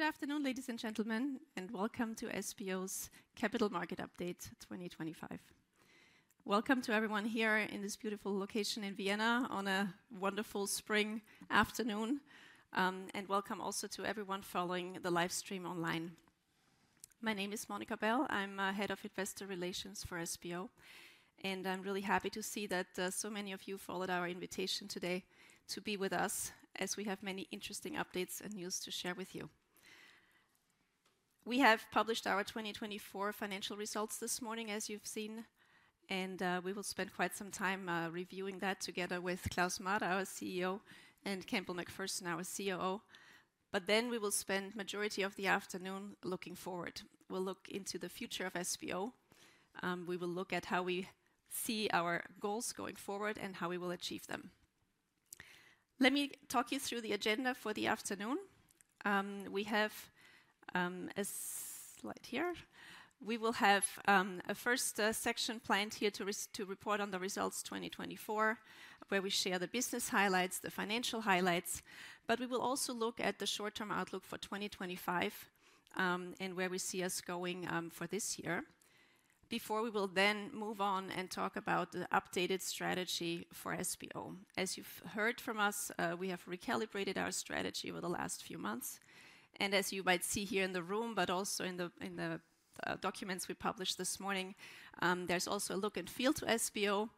Good afternoon, ladies and gentlemen, and welcome to SBO's capital market update 2025. Welcome to everyone here in this beautiful location in Vienna on a wonderful spring afternoon, and welcome also to everyone following the live stream online. My name is Monika Bell, I'm Head of Investor Relations for SBO, and I'm really happy to see that so many of you followed our invitation today to be with us as we have many interesting updates and news to share with you. We have published our 2024 financial results this morning, as you've seen, and we will spend quite some time reviewing that together with Klaus Mader, our CEO, and Campbell McaPherson, our COO. We will spend the majority of the afternoon looking forward. We will look into the future of SBO. We will look at how we see our goals going forward and how we will achieve them. Let me talk you through the agenda for the afternoon. We have a slide here. We will have a first section planned here to report on the results 2024, where we share the business highlights, the financial highlights, but we will also look at the short-term outlook for 2025 and where we see us going for this year. Before we will then move on and talk about the updated strategy for SBO. As you've heard from us, we have recalibrated our strategy over the last few months. As you might see here in the room, but also in the documents we published this morning, there is also a look and feel to SBO.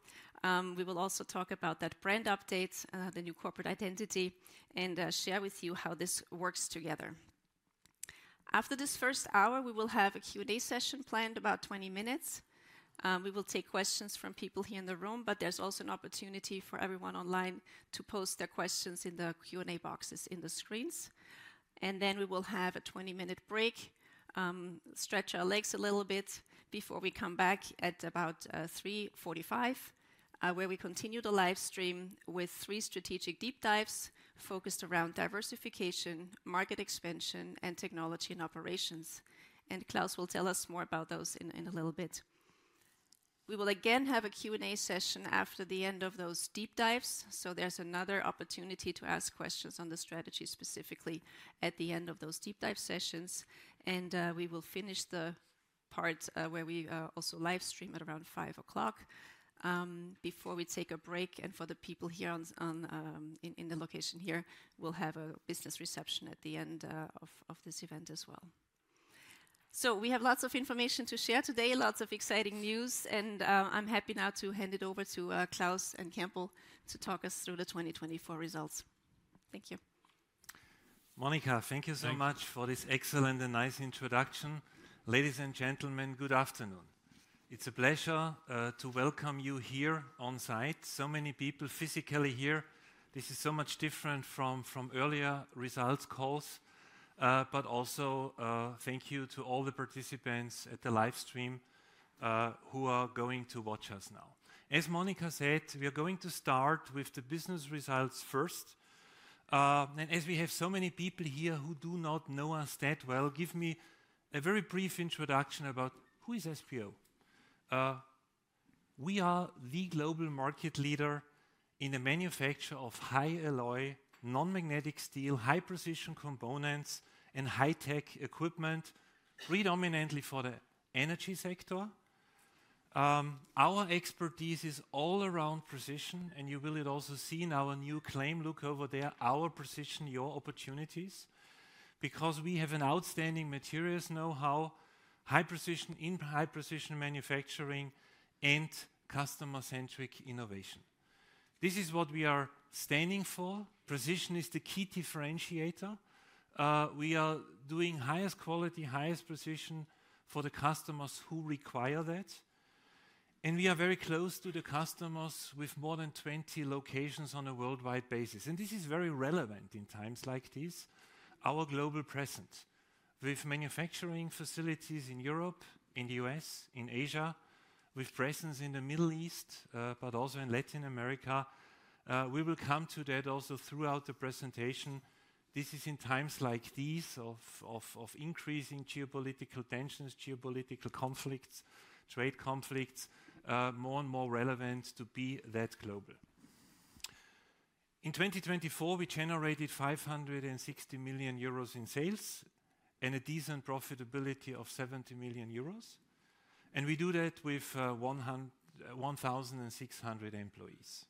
We will also talk about that brand update, the new corporate identity, and share with you how this works together. After this first hour, we will have a Q&A session planned about 20 minutes. We will take questions from people here in the room, but there's also an opportunity for everyone online to post their questions in the Q&A boxes in the screens. We will have a 20-minute break, stretch our legs a little bit before we come back at about 3:45 P.M., where we continue the live stream with three strategic deep dives focused around diversification, market expansion, and technology and operations. Klaus will tell us more about those in a little bit. We will again have a Q&A session after the end of those deep dives, so there's another opportunity to ask questions on the strategy specifically at the end of those deep dive sessions. We will finish the part where we also live stream at around 5:00 P.M. before we take a break. For the people here in the location here, we'll have a business reception at the end of this event as well. We have lots of information to share today, lots of exciting news, and I'm happy now to hand it over to Klaus and Campbell to talk us through the 2024 results. Thank you. Monika, thank you so much for this excellent and nice introduction. Ladies and gentlemen, good afternoon. It is a pleasure to welcome you here on site. So many people physically here. This is so much different from earlier results calls. Thank you to all the participants at the live stream who are going to watch us now. As Monika said, we are going to start with the business results first. As we have so many people here who do not know us that well, give me a very brief introduction about who is SBO. We are the global market leader in the manufacture of high alloy non-magnetic steel, high precision components, and high-tech equipment, predominantly for the energy sector. Our expertise is all around precision, and you will also see in our new claim look over there, our precision, your opportunities, because we have an outstanding materials know-how, high precision in high precision manufacturing, and customer-centric innovation. This is what we are standing for. Precision is the key differentiator. We are doing highest quality, highest precision for the customers who require that. We are very close to the customers with more than 20 locations on a worldwide basis. This is very relevant in times like this. Our global presence with manufacturing facilities in Europe, in the U.S., in Asia, with presence in the Middle East, but also in Latin America. We will come to that also throughout the presentation. This is in times like these of increasing geopolitical tensions, geopolitical conflicts, trade conflicts, more and more relevant to be that global. In 2024, we generated 560 million euros in sales and a decent profitability of 70 million euros. We do that with 1,600 employees.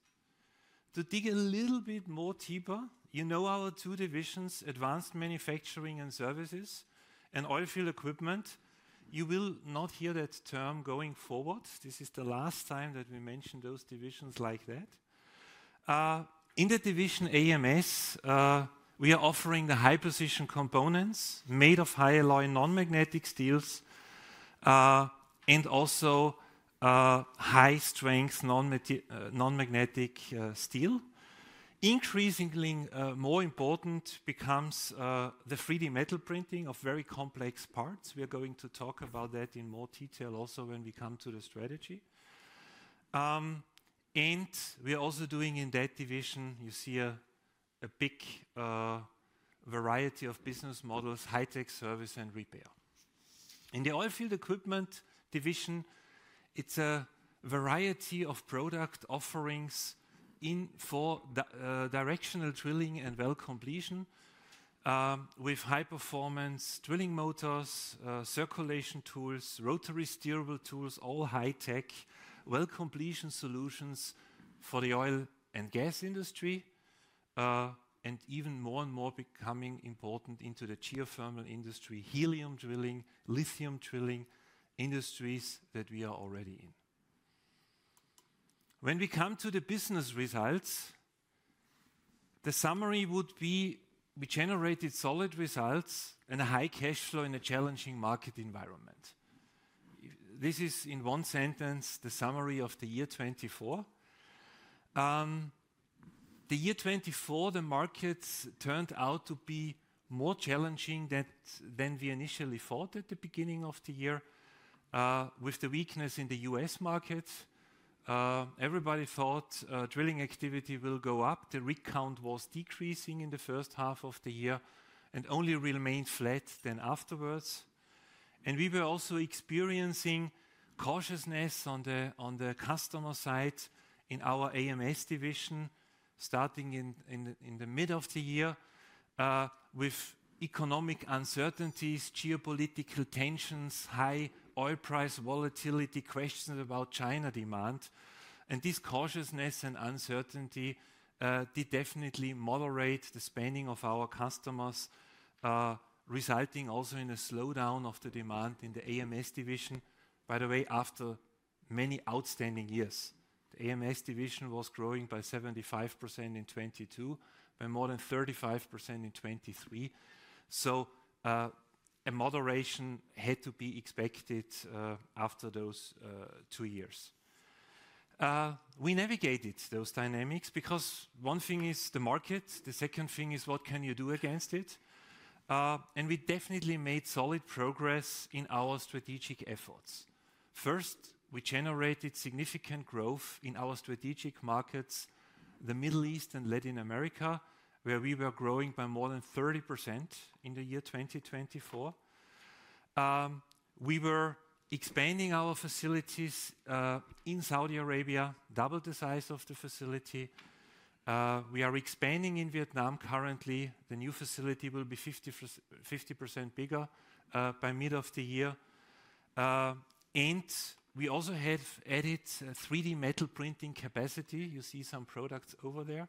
To dig a little bit more deeper, you know our two divisions, Advanced Manufacturing and Services and Oilfield Equipment. You will not hear that term going forward. This is the last time that we mention those divisions like that. In the division AMS, we are offering the high-precision components made of high alloy non-magnetic steels, and also high-strength non-magnetic steel. Increasingly more important becomes the 3D metal printing of very complex parts. We are going to talk about that in more detail also when we come to the strategy. We are also doing in that division, you see a big variety of business models, high-tech service and repair. In the oilfield equipment division, it's a variety of product offerings for directional drilling and well completion with high-performance drilling motors, circulation tools, rotary steerable tools, all high-tech, well completion solutions for the oil and gas industry, and even more and more becoming important into the geothermal industry, helium drilling, lithium drilling industries that we are already in. When we come to the business results, the summary would be we generated solid results and a high cash flow in a challenging market environment. This is in one sentence the summary of the year 2024. The year 2024, the markets turned out to be more challenging than we initially thought at the beginning of the year with the weakness in the U.S. markets. Everybody thought drilling activity will go up. The rig count was decreasing in the first half of the year and only remained flat then afterwards. We were also experiencing cautiousness on the customer side in our AMS division starting in the middle of the year with economic uncertainties, geopolitical tensions, high oil price volatility, questions about China demand. This cautiousness and uncertainty did definitely moderate the spending of our customers, resulting also in a slowdown of the demand in the AMS division. By the way, after many outstanding years, the AMS division was growing by 75% in 2022, by more than 35% in 2023. A moderation had to be expected after those two years. We navigated those dynamics because one thing is the market, the second thing is what can you do against it. We definitely made solid progress in our strategic efforts. First, we generated significant growth in our strategic markets, the Middle East and Latin America, where we were growing by more than 30% in the year 2024. We were expanding our facilities in Saudi Arabia, doubled the size of the facility. We are expanding in Vietnam currently. The new facility will be 50% bigger by mid of the year. We also have added 3D metal printing capacity. You see some products over there.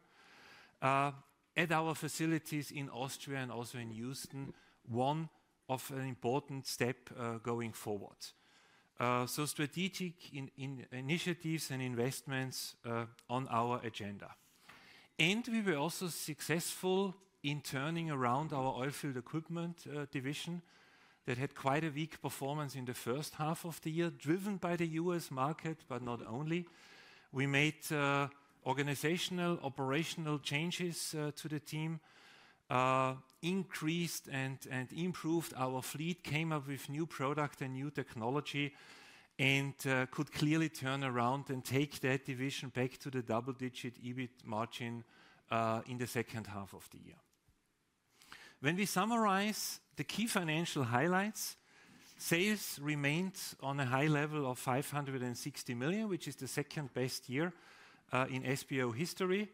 At our facilities in Austria and also in Houston, one of an important step going forward. Strategic initiatives and investments on our agenda. We were also successful in turning around our oilfield equipment division that had quite a weak performance in the first half of the year, driven by the U.S. market, but not only. We made organizational operational changes to the team, increased and improved our fleet, came up with new product and new technology, and could clearly turn around and take that division back to the double-digit EBIT margin in the second half of the year. When we summarize the key financial highlights, sales remained on a high level of 560 million, which is the second best year in SBO history.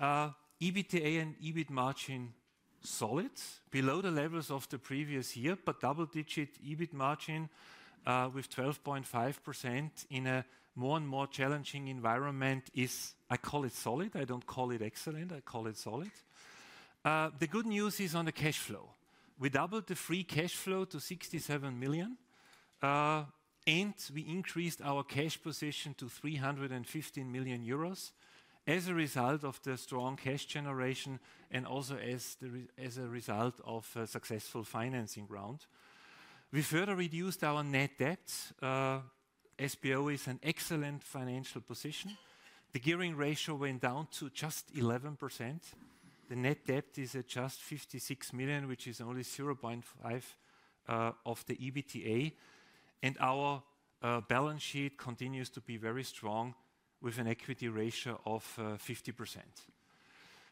EBITA and EBIT margin solid, below the levels of the previous year, but double-digit EBIT margin with 12.5% in a more and more challenging environment is, I call it solid. I do not call it excellent. I call it solid. The good news is on the cash flow. We doubled the free cash flow to 67 million, and we increased our cash position to 315 million euros as a result of the strong cash generation and also as a result of a successful financing round. We further reduced our net debt. SBO is in excellent financial position. The gearing ratio went down to just 11%. The net debt is at just 56 million, which is only 0.5% of the EBITA. Our balance sheet continues to be very strong with an equity ratio of 50%.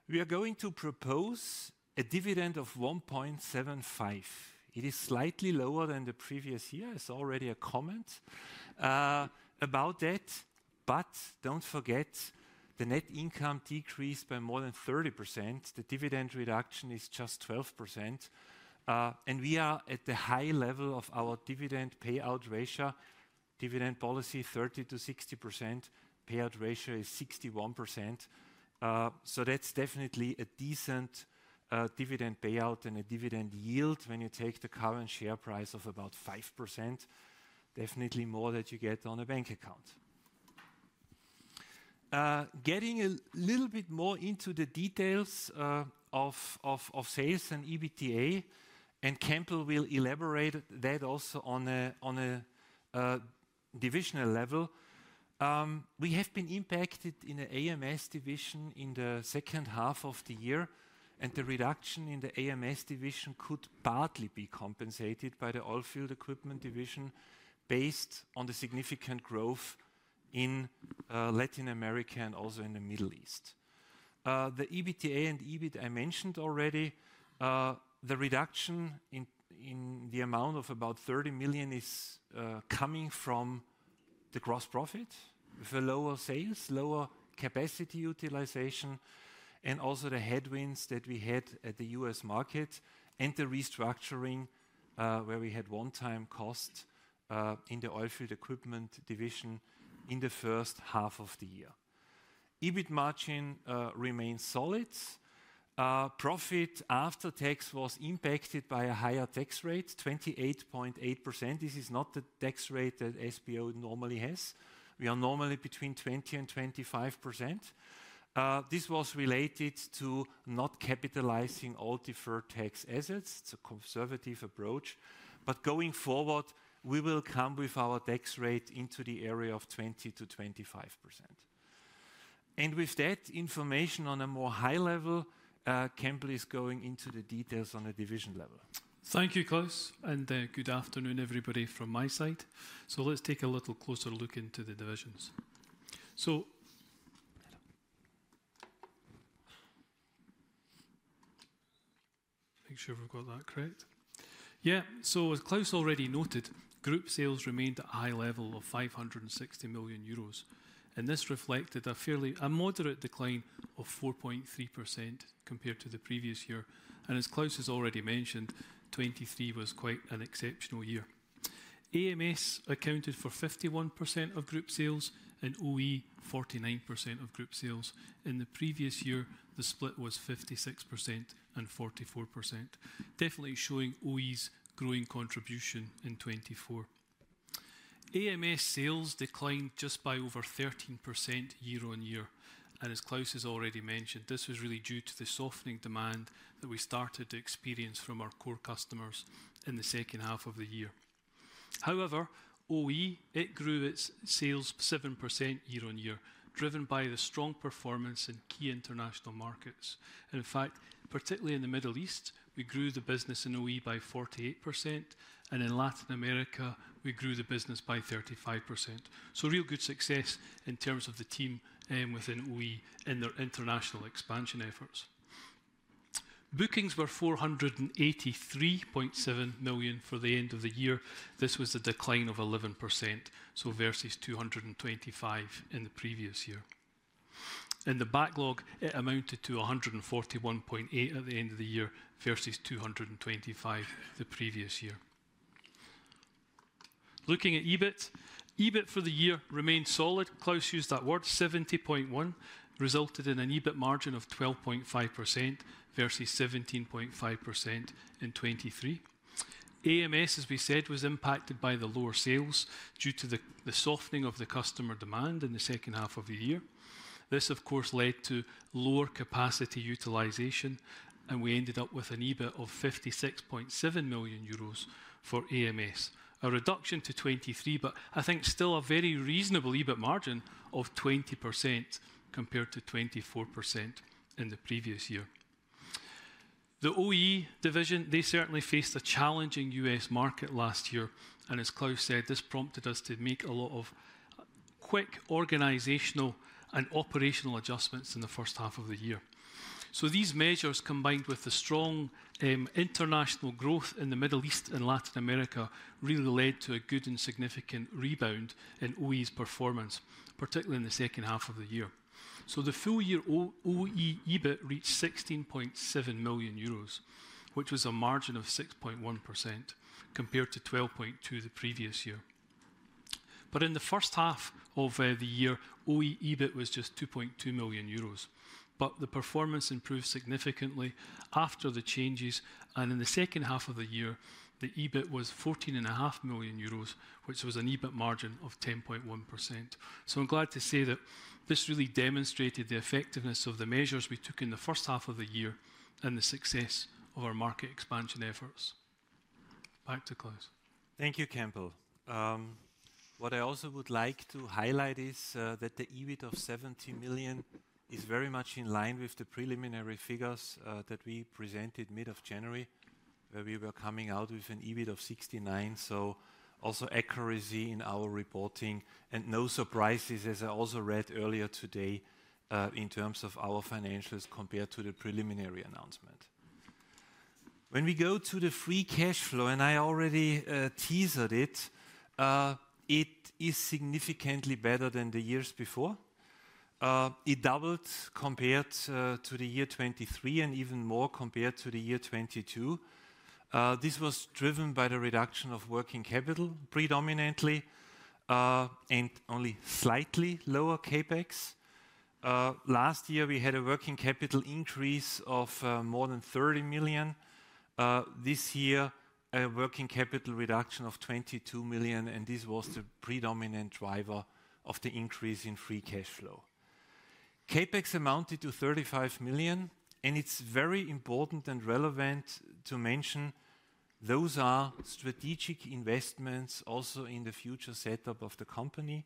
We are going to propose a dividend of 1.75. It is slightly lower than the previous year. It's already a comment about that. Don't forget, the net income decreased by more than 30%. The dividend reduction is just 12%. We are at the high level of our dividend payout ratio. Dividend policy 30%-60%. Payout ratio is 61%. That's definitely a decent dividend payout and a dividend yield when you take the current share price of about 5%. Definitely more than you get on a bank account. Getting a little bit more into the details of sales and EBITA, and Campbell will elaborate that also on a divisional level. We have been impacted in the AMS division in the second half of the year, and the reduction in the AMS division could partly be compensated by the oilfield equipment division based on the significant growth in Latin America and also in the Middle East. The EBITA and EBIT I mentioned already. The reduction in the amount of about 30 million is coming from the gross profit with lower sales, lower capacity utilization, and also the headwinds that we had at the U.S. market and the restructuring where we had one-time costs in the oilfield equipment division in the first half of the year. EBIT margin remains solid. Profit after tax was impacted by a higher tax rate, 28.8%. This is not the tax rate that SBO normally has. We are normally between 20% and 25%. This was related to not capitalizing all deferred tax assets. It is a conservative approach. Going forward, we will come with our tax rate into the area of 20%-25%. With that information on a more high level, Campbell is going into the details on a division level. Thank you, Klaus. Good afternoon, everybody from my side. Let's take a little closer look into the divisions to make sure we've got that correct. As Klaus already noted, group sales remained at a high level of 560 million euros. This reflected a fairly moderate decline of 4.3% compared to the previous year. As Klaus has already mentioned, 2023 was quite an exceptional year. AMS accounted for 51% of group sales and OE 49% of group sales. In the previous year, the split was 56% and 44%, definitely showing OE's growing contribution in 2024. AMS sales declined just by over 13% year on year. As Klaus has already mentioned, this was really due to the softening demand that we started to experience from our core customers in the second half of the year. However, OE, it grew its sales 7% year on year, driven by the strong performance in key international markets. In fact, particularly in the Middle East, we grew the business in OE by 48%. In Latin America, we grew the business by 35%. Real good success in terms of the team within OE in their international expansion efforts. Bookings were 483.7 million for the end of the year. This was a decline of 11%, versus 225 million in the previous year. The backlog amounted to 141.8 million at the end of the year versus 225 million the previous year. Looking at EBIT, EBIT for the year remained solid. Klaus used that word, 70.1 million, resulted in an EBIT margin of 12.5% versus 17.5% in 2023. AMS, as we said, was impacted by the lower sales due to the softening of the customer demand in the second half of the year. This, of course, led to lower capacity utilization, and we ended up with an EBIT of 56.7 million euros for AMS, a reduction to 23, but I think still a very reasonable EBIT margin of 20% compared to 24% in the previous year. The OE division, they certainly faced a challenging U.S. market last year. As Klaus said, this prompted us to make a lot of quick organizational and operational adjustments in the first half of the year. These measures, combined with the strong international growth in the Middle East and Latin America, really led to a good and significant rebound in OE's performance, particularly in the second half of the year. The full year OE EBIT reached 16.7 million euros, which was a margin of 6.1% compared to 12.2% the previous year. In the first half of the year, OE EBIT was just 2.2 million euros. The performance improved significantly after the changes. In the second half of the year, the EBIT was 14.5 million euros, which was an EBIT margin of 10.1%. I'm glad to say that this really demonstrated the effectiveness of the measures we took in the first half of the year and the success of our market expansion efforts. Back to Klaus. Thank you, Campbell. What I also would like to highlight is that the EBIT of 70 million is very much in line with the preliminary figures that we presented mid of January, where we were coming out with an EBIT of 69 million. Also, accuracy in our reporting and no surprises, as I also read earlier today in terms of our financials compared to the preliminary announcement. When we go to the free cash flow, and I already teased it, it is significantly better than the years before. It doubled compared to the year 2023 and even more compared to the year 2022. This was driven by the reduction of working capital predominantly and only slightly lower CapEx. Last year, we had a working capital increase of more than 30 million. This year, a working capital reduction of 22 million. This was the predominant driver of the increase in free cash flow. CapEx amounted to 35 million. It is very important and relevant to mention those are strategic investments also in the future setup of the company.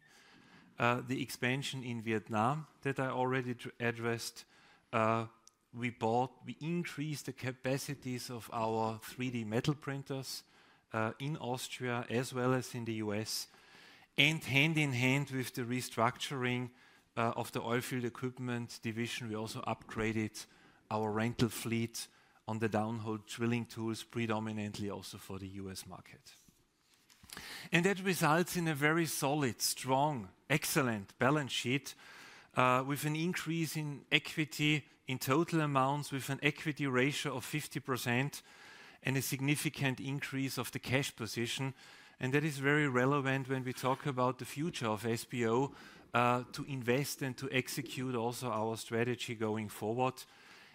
The expansion in Vietnam that I already addressed, we bought, we increased the capacities of our 3D metal printers in Austria as well as in the U.S. Hand in hand with the restructuring of the oilfield equipment division, we also upgraded our rental fleet on the downhole drilling tools, predominantly also for the U.S. market. That results in a very solid, strong, excellent balance sheet with an increase in equity in total amounts with an equity ratio of 50% and a significant increase of the cash position. That is very relevant when we talk about the future of SBO to invest and to execute also our strategy going forward.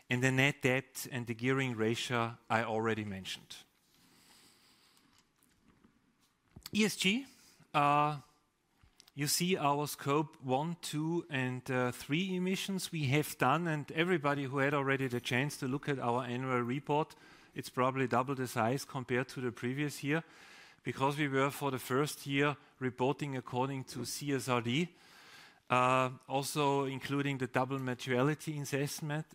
The net debt and the gearing ratio I already mentioned. ESG, you see our scope one, two, and three emissions we have done. Everybody who had already the chance to look at our annual report, it's probably double the size compared to the previous year because we were for the first year reporting according to CSRD, also including the double materiality assessment.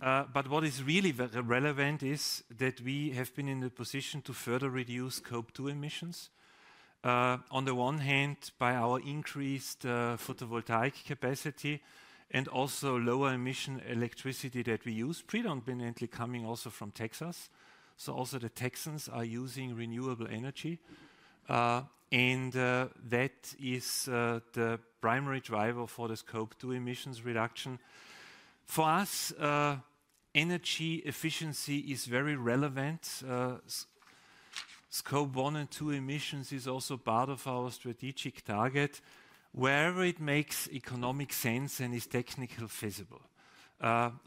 What is really relevant is that we have been in the position to further reduce scope two emissions on the one hand by our increased photovoltaic capacity and also lower emission electricity that we use predominantly coming also from Texas. Texans are using renewable energy. That is the primary driver for the scope two emissions reduction. For us, energy efficiency is very relevant. Scope one and two emissions is also part of our strategic target wherever it makes economic sense and is technically feasible.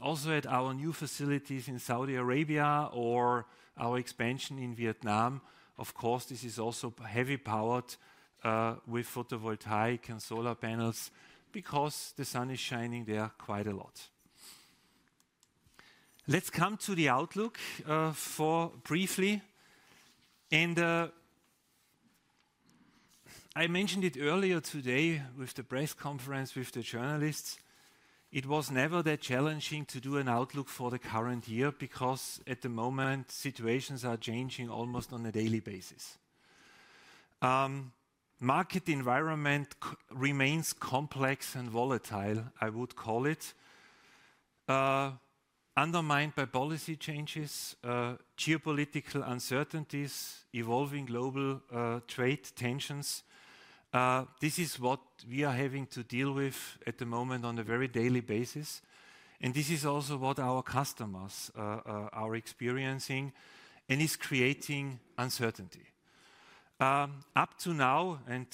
Also at our new facilities in Saudi Arabia or our expansion in Vietnam, of course, this is also heavy powered with photovoltaic and solar panels because the sun is shining there quite a lot. Let's come to the outlook for briefly. I mentioned it earlier today with the press conference with the journalists. It was never that challenging to do an outlook for the current year because at the moment, situations are changing almost on a daily basis. Market environment remains complex and volatile, I would call it, undermined by policy changes, geopolitical uncertainties, evolving global trade tensions. This is what we are having to deal with at the moment on a very daily basis. This is also what our customers are experiencing and is creating uncertainty. Up to now, and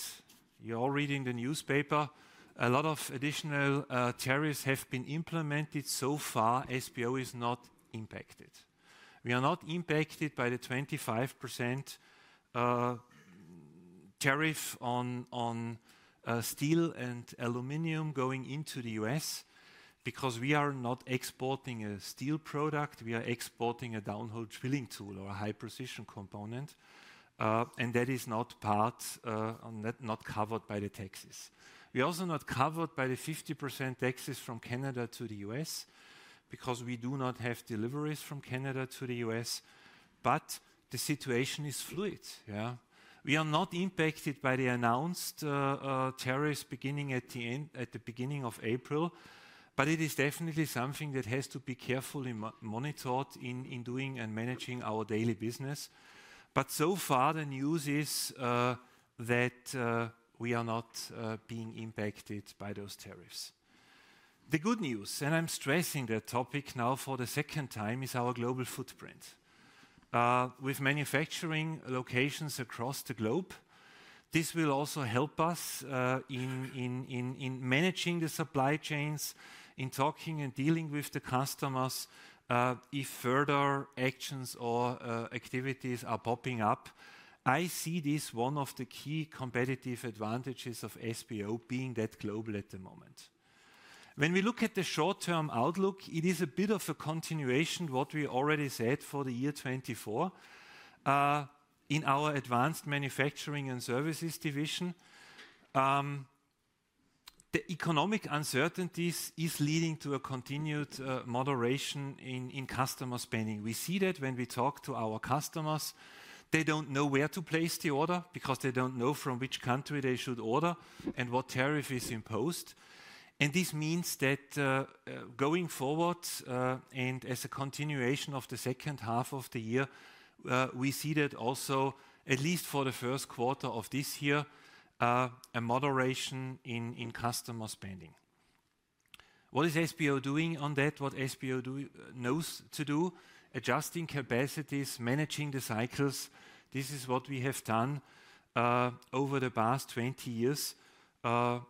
you're all reading the newspaper, a lot of additional tariffs have been implemented so far. SBO is not impacted. We are not impacted by the 25% tariff on steel and aluminum going into the U.S. because we are not exporting a steel product. We are exporting a downhole drilling tool or a high-precision component. That is not covered by the taxes. We are also not covered by the 50% taxes from Canada to the U.S. because we do not have deliveries from Canada to the U.S. The situation is fluid. Yeah. We are not impacted by the announced tariffs beginning at the beginning of April. It is definitely something that has to be carefully monitored in doing and managing our daily business. So far, the news is that we are not being impacted by those tariffs. The good news, and I'm stressing that topic now for the second time, is our global footprint with manufacturing locations across the globe. This will also help us in managing the supply chains, in talking and dealing with the customers if further actions or activities are popping up. I see this as one of the key competitive advantages of SBO being that global at the moment. When we look at the short-term outlook, it is a bit of a continuation of what we already said for the year 2024 in our Advanced Manufacturing and Services division. The economic uncertainties are leading to a continued moderation in customer spending. We see that when we talk to our customers, they don't know where to place the order because they don't know from which country they should order and what tariff is imposed. This means that going forward and as a continuation of the second half of the year, we see that also, at least for the first quarter of this year, a moderation in customer spending. What is SBO doing on that? What SBO knows to do? Adjusting capacities, managing the cycles. This is what we have done over the past 20 years.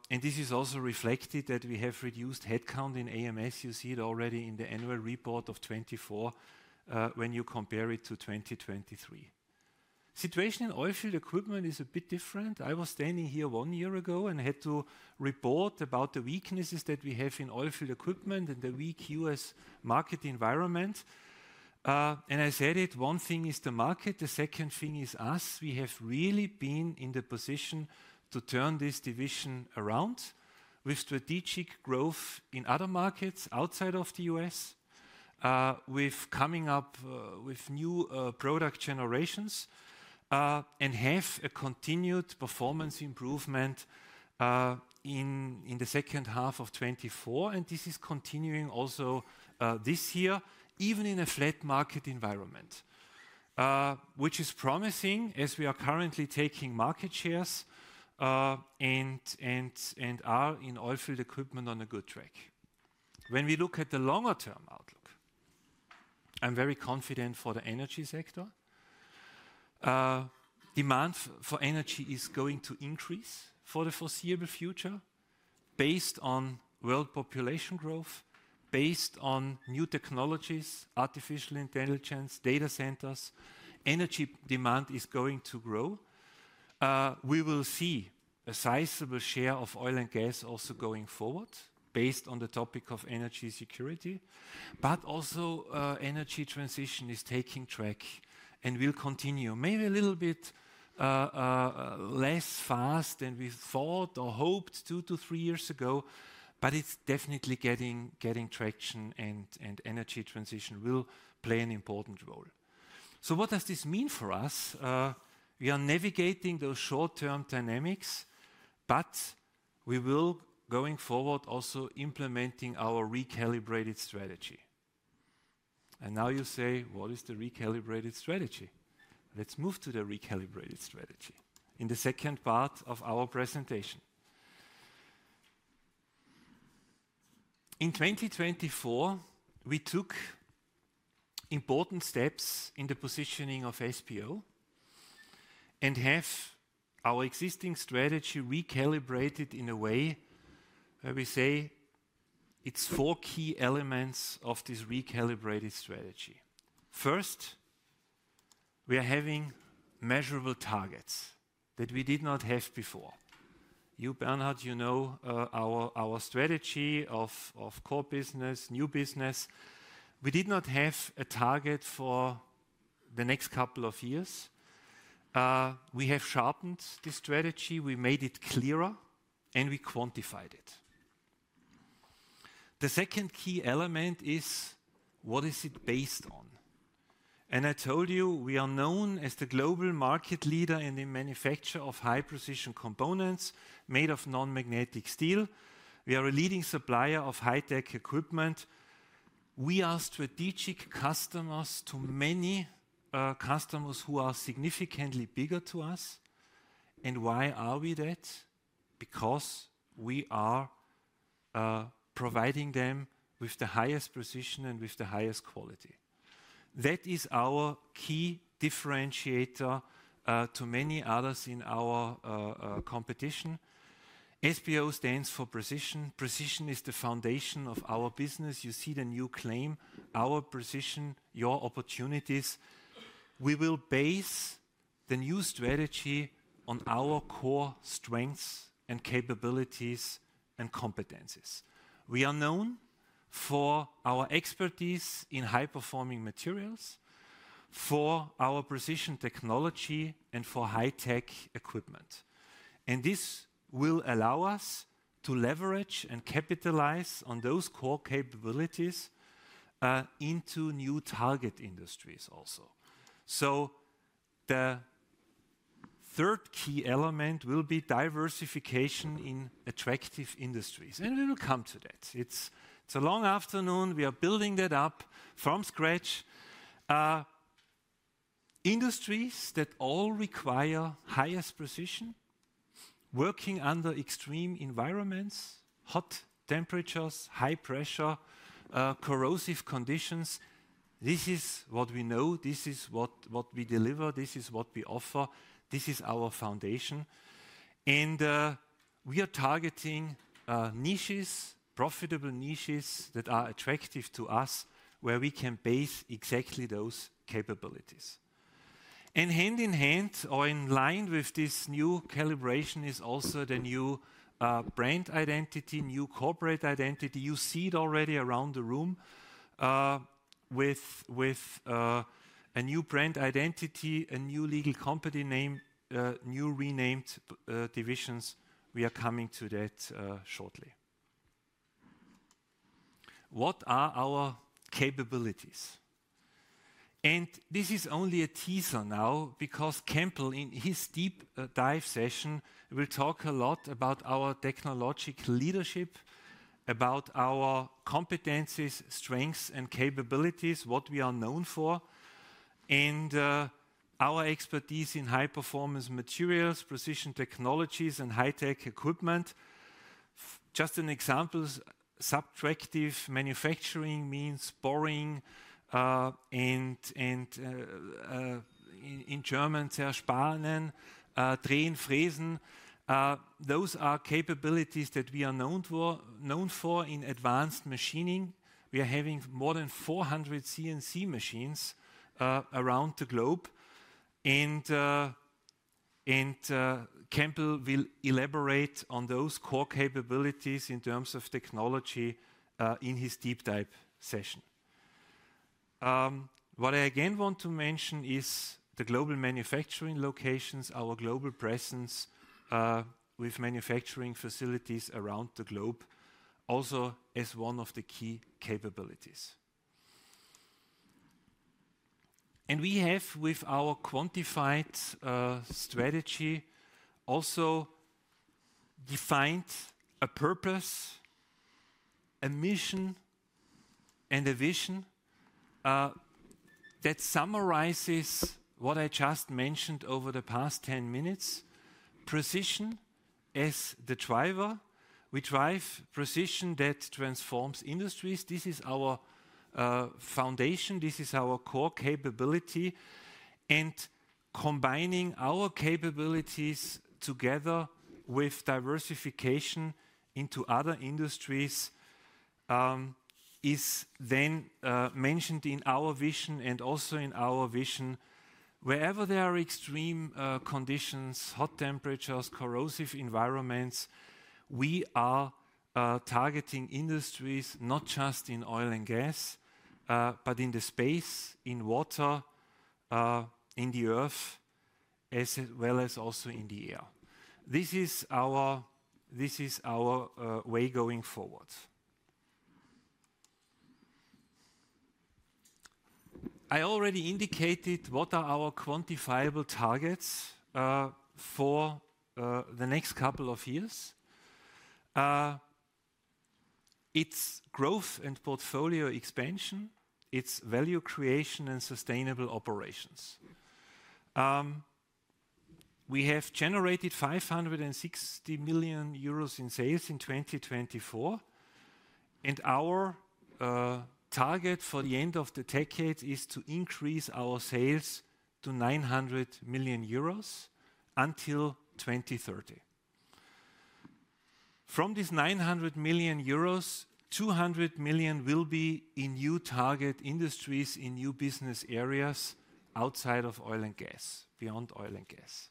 This is also reflected that we have reduced headcount in AMS. You see it already in the annual report of 2024 when you compare it to 2023. The situation in oilfield equipment is a bit different. I was standing here one year ago and had to report about the weaknesses that we have in oilfield equipment and the weak US market environment. I said it, one thing is the market, the second thing is us. We have really been in the position to turn this division around with strategic growth in other markets outside of the US, with coming up with new product generations and have a continued performance improvement in the second half of 2024. This is continuing also this year, even in a flat market environment, which is promising as we are currently taking market shares and are in oilfield equipment on a good track. When we look at the longer-term outlook, I'm very confident for the energy sector. Demand for energy is going to increase for the foreseeable future based on world population growth, based on new technologies, artificial intelligence, data centers. Energy demand is going to grow. We will see a sizable share of oil and gas also going forward based on the topic of energy security. Energy transition is taking track and will continue maybe a little bit less fast than we thought or hoped two to three years ago. It is definitely getting traction and energy transition will play an important role. What does this mean for us? We are navigating those short-term dynamics, but we will going forward also implementing our recalibrated strategy. Now you say, what is the recalibrated strategy? Let's move to the recalibrated strategy in the second part of our presentation. In 2024, we took important steps in the positioning of SBO and have our existing strategy recalibrated in a way where we say it is four key elements of this recalibrated strategy. First, we are having measurable targets that we did not have before. You, Bernard, you know our strategy of core business, new business. We did not have a target for the next couple of years. We have sharpened the strategy. We made it clearer and we quantified it. The second key element is what is it based on? I told you we are known as the global market leader in the manufacture of high-precision components made of non-magnetic steel. We are a leading supplier of high-tech equipment. We are strategic customers to many customers who are significantly bigger than us. Why are we that? Because we are providing them with the highest precision and with the highest quality. That is our key differentiator to many others in our competition. SBO stands for precision. Precision is the foundation of our business. You see the new claim, our precision, your opportunities. We will base the new strategy on our core strengths and capabilities and competencies. We are known for our expertise in high-performing materials, for our precision technology, and for high-tech equipment. This will allow us to leverage and capitalize on those core capabilities into new target industries also. The third key element will be diversification in attractive industries. We will come to that. It's a long afternoon. We are building that up from scratch. Industries that all require highest precision, working under extreme environments, hot temperatures, high pressure, corrosive conditions. This is what we know. This is what we deliver. This is what we offer. This is our foundation. We are targeting niches, profitable niches that are attractive to us where we can base exactly those capabilities. Hand in hand or in line with this new calibration is also the new brand identity, new corporate identity. You see it already around the room with a new brand identity, a new legal company name, new renamed divisions. We are coming to that shortly. What are our capabilities? This is only a teaser now because Campbell, in his deep dive session, will talk a lot about our technological leadership, about our competencies, strengths, and capabilities, what we are known for, and our expertise in high-performance materials, precision technologies, and high-tech equipment. Just an example, subtractive manufacturing means boring and in German, Spanen, drilling, fräsen. Those are capabilities that we are known for in advanced machining. We are having more than 400 CNC machines around the globe. Campbell will elaborate on those core capabilities in terms of technology in his deep dive session. What I again want to mention is the global manufacturing locations, our global presence with manufacturing facilities around the globe also as one of the key capabilities. We have, with our quantified strategy, also defined a purpose, a mission, and a vision that summarizes what I just mentioned over the past 10 minutes. Precision as the driver. We drive precision that transforms industries. This is our foundation. This is our core capability. Combining our capabilities together with diversification into other industries is then mentioned in our vision and also in our vision. Wherever there are extreme conditions, hot temperatures, corrosive environments, we are targeting industries not just in oil and gas, but in the space, in water, in the earth, as well as also in the air. This is our way going forward. I already indicated what are our quantifiable targets for the next couple of years. It is growth and portfolio expansion. It is value creation and sustainable operations. We have generated 560 million euros in sales in 2024. Our target for the end of the decade is to increase our sales to 900 million euros until 2030. From this 900 million euros, 200 million will be in new target industries, in new business areas outside of oil and gas, beyond oil and gas.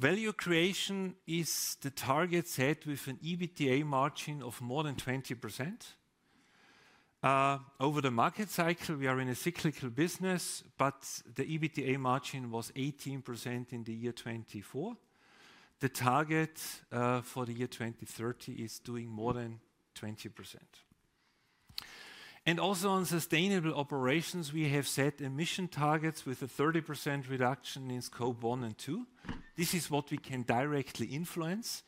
Value creation is the target set with an EBITDA margin of more than 20%. Over the market cycle, we are in a cyclical business, but the EBITDA margin was 18% in the year 2024. The target for the year 2030 is doing more than 20%. Also on sustainable operations, we have set emission targets with a 30% reduction in scope one and two. This is what we can directly influence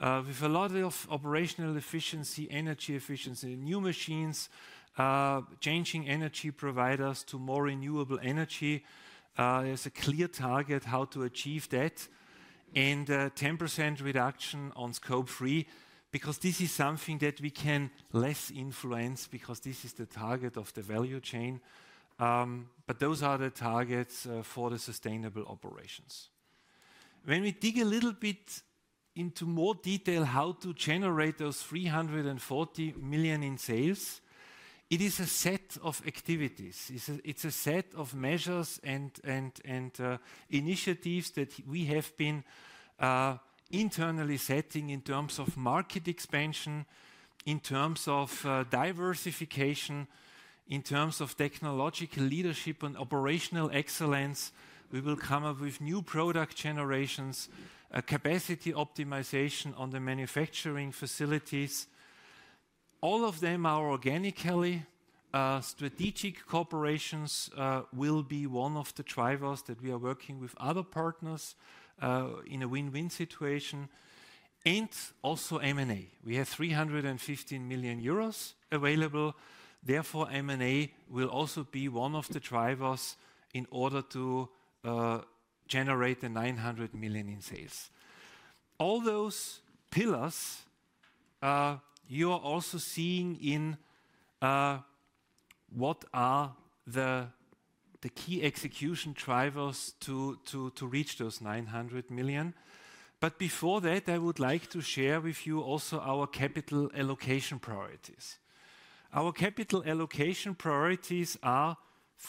with a lot of operational efficiency, energy efficiency, new machines, changing energy providers to more renewable energy. There's a clear target how to achieve that and 10% reduction on scope three because this is something that we can less influence because this is the target of the value chain. Those are the targets for the sustainable operations. When we dig a little bit into more detail how to generate those 340 million in sales, it is a set of activities. It's a set of measures and initiatives that we have been internally setting in terms of market expansion, in terms of diversification, in terms of technological leadership and operational excellence. We will come up with new product generations, capacity optimization on the manufacturing facilities. All of them are organically strategic. Corporations will be one of the drivers that we are working with other partners in a win-win situation and also M&A. We have 315 million euros available. Therefore, M&A will also be one of the drivers in order to generate the 900 million in sales. All those pillars you are also seeing in what are the key execution drivers to reach those 900 million. Before that, I would like to share with you also our capital allocation priorities. Our capital allocation priorities are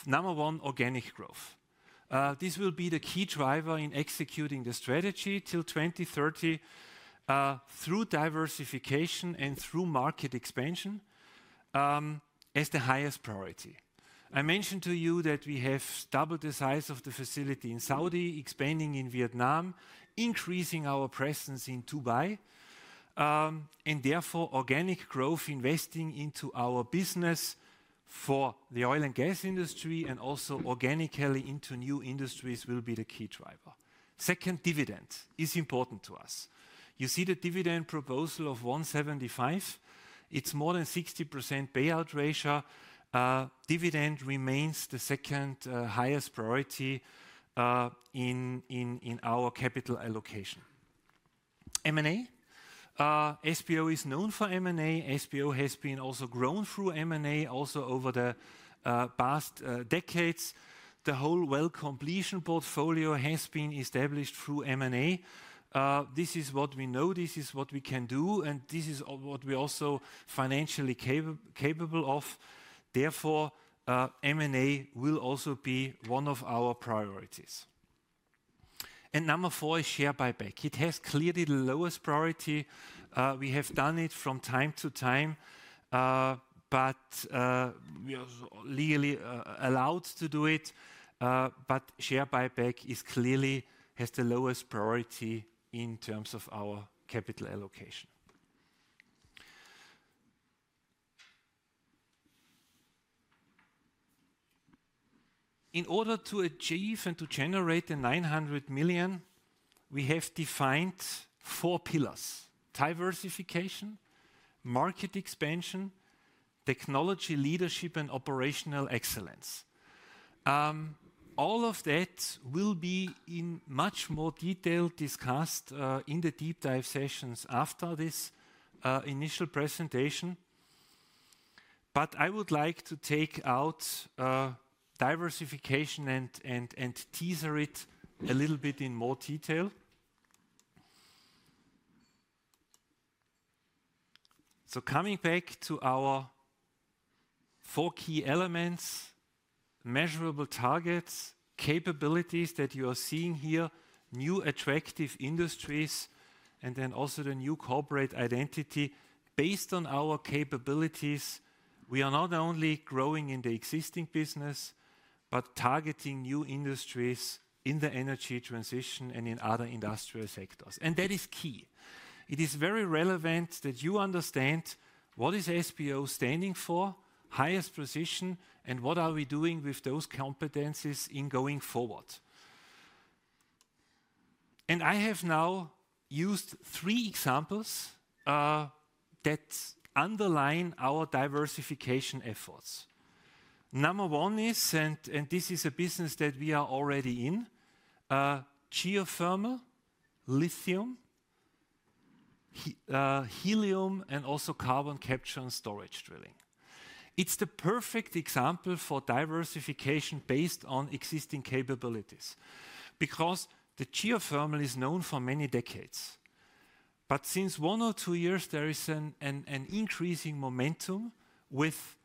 number one, organic growth. This will be the key driver in executing the strategy till 2030 through diversification and through market expansion as the highest priority. I mentioned to you that we have doubled the size of the facility in Saudi Arabia, expanding in Vietnam, increasing our presence in Dubai. Therefore, organic growth investing into our business for the oil and gas industry and also organically into new industries will be the key driver. Second, dividend is important to us. You see the dividend proposal of 1.75. It is more than 60% payout ratio. Dividend remains the second highest priority in our capital allocation. M&A. SBO is known for M&A. SBO has been also grown through M&A also over the past decades. The whole well completion portfolio has been established through M&A. This is what we know. This is what we can do. This is what we are also financially capable of. Therefore, M&A will also be one of our priorities. Number four is share buyback. It has clearly the lowest priority. We have done it from time to time, but we are legally allowed to do it. Share buyback clearly has the lowest priority in terms of our capital allocation. In order to achieve and to generate the 900 million, we have defined four pillars: diversification, market expansion, technology leadership, and operational excellence. All of that will be in much more detail discussed in the deep dive sessions after this initial presentation. I would like to take out diversification and teaser it a little bit in more detail. Coming back to our four key elements, measurable targets, capabilities that you are seeing here, new attractive industries, and then also the new corporate identity based on our capabilities. We are not only growing in the existing business, but targeting new industries in the energy transition and in other industrial sectors. That is key. It is very relevant that you understand what is SBO standing for, highest position, and what are we doing with those competencies in going forward. I have now used three examples that underline our diversification efforts. Number one is, and this is a business that we are already in, geothermal, lithium, helium, and also carbon capture and storage drilling. It is the perfect example for diversification based on existing capabilities because the geothermal is known for many decades. Since one or two years, there is an increasing momentum with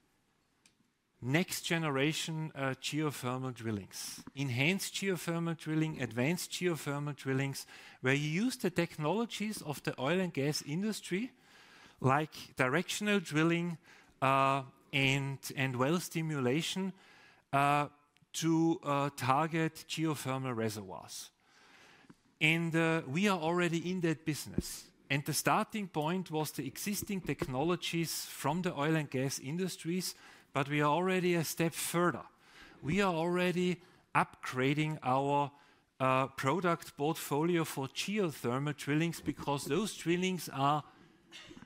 next generation geothermal drillings, enhanced geothermal drilling, advanced geothermal drillings, where you use the technologies of the oil and gas industry, like directional drilling and well stimulation to target geothermal reservoirs. We are already in that business. The starting point was the existing technologies from the oil and gas industries, but we are already a step further. We are already upgrading our product portfolio for geothermal drillings because those drillings are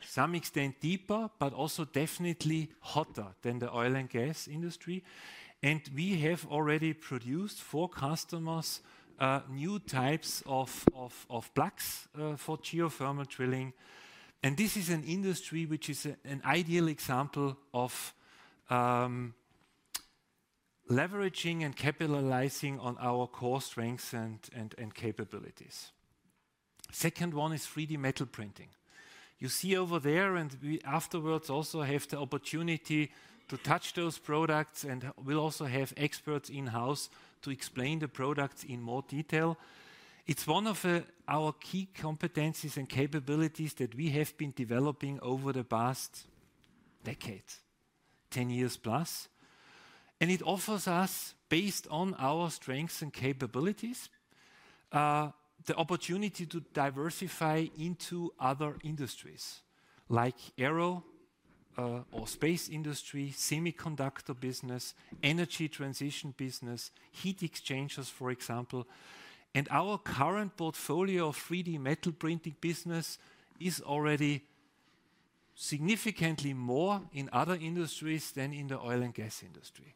to some extent deeper, but also definitely hotter than the oil and gas industry. We have already produced for customers new types of plugs for geothermal drilling. This is an industry which is an ideal example of leveraging and capitalizing on our core strengths and capabilities. The second one is 3D metal printing. You see over there, and we afterwards also have the opportunity to touch those products, and we'll also have experts in-house to explain the products in more detail. It's one of our key competencies and capabilities that we have been developing over the past decade, 10 years plus. It offers us, based on our strengths and capabilities, the opportunity to diversify into other industries like aero or space industry, semiconductor business, energy transition business, heat exchangers, for example. Our current portfolio of 3D metal printing business is already significantly more in other industries than in the oil and gas industry.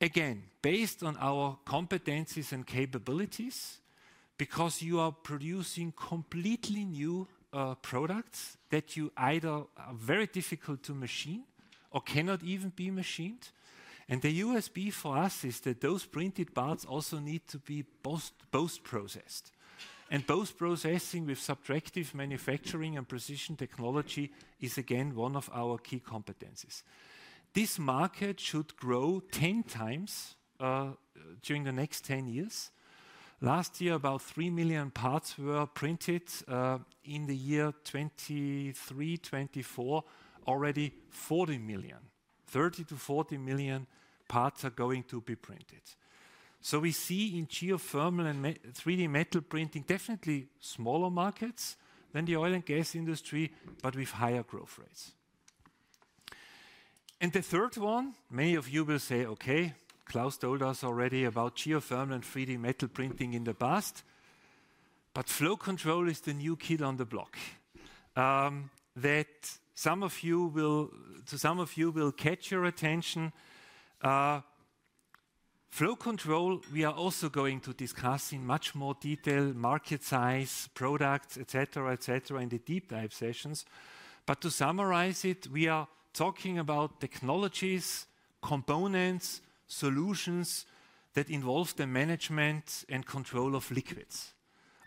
Again, based on our competencies and capabilities, because you are producing completely new products that you either are very difficult to machine or cannot even be machined. The USP for us is that those printed parts also need to be post-processed. Post-processing with subtractive manufacturing and precision technology is, again, one of our key competencies. This market should grow 10 times during the next 10 years. Last year, about 3 million parts were printed. In the year 2023, 2024, already 40 million. Thirty to 40 million parts are going to be printed. We see in geothermal and 3D metal printing definitely smaller markets than the oil and gas industry, but with higher growth rates. The third one, many of you will say, "Okay, Klaus told us already about geothermal and 3D metal printing in the past." Flow control is the new kid on the block that, to some of you, will catch your attention. Flow control, we are also going to discuss in much more detail, market size, products, etc., etc. in the deep dive sessions. To summarize it, we are talking about technologies, components, solutions that involve the management and control of liquids,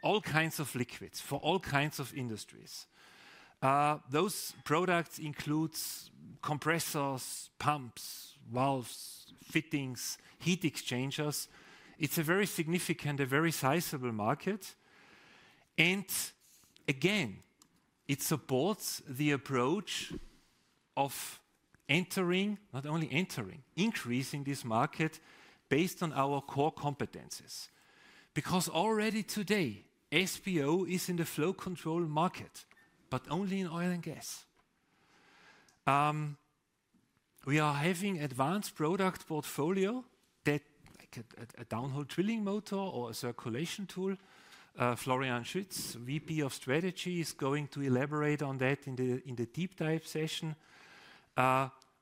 all kinds of liquids for all kinds of industries. Those products include compressors, pumps, valves, fittings, heat exchangers. It is a very significant, a very sizable market. It supports the approach of entering, not only entering, increasing this market based on our core competencies because already today, SBO is in the flow control market, but only in oil and gas. We are having advanced product portfolio that like a downhole drilling motor or a circulation tool. Florian Schütz, VP of Strategy, is going to elaborate on that in the deep dive session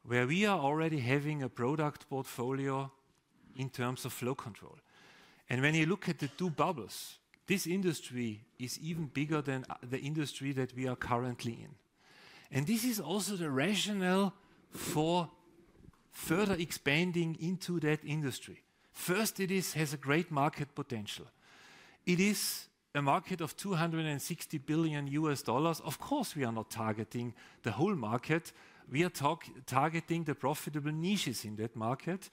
where we are already having a product portfolio in terms of flow control. When you look at the two bubbles, this industry is even bigger than the industry that we are currently in. This is also the rationale for further expanding into that industry. First, it has a great market potential. It is a market of $260 billion. Of course, we are not targeting the whole market. We are targeting the profitable niches in that market.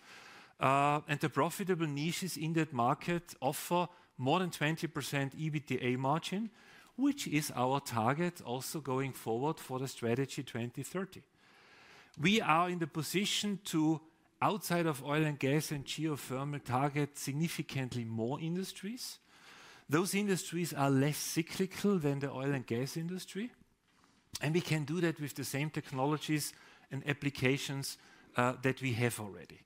The profitable niches in that market offer more than 20% EBITDA margin, which is our target also going forward for the strategy 2030. We are in the position to, outside of oil and gas and geothermal, target significantly more industries. Those industries are less cyclical than the oil and gas industry. We can do that with the same technologies and applications that we have already.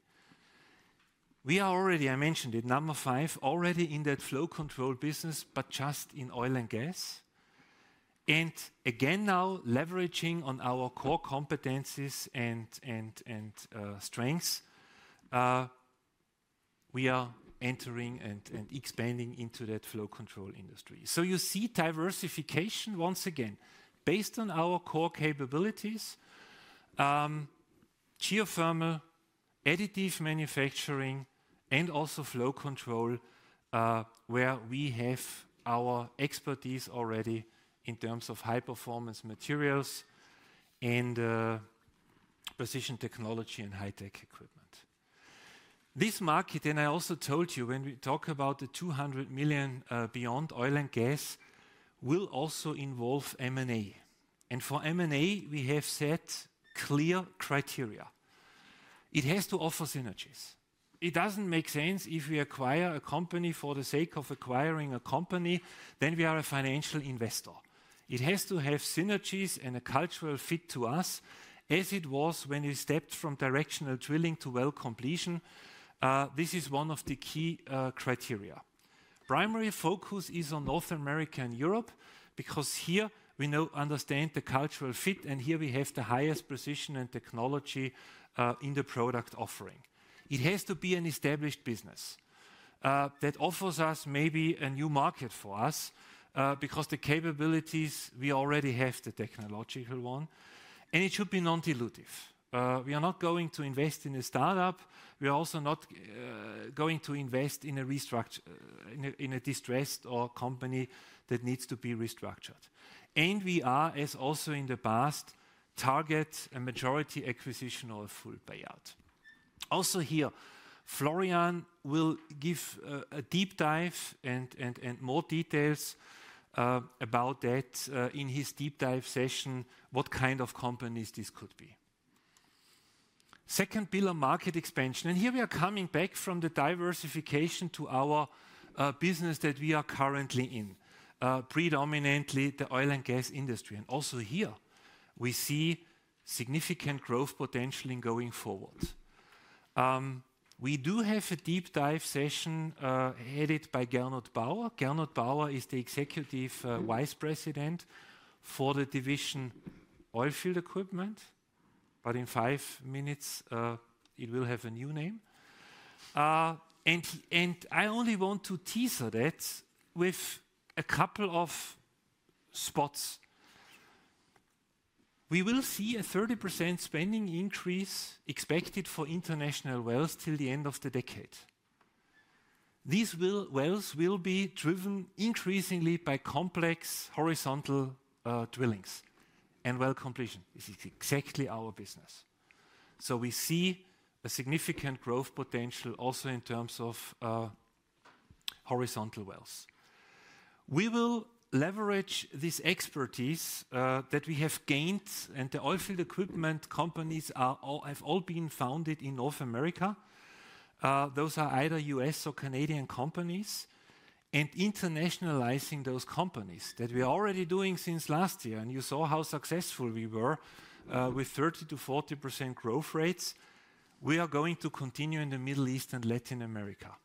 I mentioned it, number five, already in that flow control business, but just in oil and gas. Now leveraging on our core competencies and strengths, we are entering and expanding into that flow control industry. You see diversification once again based on our core capabilities, geothermal, additive manufacturing, and also flow control where we have our expertise already in terms of high-performance materials and precision technology and high-tech equipment. This market, and I also told you when we talk about the 200 million beyond oil and gas, will also involve M&A. For M&A, we have set clear criteria. It has to offer synergies. It doesn't make sense if we acquire a company for the sake of acquiring a company, then we are a financial investor. It has to have synergies and a cultural fit to us, as it was when we stepped from directional drilling to well completion. This is one of the key criteria. Primary focus is on North America and Europe because here we understand the cultural fit, and here we have the highest position and technology in the product offering. It has to be an established business that offers us maybe a new market for us because the capabilities we already have, the technological one, and it should be non-dilutive. We are not going to invest in a startup. We are also not going to invest in a distressed company that needs to be restructured. We are, as also in the past, targeting a majority acquisition or a full payout. Also here, Florian will give a deep dive and more details about that in his deep dive session, what kind of companies this could be. Second pillar, market expansion. Here we are coming back from the diversification to our business that we are currently in, predominantly the oil and gas industry. Also here, we see significant growth potential going forward. We do have a deep dive session headed by Gernot Bauer. Gernot Bauer is the Executive Vice President for the division oilfield equipment, but in five minutes, it will have a new name. I only want to teaser that with a couple of spots. We will see a 30% spending increase expected for international wells till the end of the decade. These wells will be driven increasingly by complex horizontal drillings and well completion. This is exactly our business. We see a significant growth potential also in terms of horizontal wells. We will leverage this expertise that we have gained, and the oilfield equipment companies have all been founded in North America. Those are either US or Canadian companies. Internationalizing those companies that we are already doing since last year, and you saw how successful we were with 30%-40% growth rates, we are going to continue in the Middle East and Latin America.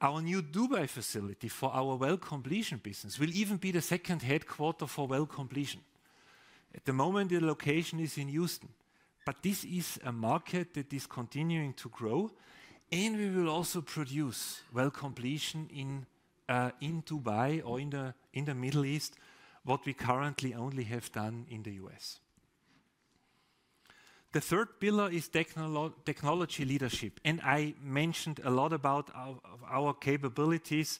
Our new Dubai facility for our well completion business will even be the second headquarter for well completion. At the moment, the location is in Houston, but this is a market that is continuing to grow, and we will also produce well completion in Dubai or in the Middle East, what we currently only have done in the U.S. The third pillar is technology leadership, and I mentioned a lot about our capabilities.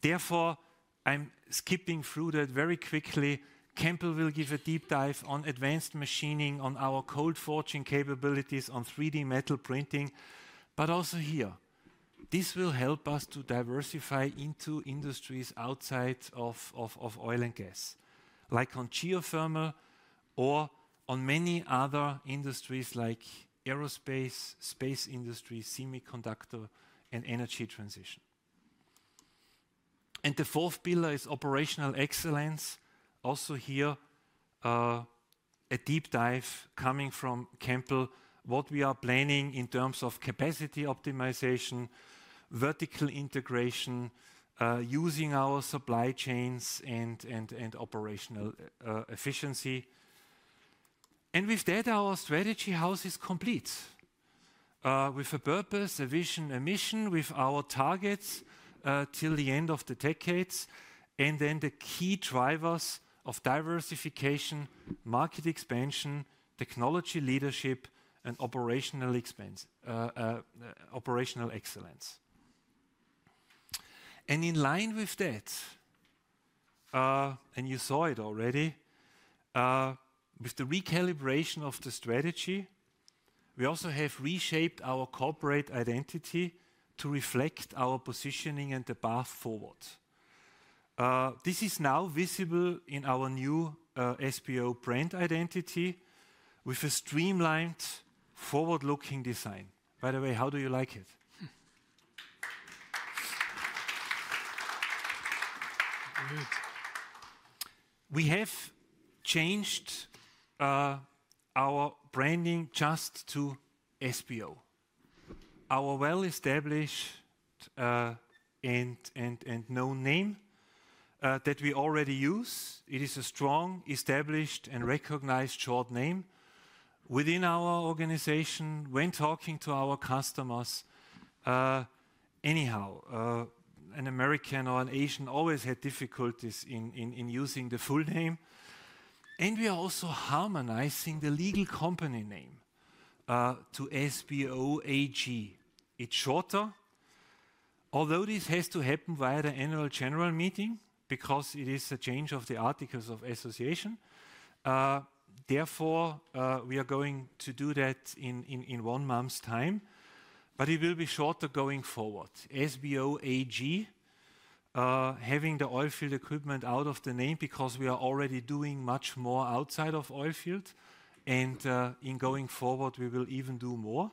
Therefore, I'm skipping through that very quickly. Campbell will give a deep dive on advanced machining on our cold forging capabilities on 3D metal printing, but also here. This will help us to diversify into industries outside of oil and gas, like on geothermal or on many other industries like aerospace, space industry, semiconductor, and energy transition. The fourth pillar is operational excellence. Also here, a deep dive coming from Campbell, what we are planning in terms of capacity optimization, vertical integration, using our supply chains and operational efficiency. With that, our strategy house is complete with a purpose, a vision, a mission with our targets till the end of the decades, and then the key drivers of diversification, market expansion, technology leadership, and operational excellence. In line with that, and you saw it already, with the recalibration of the strategy, we also have reshaped our corporate identity to reflect our positioning and the path forward. This is now visible in our new SBO brand identity with a streamlined forward-looking design. By the way, how do you like it? We have changed our branding just to SBO. Our well-established and known name that we already use, it is a strong, established, and recognized short name within our organization when talking to our customers. Anyhow, an American or an Asian always had difficulties in using the full name. We are also harmonizing the legal company name to SBO AG. It's shorter, although this has to happen via the General Meeting because it is a change of the articles of association. Therefore, we are going to do that in one month's time, but it will be shorter going forward. SBO AG, having the oilfield equipment out of the name because we are already doing much more outside of oilfield, and in going forward, we will even do more.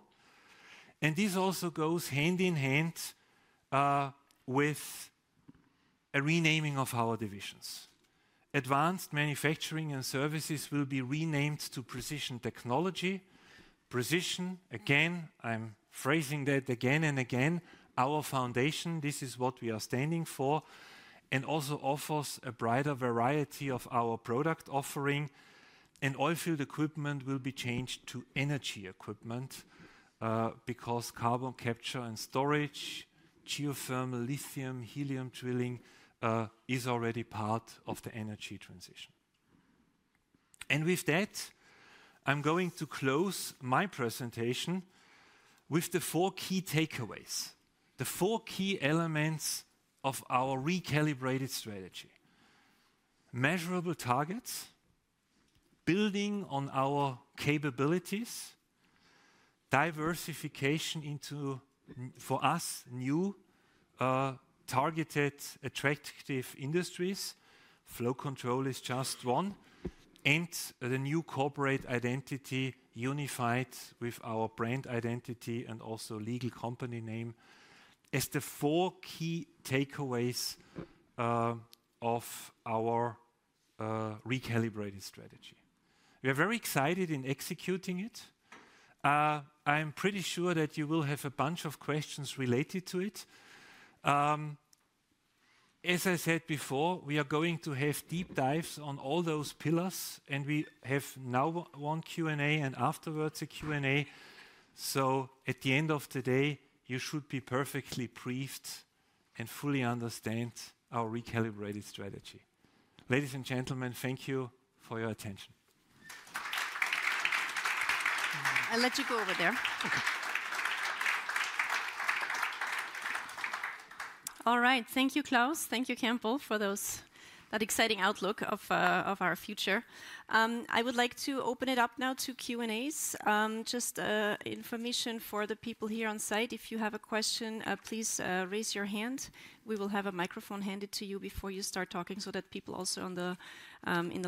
This also goes hand in hand with a renaming of our divisions. Advanced Manufacturing and Services will be renamed to Precision Technology. Precision, again, I'm phrasing that again and again, our foundation, this is what we are standing for, and also offers a broader variety of our product offering. Oilfield equipment will be changed to energy equipment because carbon capture and storage, geothermal, lithium, helium drilling is already part of the energy transition. With that, I'm going to close my presentation with the four key takeaways, the four key elements of our recalibrated strategy. Measurable targets, building on our capabilities, diversification into for us new targeted attractive industries. Flow control is just one. The new corporate identity unified with our brand identity and also legal company name as the four key takeaways of our recalibrated strategy. We are very excited in executing it. I'm pretty sure that you will have a bunch of questions related to it. As I said before, we are going to have deep dives on all those pillars, and we have now one Q&A and afterwards a Q&A. At the end of the day, you should be perfectly briefed and fully understand our recalibrated strategy. Ladies and gentlemen, thank you for your attention. I'll let you go over there. All right. Thank you, Klaus. Thank you, Campbell, for that exciting outlook of our future. I would like to open it up now to Q&As. Just information for the people here on site, if you have a question, please raise your hand. We will have a microphone handed to you before you start talking so that people also in the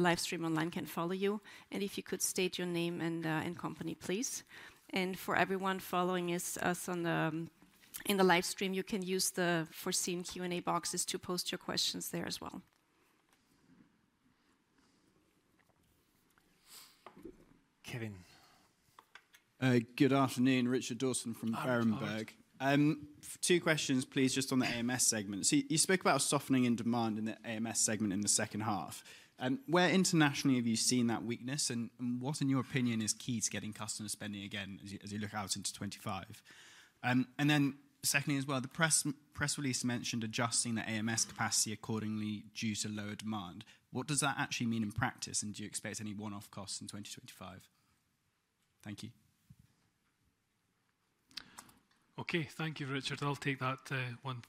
livestream online can follow you. If you could state your name and company, please. For everyone following us in the livestream, you can use the foreseen Q&A boxes to post your questions there as well. Good afternoon, Richard Dawson from Berenberg. Two questions, please, just on the AMS segment. You spoke about a softening in demand in the AMS segment in the second half. Where internationally have you seen that weakness? What, in your opinion, is key to getting customer spending again as you look out into 2025? Secondly as well, the press release mentioned adjusting the AMS capacity accordingly due to lower demand. What does that actually mean in practice? Do you expect any one-off costs in 2025? Thank you. Thank you, Richard. I'll take that one.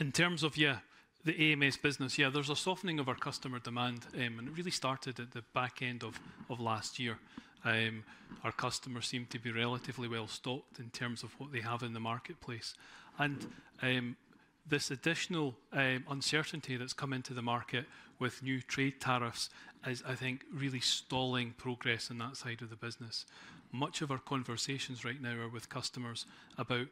In terms of the AMS business, there's a softening of our customer demand. It really started at the back end of last year. Our customers seem to be relatively well stocked in terms of what they have in the marketplace. This additional uncertainty that's come into the market with new trade tariffs is, I think, really stalling progress on that side of the business. Much of our conversations right now are with customers about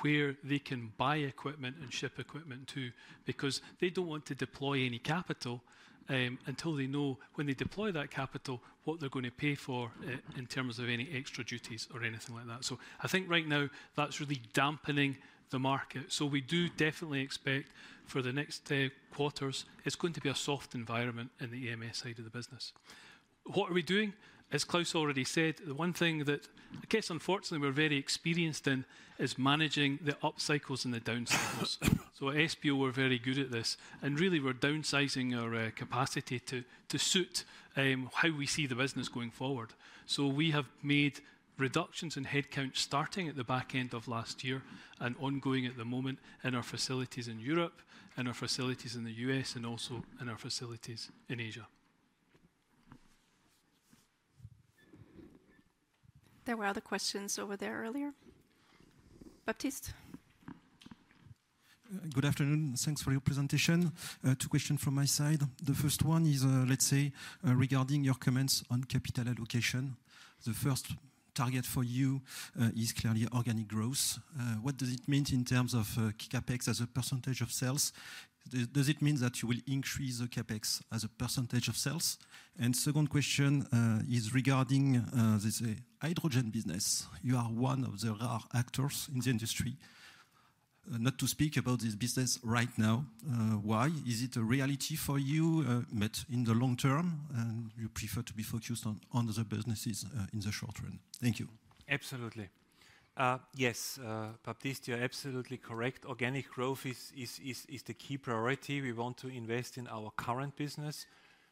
where they can buy equipment and ship equipment to because they don't want to deploy any capital until they know when they deploy that capital, what they're going to pay for in terms of any extra duties or anything like that. I think right now that's really dampening the market. We do definitely expect for the next quarters, it's going to be a soft environment in the AMS side of the business. What are we doing? As Klaus already said, the one thing that, I guess, unfortunately, we're very experienced in is managing the upcycles and the downcycles. At SBO, we're very good at this. Really, we're downsizing our capacity to suit how we see the business going forward. We have made reductions in headcount starting at the back end of last year and ongoing at the moment in our facilities in Europe, in our facilities in the U.S., and also in our facilities in Asia. There were other questions over there earlier. Baptiste. Good afternoon. Thanks for your presentation. Two questions from my side. The first one is, let's say, regarding your comments on capital allocation. The first target for you is clearly organic growth. What does it mean in terms of CapEx as a percentage of sales? Does it mean that you will increase the CapEx as a percentage of sales? The second question is regarding the hydrogen business. You are one of the rare actors in the industry, not to speak about this business right now. Why? Is it a reality for you, but in the long term, and you prefer to be focused on other businesses in the short run? Thank you. Absolutely. Yes, Baptiste, you're absolutely correct. Organic growth is the key priority. We want to invest in our current business,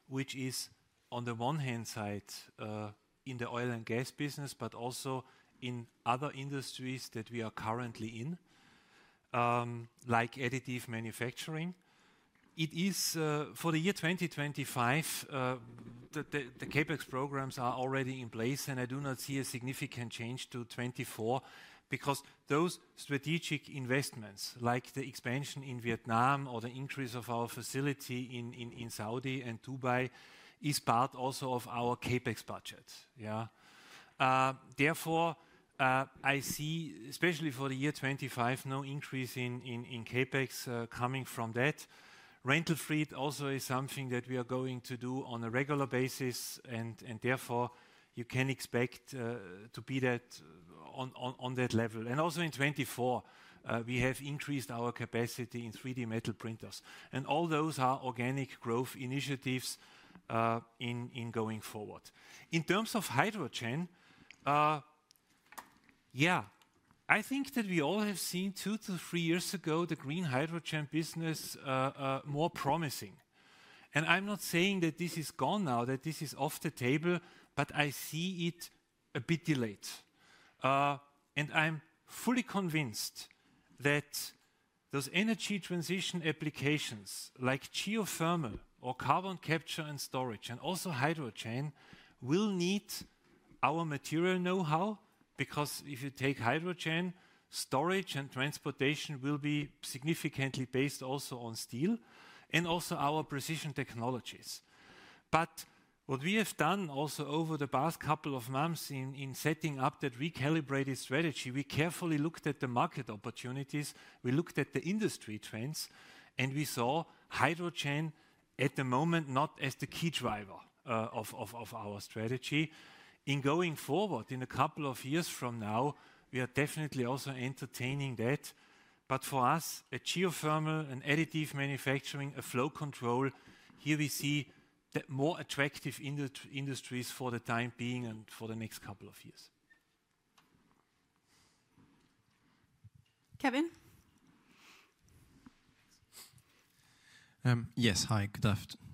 which is on the one hand side in the oil and gas business, but also in other industries that we are currently in, like additive manufacturing. For the year 2025, the CapEx programs are already in place, and I do not see a significant change to 2024 because those strategic investments, like the expansion in Vietnam or the increase of our facility in Saudi and Dubai, is part also of our CapEx budget. Yeah. Therefore, I see, especially for the year 2025, no increase in CapEx coming from that. Rental fleet also is something that we are going to do on a regular basis, and therefore, you can expect to be on that level. Also in 2024, we have increased our capacity in 3D metal printers. All those are organic growth initiatives in going forward. In terms of hydrogen, yeah, I think that we all have seen two to three years ago the green hydrogen business more promising. I am not saying that this is gone now, that this is off the table, but I see it a bit delayed. I am fully convinced that those energy transition applications like geothermal or carbon capture and storage and also hydrogen will need our material know-how because if you take hydrogen, storage and transportation will be significantly based also on steel and also our precision technologies. What we have done also over the past couple of months in setting up that recalibrated strategy, we carefully looked at the market opportunities, we looked at the industry trends, and we saw hydrogen at the moment not as the key driver of our strategy. In going forward, in a couple of years from now, we are definitely also entertaining that. For us, geothermal, additive manufacturing, flow control, here we see more attractive industries for the time being and for the next couple of years. Kevin. Yes, hi. Good afternoon.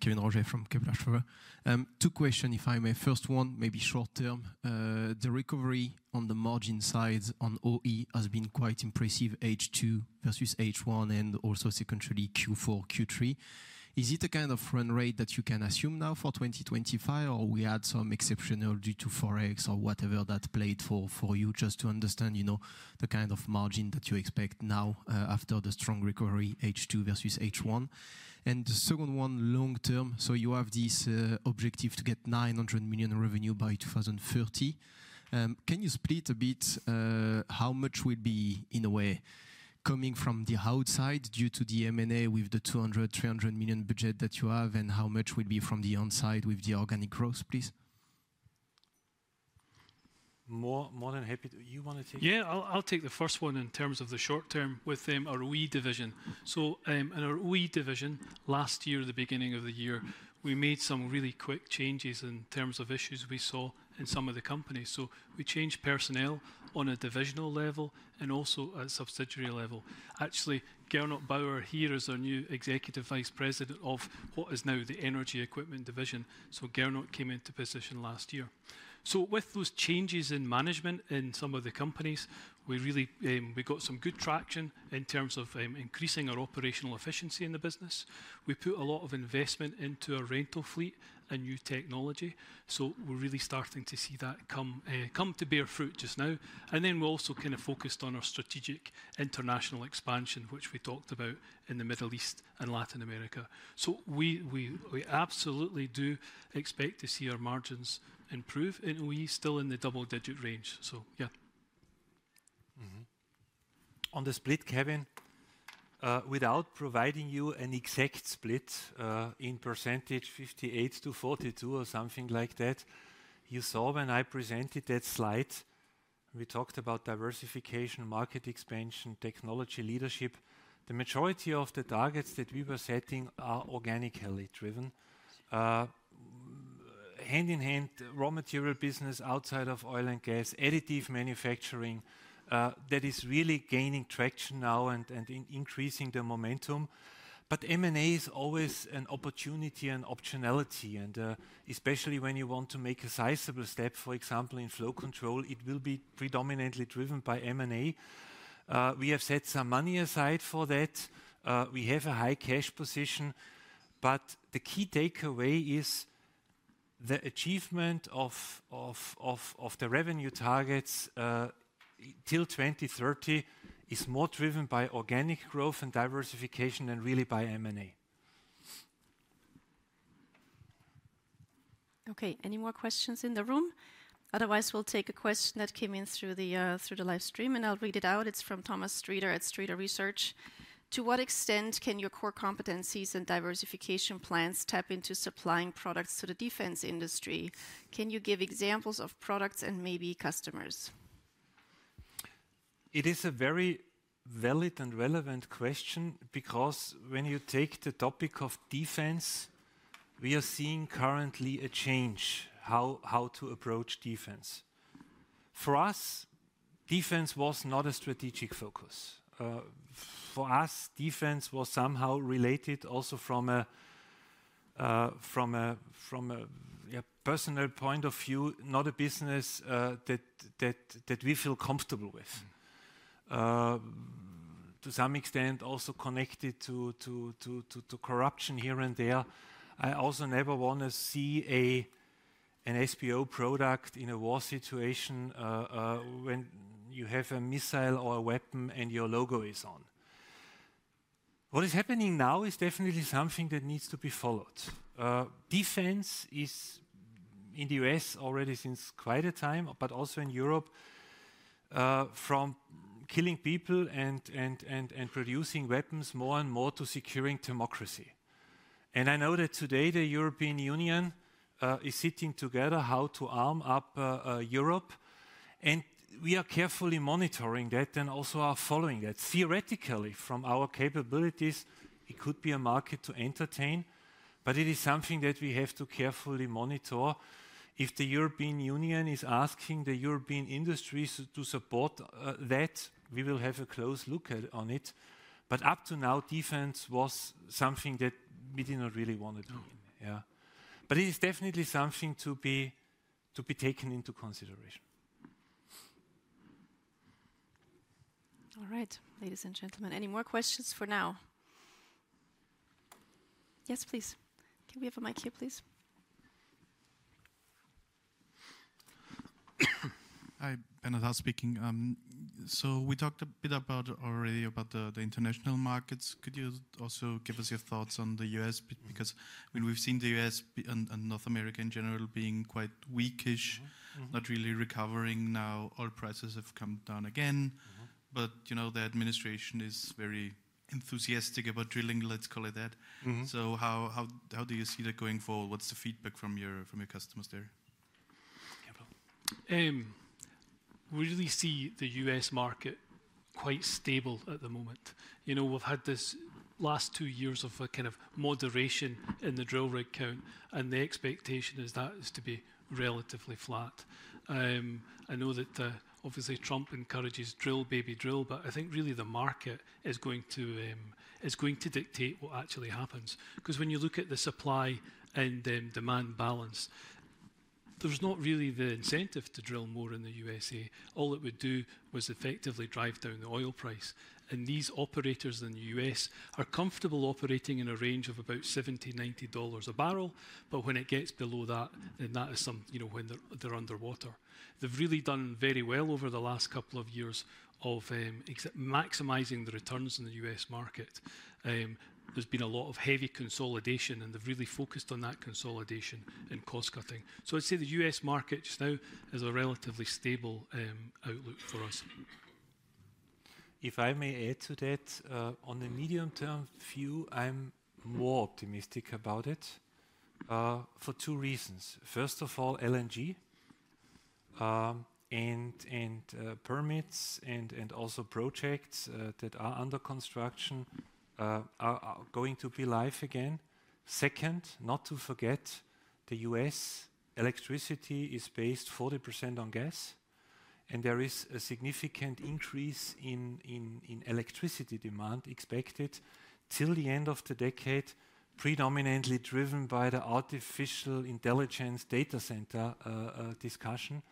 Kevin Roger from Kempen & Co. Two questions, if I may. First one, maybe short term. The recovery on the margin sides on OE has been quite impressive, H2 versus H1, and also secondarily Q4, Q3. Is it a kind of run rate that you can assume now for 2025, or we had some exceptional due to Forex or whatever that played for you just to understand the kind of margin that you expect now after the strong recovery, H2 versus H1? The second one, long term. You have this objective to get $900 million revenue by 2030. Can you split a bit how much will be, in a way, coming from the outside due to the M&A with the $200 million-$300 million budget that you have, and how much will be from the onside with the organic growth, please? More than happy to. You want to take it? Yeah, I'll take the first one in terms of the short term with our OE division. In our OE division, last year, at the beginning of the year, we made some really quick changes in terms of issues we saw in some of the companies. We changed personnel on a divisional level and also at subsidiary level. Actually, Gernot Bauer here is our new Executive Vice President of what is now the Energy Equipment division. Gernot came into position last year. With those changes in management in some of the companies, we really got some good traction in terms of increasing our operational efficiency in the business. We put a lot of investment into our rental fleet and new technology. We are really starting to see that come to bear fruit just now. We also kind of focused on our strategic international expansion, which we talked about in the Middle East and Latin America. We absolutely do expect to see our margins improve in OE, still in the double-digit range. Yeah. On the split, Kevin, without providing you an exact split in percentage, 58-42 or something like that, you saw when I presented that slide, we talked about diversification, market expansion, technology leadership. The majority of the targets that we were setting are organically driven. Hand in hand, raw material business outside of oil and gas, additive manufacturing, that is really gaining traction now and increasing the momentum. M&A is always an opportunity and optionality. Especially when you want to make a sizable step, for example, in flow control, it will be predominantly driven by M&A. We have set some money aside for that. We have a high cash position. The key takeaway is the achievement of the revenue targets till 2030 is more driven by organic growth and diversification and really by M&A. Okay, any more questions in the room? Otherwise, we'll take a question that came in through the live stream, and I'll read it out. It's from Thomas Streeter at Streeter Research. To what extent can your core competencies and diversification plans tap into supplying products to the defense industry? Can you give examples of products and maybe customers? It is a very valid and relevant question because when you take the topic of defense, we are seeing currently a change how to approach defense. For us, defense was not a strategic focus. For us, defense was somehow related also from a personal point of view, not a business that we feel comfortable with. To some extent, also connected to corruption here and there. I also never want to see an SBO product in a war situation when you have a missile or a weapon and your logo is on. What is happening now is definitely something that needs to be followed. Defense is in the U.S. already since quite a time, but also in Europe, from killing people and producing weapons more and more to securing democracy. I know that today the European Union is sitting together how to arm up Europe. We are carefully monitoring that and also are following that. Theoretically, from our capabilities, it could be a market to entertain, but it is something that we have to carefully monitor. If the European Union is asking the European industries to support that, we will have a close look on it. Up to now, defense was something that we did not really want to do. Yeah. But it is definitely something to be taken into consideration. All right, ladies and gentlemen, any more questions for now? Yes, please. Can we have a mic here, please? Hi, Benazah speaking. We talked a bit already about the international markets. Could you also give us your thoughts on the U.S.? Because we've seen the U.S. and North America in general being quite weakish, not really recovering now. Oil prices have come down again. The administration is very enthusiastic about drilling, let's call it that. How do you see that going forward? What's the feedback from your customers there? We really see the U.S. market quite stable at the moment. We've had this last two years of kind of moderation in the drill recount, and the expectation is that is to be relatively flat. I know that obviously Trump encourages drill, baby drill, but I think really the market is going to dictate what actually happens. Because when you look at the supply and demand balance, there's not really the incentive to drill more in the U.S.A. All it would do was effectively drive down the oil price. These operators in the U.S. are comfortable operating in a range of about $70-$90 a barrel. When it gets below that, that is when they're underwater. They've really done very well over the last couple of years of maximizing the returns in the U.S. market. There's been a lot of heavy consolidation, and they've really focused on that consolidation and cost-cutting. I'd say the U.S. market just now is a relatively stable outlook for us. If I may add to that, on the medium-term view, I'm more optimistic about it for two reasons. First of all, LNG and permits and also projects that are under construction are going to be live again. Second, not to forget, the U.S. electricity is based 40% on gas, and there is a significant increase in electricity demand expected till the end of the decade, predominantly driven by the artificial intelligence data center discussion.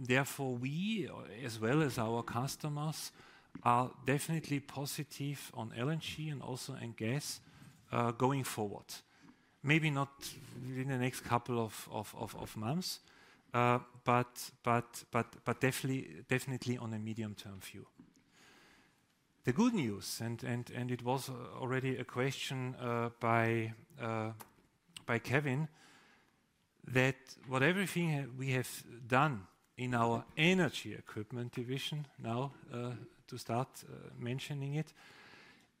Therefore, we, as well as our customers, are definitely positive on LNG and also on gas going forward. Maybe not in the next couple of months, but definitely on a medium-term view. The good news, and it was already a question by Kevin, that what everything we have done in our energy equipment division now, to start mentioning it,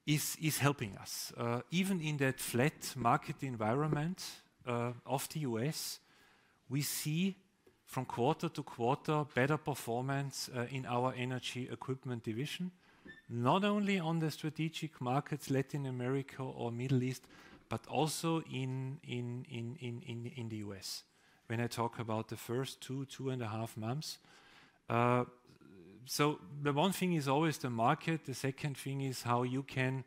is helping us. Even in that flat market environment of the U.S., we see from quarter to quarter better performance in our energy equipment division, not only on the strategic markets, Latin America or Middle East, but also in the U.S. when I talk about the first two, two and a half months. The one thing is always the market. The second thing is how you can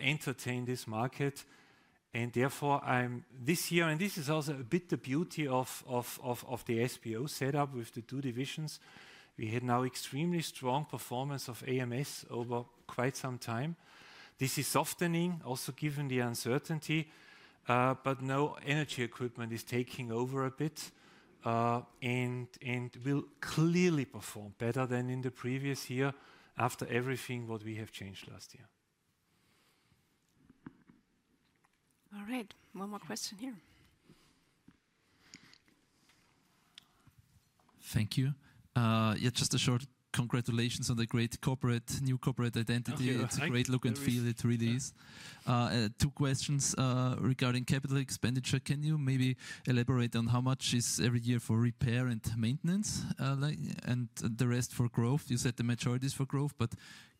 entertain this market. Therefore, this year, and this is also a bit the beauty of the SBO setup with the two divisions, we had now extremely strong performance of AMS over quite some time. This is softening, also given the uncertainty, but now energy equipment is taking over a bit and will clearly perform better than in the previous year after everything what we have changed last year. All right. One more question here. Thank you. Yeah, just a short congratulations on the great new corporate identity. It's a great look and feel. It really is. Two questions regarding capital expenditure. Can you maybe elaborate on how much is every year for repair and maintenance and the rest for growth? You said the majority is for growth, but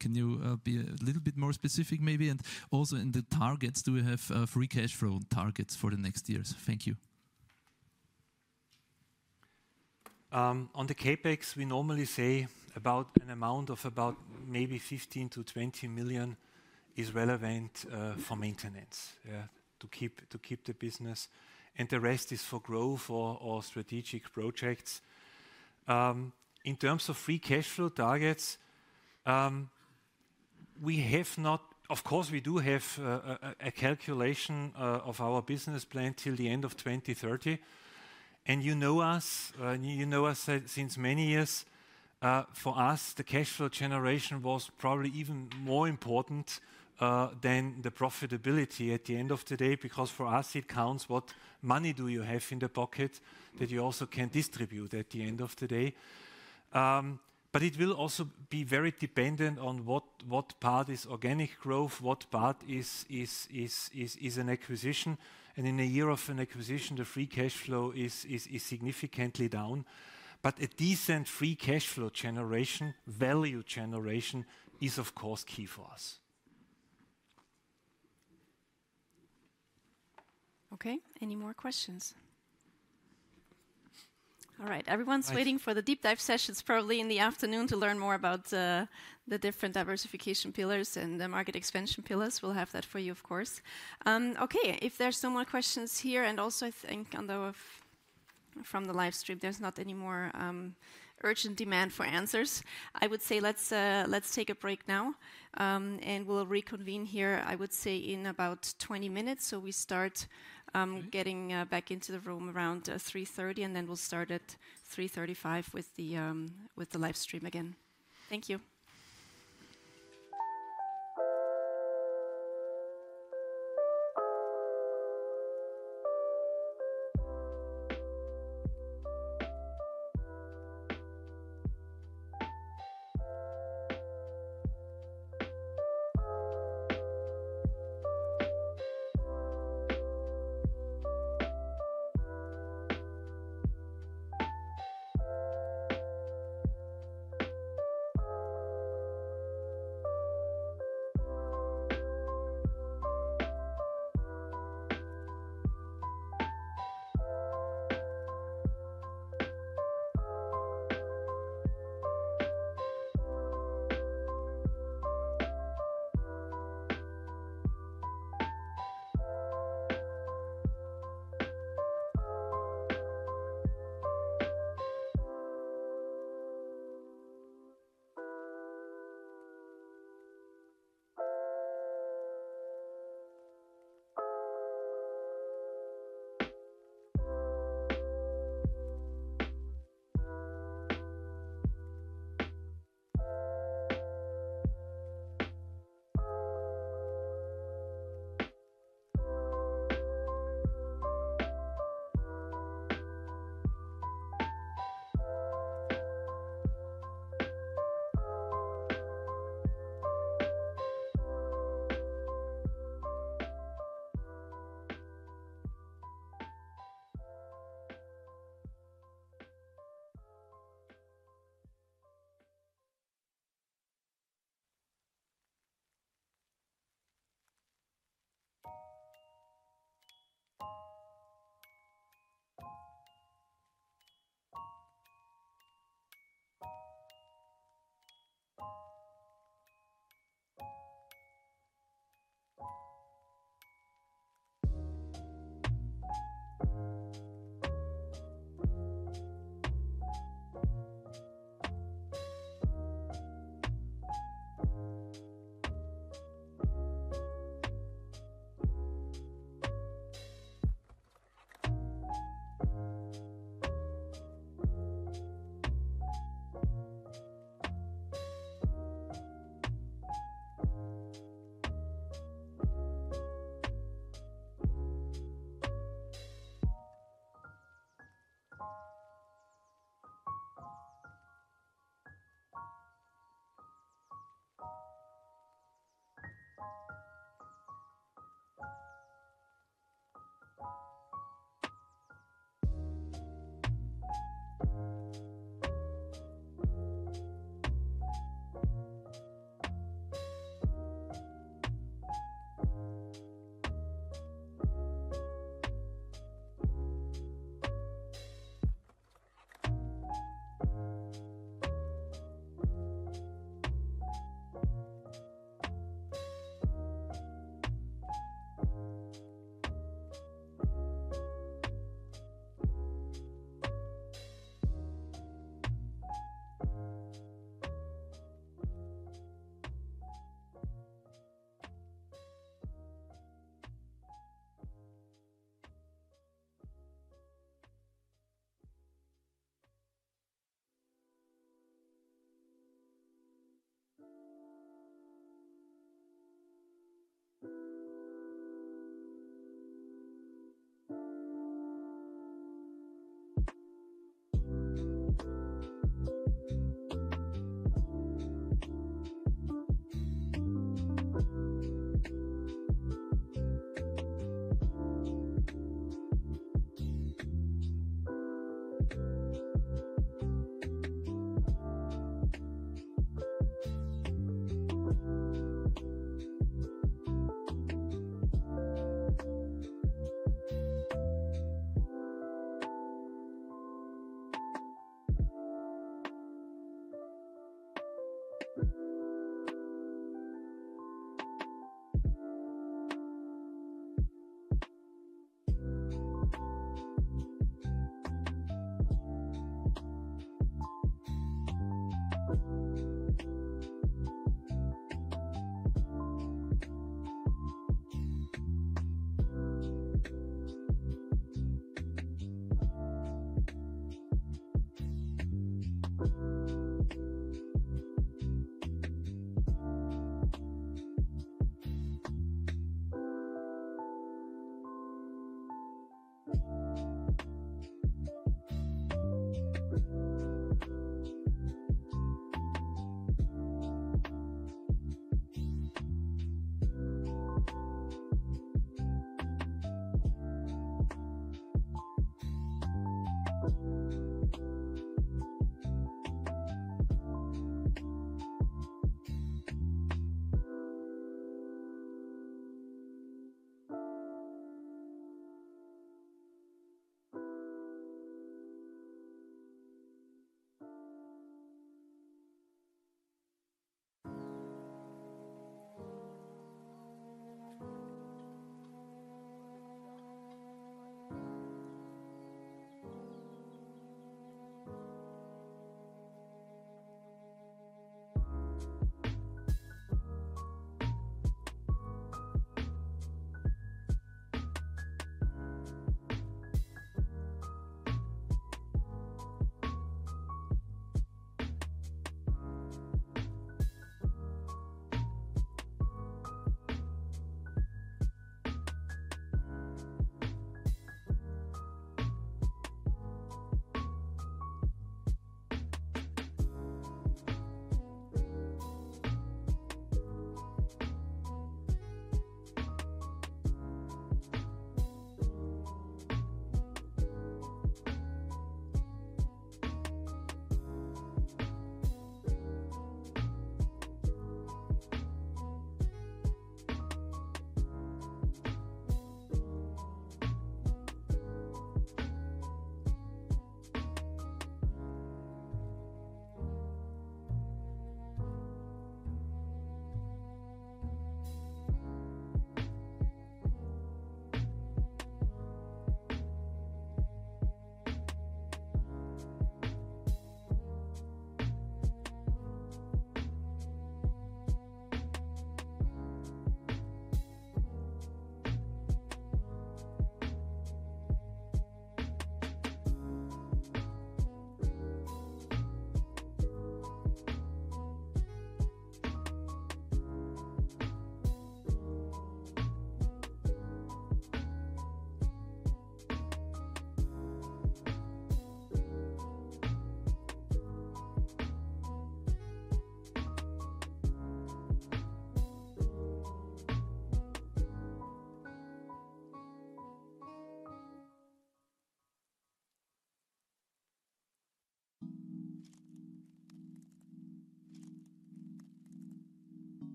can you be a little bit more specific maybe? Also in the targets, do we have free cash flow targets for the next years? Thank you. On the CapEx, we normally say about an amount of about maybe 15-20 million is relevant for maintenance to keep the business. The rest is for growth or strategic projects. In terms of free cash flow targets, we have not, of course, we do have a calculation of our business plan till the end of 2030. You know us since many years. For us, the cash flow generation was probably even more important than the profitability at the end of the day because for us, it counts what money do you have in the pocket that you also can distribute at the end of the day. It will also be very dependent on what part is organic growth, what part is an acquisition. In a year of an acquisition, the free cash flow is significantly down. A decent free cash flow generation, value generation is, of course, key for us. Okay, any more questions? All right, everyone's waiting for the deep dive sessions probably in the afternoon to learn more about the different diversification pillars and the market expansion pillars. We'll have that for you, of course. Okay, if there's no more questions here, and also I think from the live stream, there's not any more urgent demand for answers, I would say let's take a break now and we'll reconvene here, I would say, in about 20 minutes. We start getting back into the room around 3:30 P.M., and then we'll start at 3:35 P.M. with the live stream again. Thank you.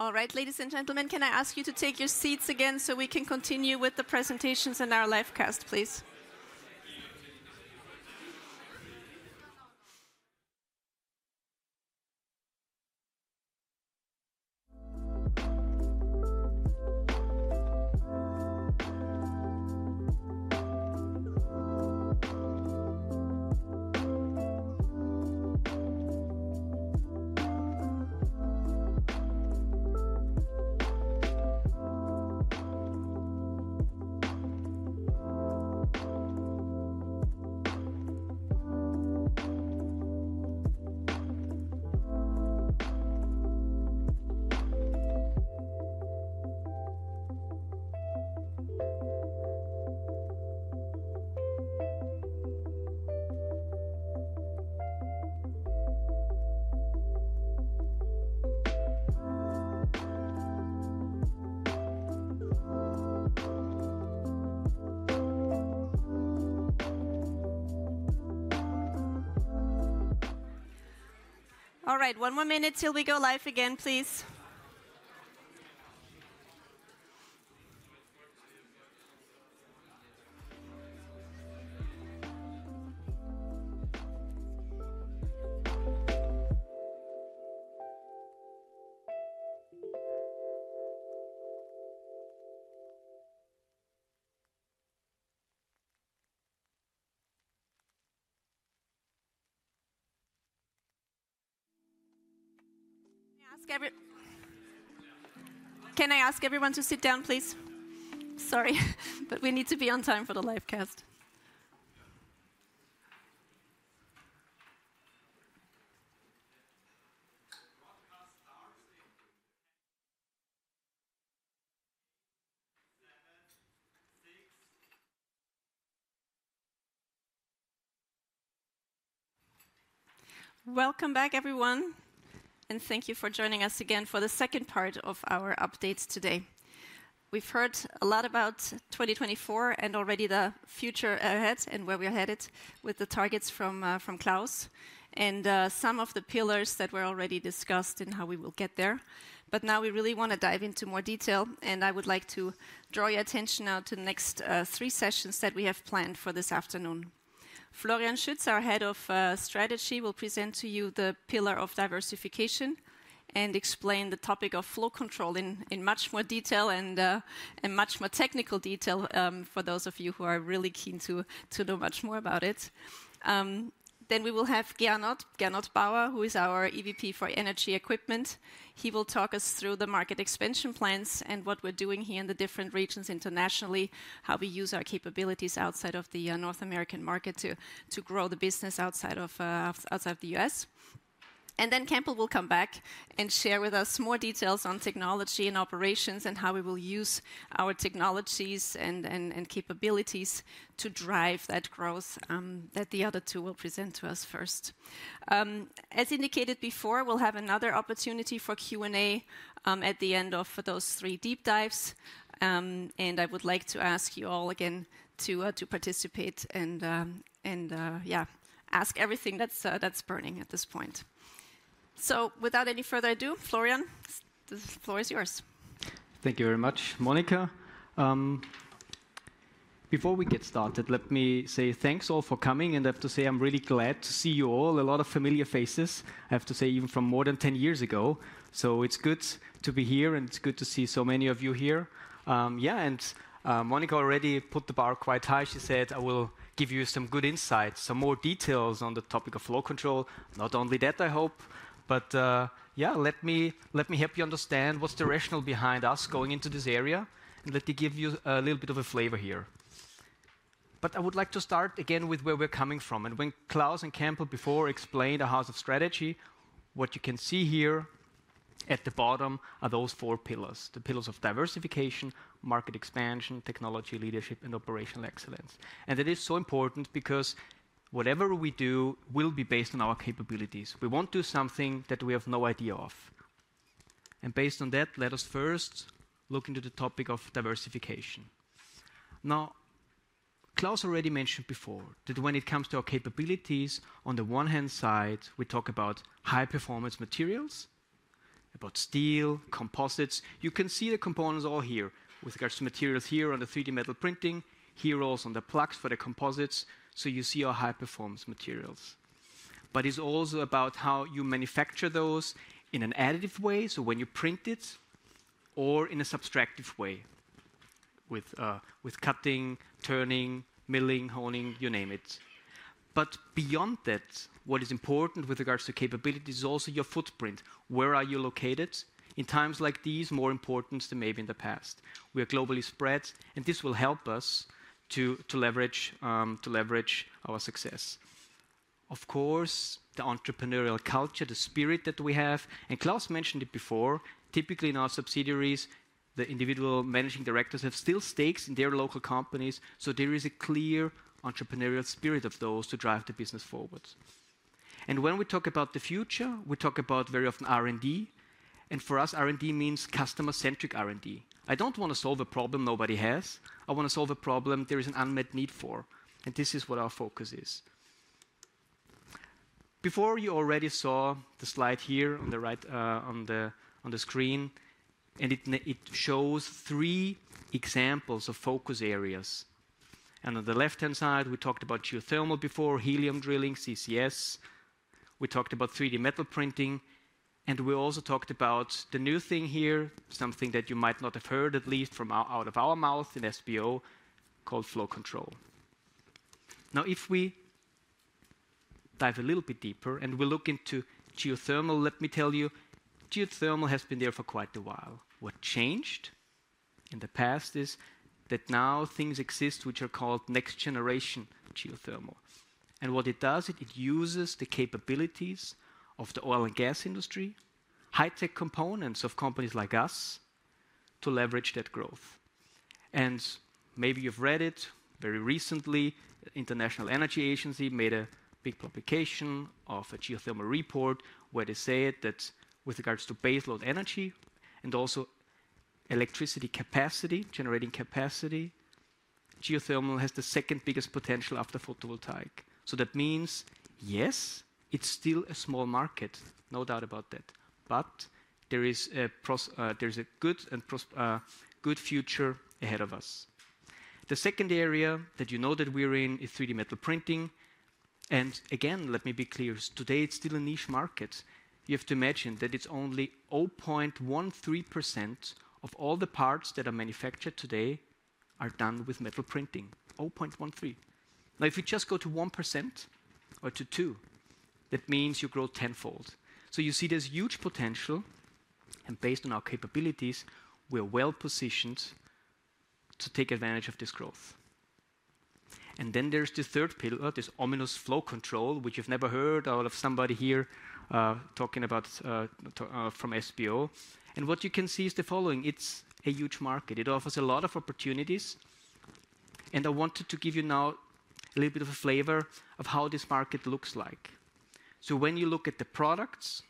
All right, ladies and gentlemen, can I ask you to take your seats again so we can continue with the presentations and our live cast, please? All right, one more minute till we go live again, please. Can I ask everyone to sit down, please? Sorry, but we need to be on time for the live cast. Welcome back, everyone, and thank you for joining us again for the second part of our updates today. We've heard a lot about 2024 and already the future ahead and where we're headed with the targets from Klaus and some of the pillars that were already discussed and how we will get there. Now we really want to dive into more detail, and I would like to draw your attention now to the next three sessions that we have planned for this afternoon. Florian Schütz, our Head of Strategy, will present to you the pillar of diversification and explain the topic of flow control in much more detail and in much more technical detail for those of you who are really keen to know much more about it. We will have Gernot Bauer, who is our EVP for Energy Equipment. He will talk us through the market expansion plans and what we're doing here in the different regions internationally, how we use our capabilities outside of the North American market to grow the business outside of the U.S. Campbell will come back and share with us more details on technology and operations and how we will use our technologies and capabilities to drive that growth that the other two will present to us first. As indicated before, we'll have another opportunity for Q&A at the end of those three deep dives. I would like to ask you all again to participate and, yeah, ask everything that's burning at this point. Without any further ado, Florian, the floor is yours. Thank you very much, Monika. Before we get started, let me say thanks all for coming. I have to say I'm really glad to see you all. A lot of familiar faces, I have to say, even from more than 10 years ago. It's good to be here, and it's good to see so many of you here. Yeah, and Monika already put the bar quite high. She said, "I will give you some good insights, some more details on the topic of flow control." Not only that, I hope, but yeah, let me help you understand what's the rationale behind us going into this area and let me give you a little bit of a flavor here. I would like to start again with where we're coming from. When Klaus and Campbell before explained a house of strategy, what you can see here at the bottom are those four pillars: the pillars of diversification, market expansion, technology leadership, and operational excellence. It is so important because whatever we do will be based on our capabilities. We will not do something that we have no idea of. Based on that, let us first look into the topic of diversification. Now, Klaus already mentioned before that when it comes to our capabilities, on the one hand side, we talk about high-performance materials, about steel, composites. You can see the components all here with regards to materials here on the 3D metal printing, here also on the plugs for the composites. You see our high-performance materials. It is also about how you manufacture those in an additive way, when you print it, or in a subtractive way with cutting, turning, milling, honing, you name it. Beyond that, what is important with regards to capabilities is also your footprint. Where are you located? In times like these, more important than maybe in the past. We are globally spread, and this will help us to leverage our success. Of course, the entrepreneurial culture, the spirit that we have, and Klaus mentioned it before, typically in our subsidiaries, the individual managing directors have still stakes in their local companies. There is a clear entrepreneurial spirit of those to drive the business forward. When we talk about the future, we talk about very often R&D. For us, R&D means customer-centric R&D. I do not want to solve a problem nobody has. I want to solve a problem there is an unmet need for. This is what our focus is. Before, you already saw the slide here on the right on the screen, and it shows three examples of focus areas. On the left-hand side, we talked about geothermal before, helium drilling, CCS. We talked about 3D metal printing. We also talked about the new thing here, something that you might not have heard at least from out of our mouth in SBO, called flow control. Now, if we dive a little bit deeper and we look into geothermal, let me tell you, geothermal has been there for quite a while. What changed in the past is that now things exist which are called next-generation geothermal. What it does, it uses the capabilities of the oil and gas industry, high-tech components of companies like us to leverage that growth. Maybe you've read it very recently, the International Energy Agency made a big publication of a geothermal report where they say that with regards to baseload energy and also electricity capacity, generating capacity, geothermal has the second biggest potential after photovoltaic. That means, yes, it's still a small market, no doubt about that. There is a good future ahead of us. The second area that you know that we're in is 3D metal printing. Again, let me be clear, today it's still a niche market. You have to imagine that it's only 0.13% of all the parts that are manufactured today are done with metal printing. 0.13%. If you just go to 1% or to 2%, that means you grow tenfold. You see there's huge potential. Based on our capabilities, we're well positioned to take advantage of this growth. Then there's the third pillar, this ominous flow control, which you've never heard out of somebody here talking about from SBO. What you can see is the following. It's a huge market. It offers a lot of opportunities. I wanted to give you now a little bit of a flavor of how this market looks like. When you look at the products,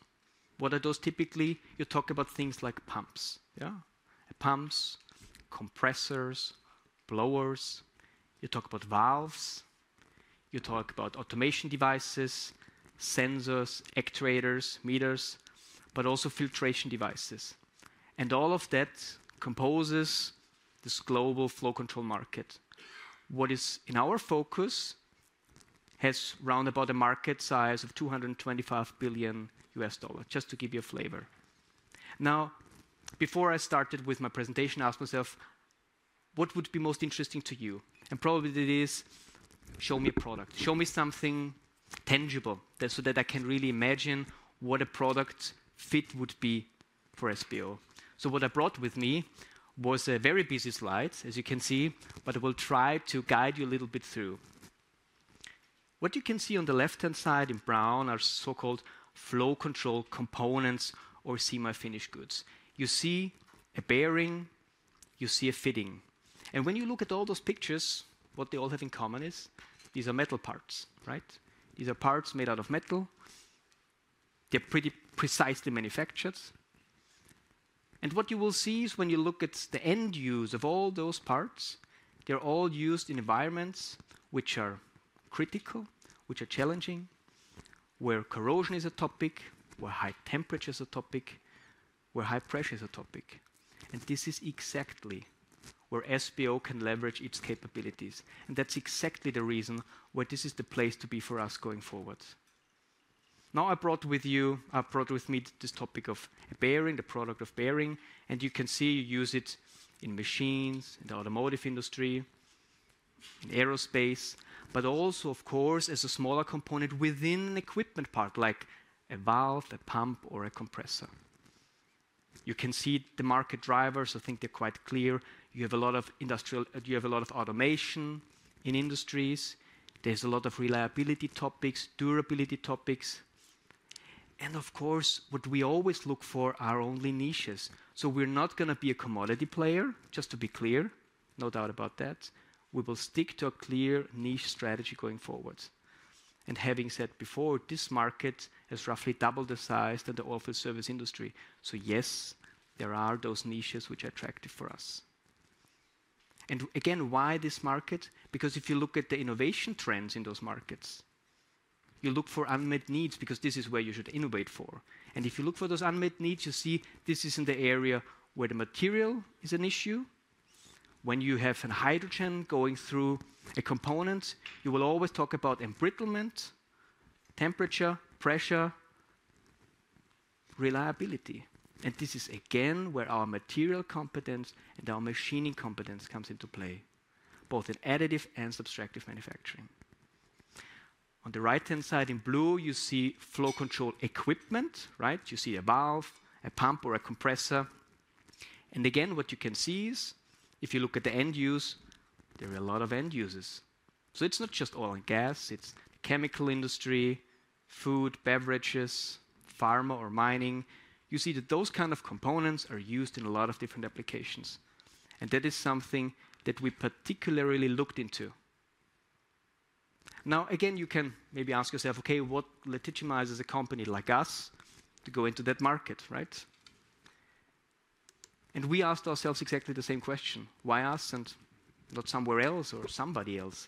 what are those typically? You talk about things like pumps, yeah? Pumps, compressors, blowers. You talk about valves. You talk about automation devices, sensors, actuators, meters, but also filtration devices. All of that composes this global flow control market. What is in our focus has roundabout a market size of $225 billion, just to give you a flavor. Now, before I started with my presentation, I asked myself, what would be most interesting to you? Probably it is, show me a product. Show me something tangible so that I can really imagine what a product fit would be for SBO. What I brought with me was a very busy slide, as you can see, but I will try to guide you a little bit through. What you can see on the left-hand side in brown are so-called flow control components or semi-finished goods. You see a bearing, you see a fitting. When you look at all those pictures, what they all have in common is these are metal parts, right? These are parts made out of metal. They're pretty precisely manufactured. What you will see is when you look at the end use of all those parts, they're all used in environments which are critical, which are challenging, where corrosion is a topic, where high temperature is a topic, where high pressure is a topic. This is exactly where SBO can leverage its capabilities. That is exactly the reason why this is the place to be for us going forward. Now, I brought with me this topic of a bearing, the product of bearing. You can see you use it in machines, in the automotive industry, in aerospace, but also, of course, as a smaller component within an equipment part like a valve, a pump, or a compressor. You can see the market drivers. I think they are quite clear. You have a lot of industrial, you have a lot of automation in industries. There is a lot of reliability topics, durability topics. Of course, what we always look for are only niches. We are not going to be a commodity player, just to be clear, no doubt about that. We will stick to a clear niche strategy going forward. Having said before, this market has roughly doubled the size of the olifield service industry. Yes, there are those niches which are attractive for us. Again, why this market? Because if you look at the innovation trends in those markets, you look for unmet needs because this is where you should innovate for. If you look for those unmet needs, you see this is in the area where the material is an issue. When you have hydrogen going through a component, you will always talk about embrittlement, temperature, pressure, reliability. This is again where our material competence and our machining competence comes into play, both in additive and subtractive manufacturing. On the right-hand side in blue, you see flow control equipment, right? You see a valve, a pump, or a compressor. What you can see is if you look at the end use, there are a lot of end uses. It's not just oil and gas. It's the chemical industry, food, beverages, pharma, or mining. You see that those kinds of components are used in a lot of different applications. That is something that we particularly looked into. You can maybe ask yourself, okay, what legitimizes a company like us to go into that market, right? We asked ourselves exactly the same question. Why us and not somewhere else or somebody else?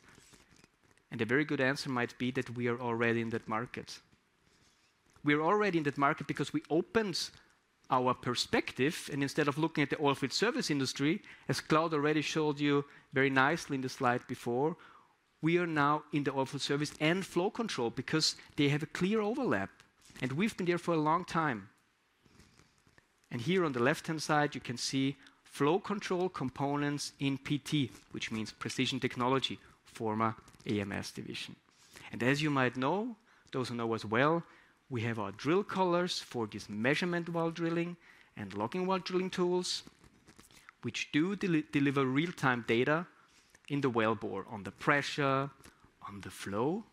A very good answer might be that we are already in that market. We are already in that market because we opened our perspective. Instead of looking at the oilfield service industry, as Klaus already showed you very nicely in the slide before, we are now in the oilfield service and flow control because they have a clear overlap. We have been there for a long time. Here on the left-hand side, you can see flow control components in PT, which means Precision Technology, former AMS division. As you might know, those who know us well, we have our drill collars for this measurement while drilling and logging while drilling tools, which do deliver real-time data in the wellbore on the pressure, on the flow,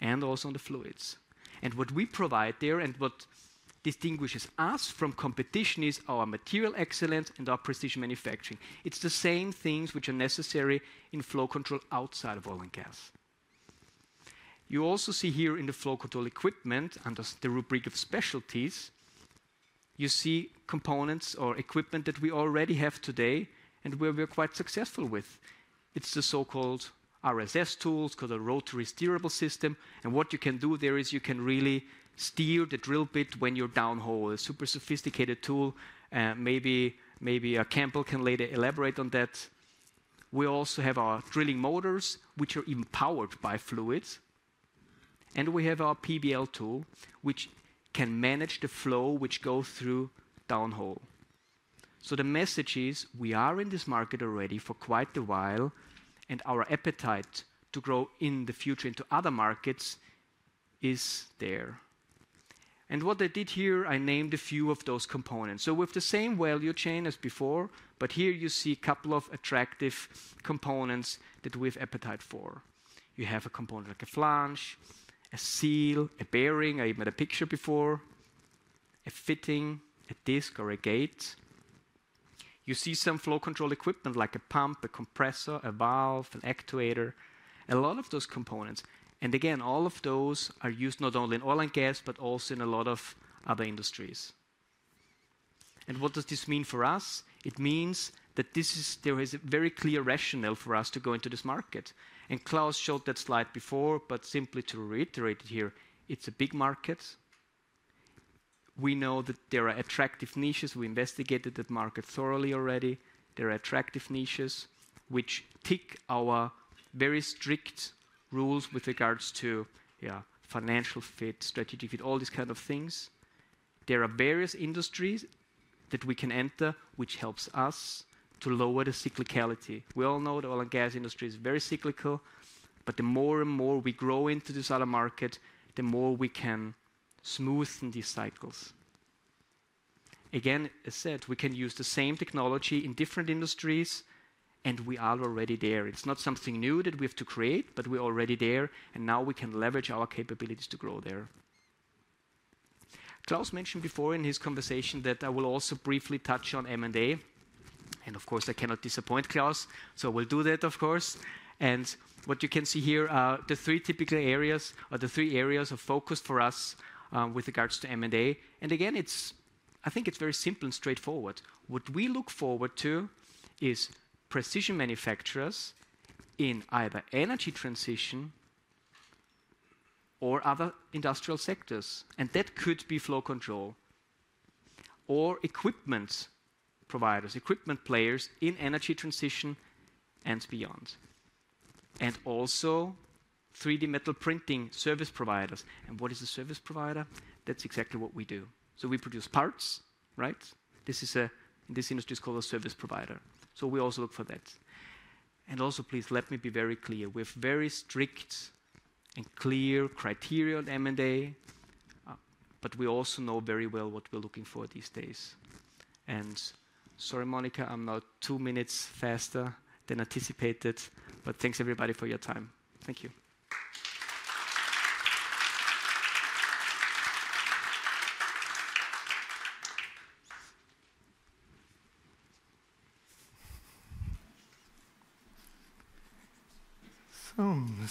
and also on the fluids. What we provide there and what distinguishes us from competition is our material excellence and our precision manufacturing. It is the same things which are necessary in flow control outside of oil and gas. You also see here in the flow control equipment under the rubric of specialties, you see components or equipment that we already have today and where we are quite successful with. It's the so-called RSS tools called a rotary steerable system. What you can do there is you can really steer the drill bit when you're downhole. A super sophisticated tool. Maybe Campbell can later elaborate on that. We also have our drilling motors, which are even powered by fluids. We have our PBL tool, which can manage the flow which goes through downhole. The message is we are in this market already for quite a while, and our appetite to grow in the future into other markets is there. What I did here, I named a few of those components. We have the same value chain as before, but here you see a couple of attractive components that we have appetite for. You have a component like a flange, a seal, a bearing, I made a picture before, a fitting, a disc, or a gate. You see some flow control equipment like a pump, a compressor, a valve, an actuator, a lot of those components. All of those are used not only in oil and gas, but also in a lot of other industries. What does this mean for us? It means that there is a very clear rationale for us to go into this market. Klaus showed that slide before, but simply to reiterate it here, it's a big market. We know that there are attractive niches. We investigated that market thoroughly already. There are attractive niches which tick our very strict rules with regards to, yeah, financial fit, strategic fit, all these kinds of things. There are various industries that we can enter, which helps us to lower the cyclicality. We all know the oil and gas industry is very cyclical, but the more and more we grow into this other market, the more we can smoothen these cycles. Again, as I said, we can use the same technology in different industries, and we are already there. It's not something new that we have to create, but we're already there, and now we can leverage our capabilities to grow there. Klaus mentioned before in his conversation that I will also briefly touch on M&A. Of course, I cannot disappoint Klaus, so we'll do that, of course. What you can see here are the three typical areas or the three areas of focus for us with regards to M&A. I think it's very simple and straightforward. What we look forward to is precision manufacturers in either energy transition or other industrial sectors. That could be flow control or equipment providers, equipment players in energy transition and beyond. Also 3D metal printing service providers. What is a service provider? That's exactly what we do. We produce parts, right? This industry is called a service provider. We also look for that. Please let me be very clear. We have very strict and clear criteria on M&A, but we also know very well what we're looking for these days. Sorry, Monika, I'm not two minutes faster than anticipated, but thanks, everybody, for your time. Thank you.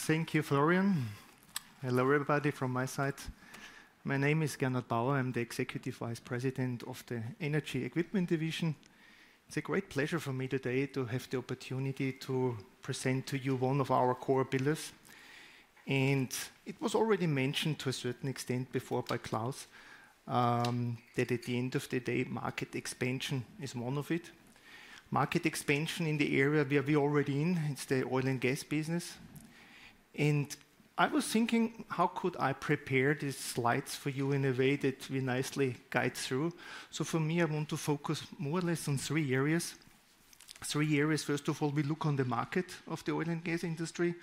Thank you, Florian. Hello, everybody from my side. My name is Gernot Bauer. I'm the Executive Vice President of the Energy Equipment division. It's a great pleasure for me today to have the opportunity to present to you one of our core pillars. It was already mentioned to a certain extent before by Klaus, that at the end of the day, market expansion is one of it. Market expansion in the area where we are already in, it's the oil and gas business. I was thinking, how could I prepare these slides for you in a way that we nicely guide through? For me, I want to focus more or less on three areas. Three areas, first of all, we look on the market of the oil and gas industry.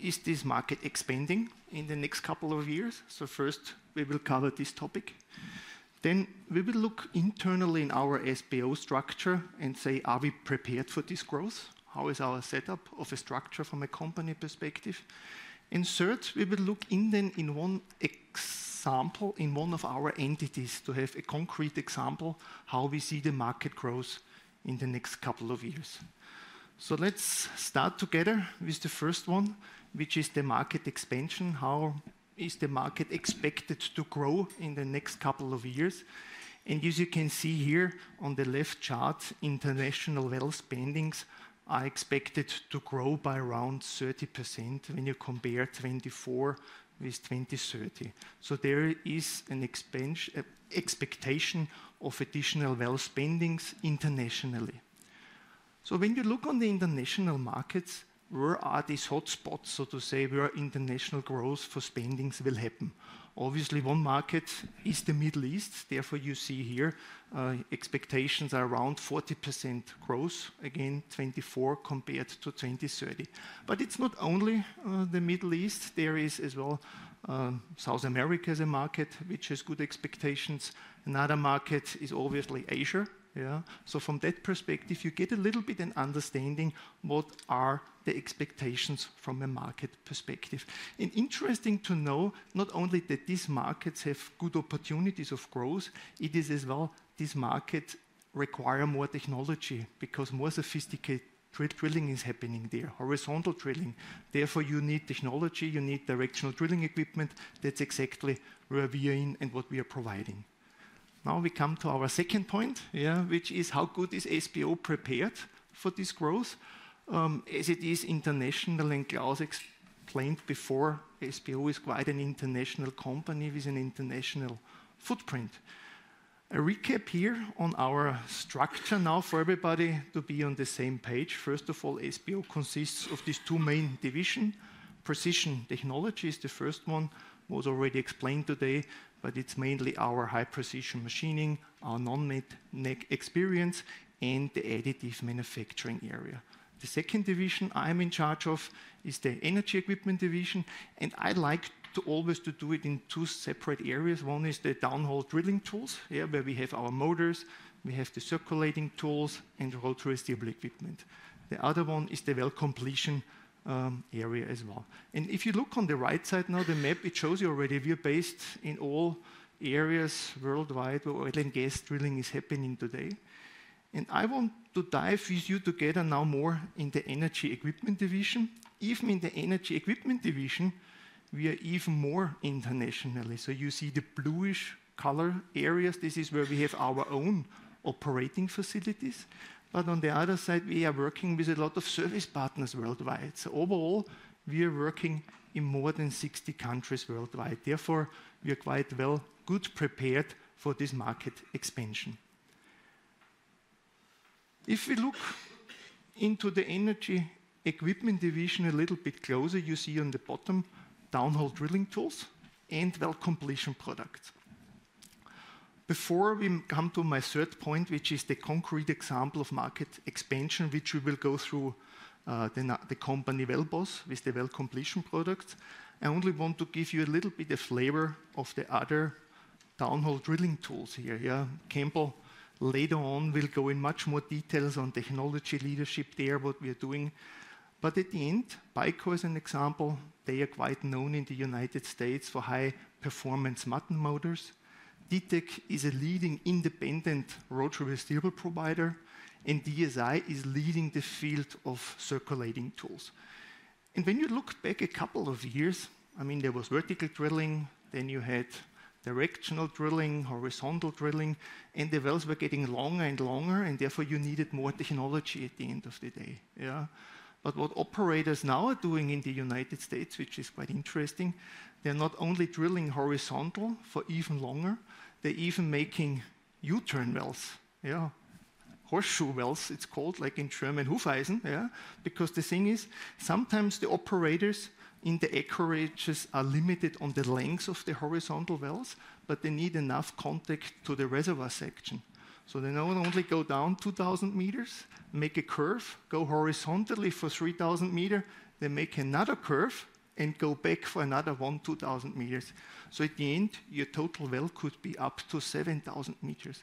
Is this market expanding in the next couple of years? First, we will cover this topic. Then we will look internally in our SBO structure and say, are we prepared for this growth? How is our setup of a structure from a company perspective? Third, we will look in one example in one of our entities to have a concrete example how we see the market growth in the next couple of years. Let's start together with the first one, which is the market expansion. How is the market expected to grow in the next couple of years? As you can see here on the left chart, international well spendings are expected to grow by around 30% when you compare 2024 with 2030. There is an expectation of additional well spendings internationally. When you look on the international markets, where are these hotspots, so to say, where international growth for spendings will happen? Obviously, one market is the Middle East. Therefore, you see here, expectations are around 40% growth, again, 2024 compared to 2030. It is not only the Middle East. There is as well South America as a market, which has good expectations. Another market is obviously Asia. Yeah. From that perspective, you get a little bit of an understanding of what are the expectations from a market perspective. Interesting to know, not only that these markets have good opportunities of growth, it is as well these markets require more technology because more sophisticated drilling is happening there, horizontal drilling. Therefore, you need technology, you need directional drilling equipment. That is exactly where we are in and what we are providing. Now we come to our second point, yeah, which is how good is SBO prepared for this growth? As it is international, and Klaus explained before, SBO is quite an international company with an international footprint. A recap here on our structure now for everybody to be on the same page. First of all, SBO consists of these two main divisions. Precision Technology is the first one, was already explained today, but it's mainly our high precision machining, our non-mag experience, and the additive manufacturing area. The second division I'm in charge of is the Energy Equipment division, and I like to always do it in two separate areas. One is the downhole drilling tools, yeah, where we have our motors, we have the circulating tools, and rotary steel equipment. The other one is the well completion area as well. If you look on the right side now, the map shows you already we are based in all areas worldwide where oil and gas drilling is happening today. I want to dive with you together now more in the energy equipment division. Even in the energy equipment division, we are even more internationally. You see the bluish color areas. This is where we have our own operating facilities. On the other side, we are working with a lot of service partners worldwide. Overall, we are working in more than 60 countries worldwide. Therefore, we are quite well prepared for this market expansion. If we look into the energy equipment division a little bit closer, you see on the bottom, downhole drilling tools and well completion products. Before we come to my third point, which is the concrete example of market expansion, which we will go through, the company Wellboss with the well completion products. I only want to give you a little bit of flavor of the other downhole drilling tools here. Yeah, Campbell later on will go in much more details on technology leadership there, what we are doing. At the end, Byko is an example. They are quite known in the United States for high performance mud motors. DTEC is a leading independent rotary steerable provider, and DSI is leading the field of circulation tools. When you look back a couple of years, I mean, there was vertical drilling, then you had directional drilling, horizontal drilling, and the wells were getting longer and longer, and therefore you needed more technology at the end of the day. Yeah. What operators now are doing in the United States, which is quite interesting, they're not only drilling horizontal for even longer, they're even making U-turn wells, yeah, horseshoe wells, it's called, like in German Hufeisen, yeah. The thing is, sometimes the operators in the acreages are limited on the length of the horizontal wells, but they need enough contact to the reservoir section. They not only go down 2,000 meters, make a curve, go horizontally for 3,000 meters, then make another curve and go back for another 1,200 meters. At the end, your total well could be up to 7,000 meters.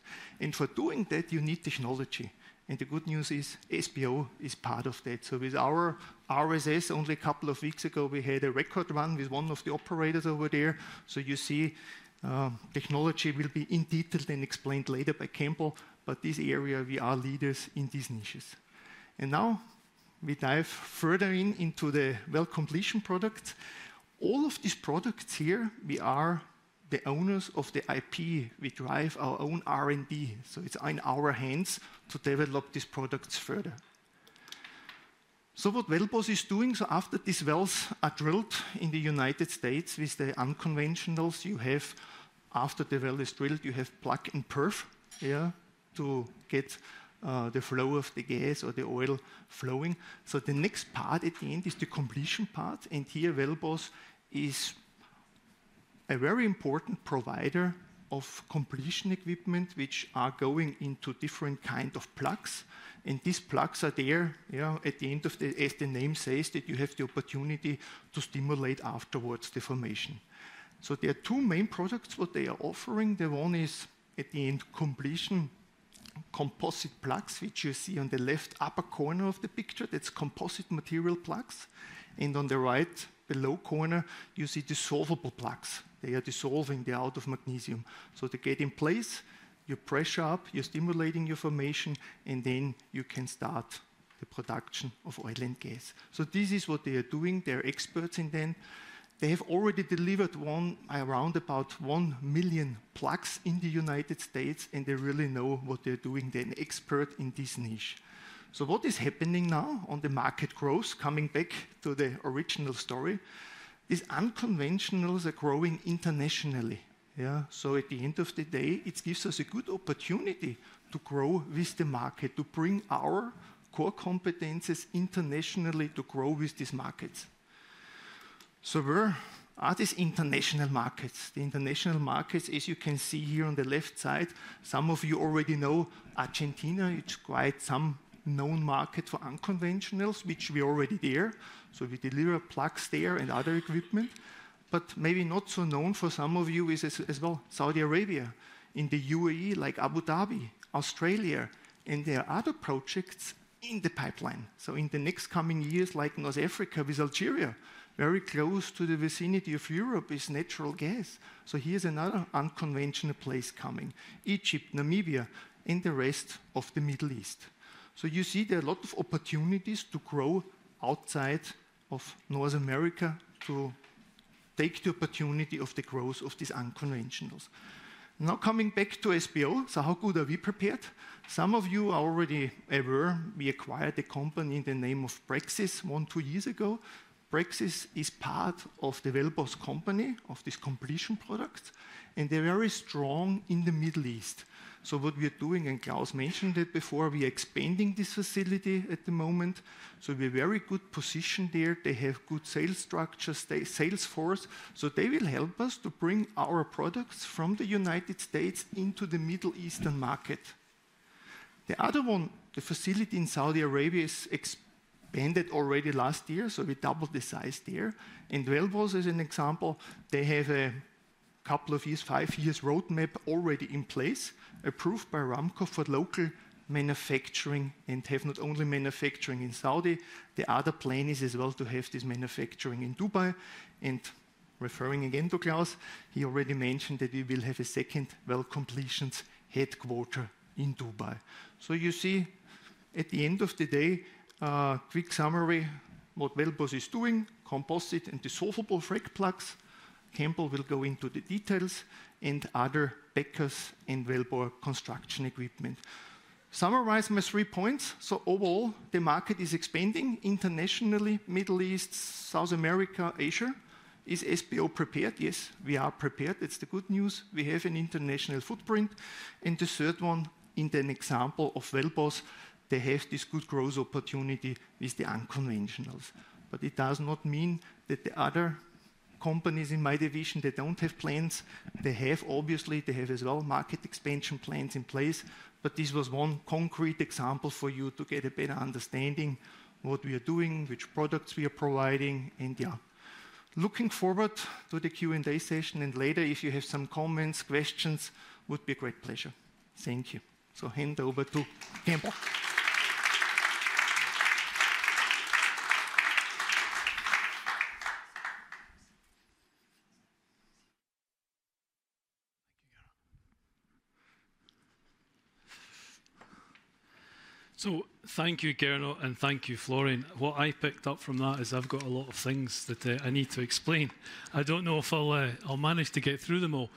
For doing that, you need technology. The good news is SBO is part of that. With our RSS, only a couple of weeks ago, we had a record run with one of the operators over there. You see, technology will be in detail and explained later by Campbell, but this area, we are leaders in these niches. Now we dive further into the well completion products. All of these products here, we are the owners of the IP. We drive our own R&D. It is in our hands to develop these products further. What Wellboss is doing, after these wells are drilled in the United States with the unconventionals, after the well is drilled, you have plug and perf, yeah, to get the flow of the gas or the oil flowing. The next part at the end is the completion part. Here, Wellboss is a very important provider of completion equipment, which are going into different kinds of plugs. These plugs are there, yeah, at the end of the, as the name says, that you have the opportunity to stimulate afterwards deformation. There are two main products what they are offering. The one is at the end, completion composite plugs, which you see on the left upper corner of the picture. That's composite material plugs. On the right below corner, you see dissolvable plugs. They are dissolving, they are out of magnesium. To get in place, you pressure up, you're stimulating your formation, and then you can start the production of oil and gas. This is what they are doing. They're experts in them. They have already delivered one, around about one million plugs in the United States, and they really know what they're doing. They're an expert in this niche. What is happening now on the market growth, coming back to the original story, these unconventionals are growing internationally. Yeah. At the end of the day, it gives us a good opportunity to grow with the market, to bring our core competences internationally to grow with these markets. Where are these international markets? The international markets, as you can see here on the left side, some of you already know Argentina, it's quite some known market for unconventionals, which we are already there. We deliver plugs there and other equipment. Maybe not so known for some of you is as well Saudi Arabia in the UAE, like Abu Dhabi, Australia, and there are other projects in the pipeline. In the next coming years, like North Africa with Algeria, very close to the vicinity of Europe is natural gas. Here's another unconventional place coming: Egypt, Namibia, and the rest of the Middle East. You see there are a lot of opportunities to grow outside of North America to take the opportunity of the growth of these unconventionals. Now coming back to SBO, how good are we prepared? Some of you are already aware, we acquired a company in the name of Praxis one to two years ago. Praxis is part of the Wellboss company of this completion products, and they're very strong in the Middle East. What we are doing, and Klaus mentioned it before, we are expanding this facility at the moment. We're in a very good position there. They have good sales structures, sales force. They will help us to bring our products from the United States into the Middle Eastern market. The other one, the facility in Saudi Arabia is expanded already last year, so we doubled the size there. Wellboss is an example. They have a couple of years, five years roadmap already in place, approved by Aramco for local manufacturing and have not only manufacturing in Saudi. The other plan is as well to have this manufacturing in Dubai. Referring again to Klaus, he already mentioned that we will have a second well completions headquarter in Dubai. You see, at the end of the day, a quick summary of what Wellboss is doing: composite and dissolvable frac plugs. Campbell will go into the details and other packers and Wellboss construction equipment. Summarize my three points. Overall, the market is expanding internationally, Middle East, South America, Asia. Is SBO prepared? Yes, we are prepared. That's the good news. We have an international footprint. The third one, in the example of Wellboss, they have this good growth opportunity with the unconventionals. It does not mean that the other companies in my division do not have plans. They have, obviously, they have as well market expansion plans in place. This was one concrete example for you to get a better understanding of what we are doing, which products we are providing. Yeah, looking forward to the Q&A session and later, if you have some comments, questions, it would be a great pleasure. Thank you. I hand over to Campbell. Thank you, Gernot. Thank you, Gernot, and thank you, Florian. What I picked up from that is I have got a lot of things that I need to explain. I do not know if I will manage to get through them all.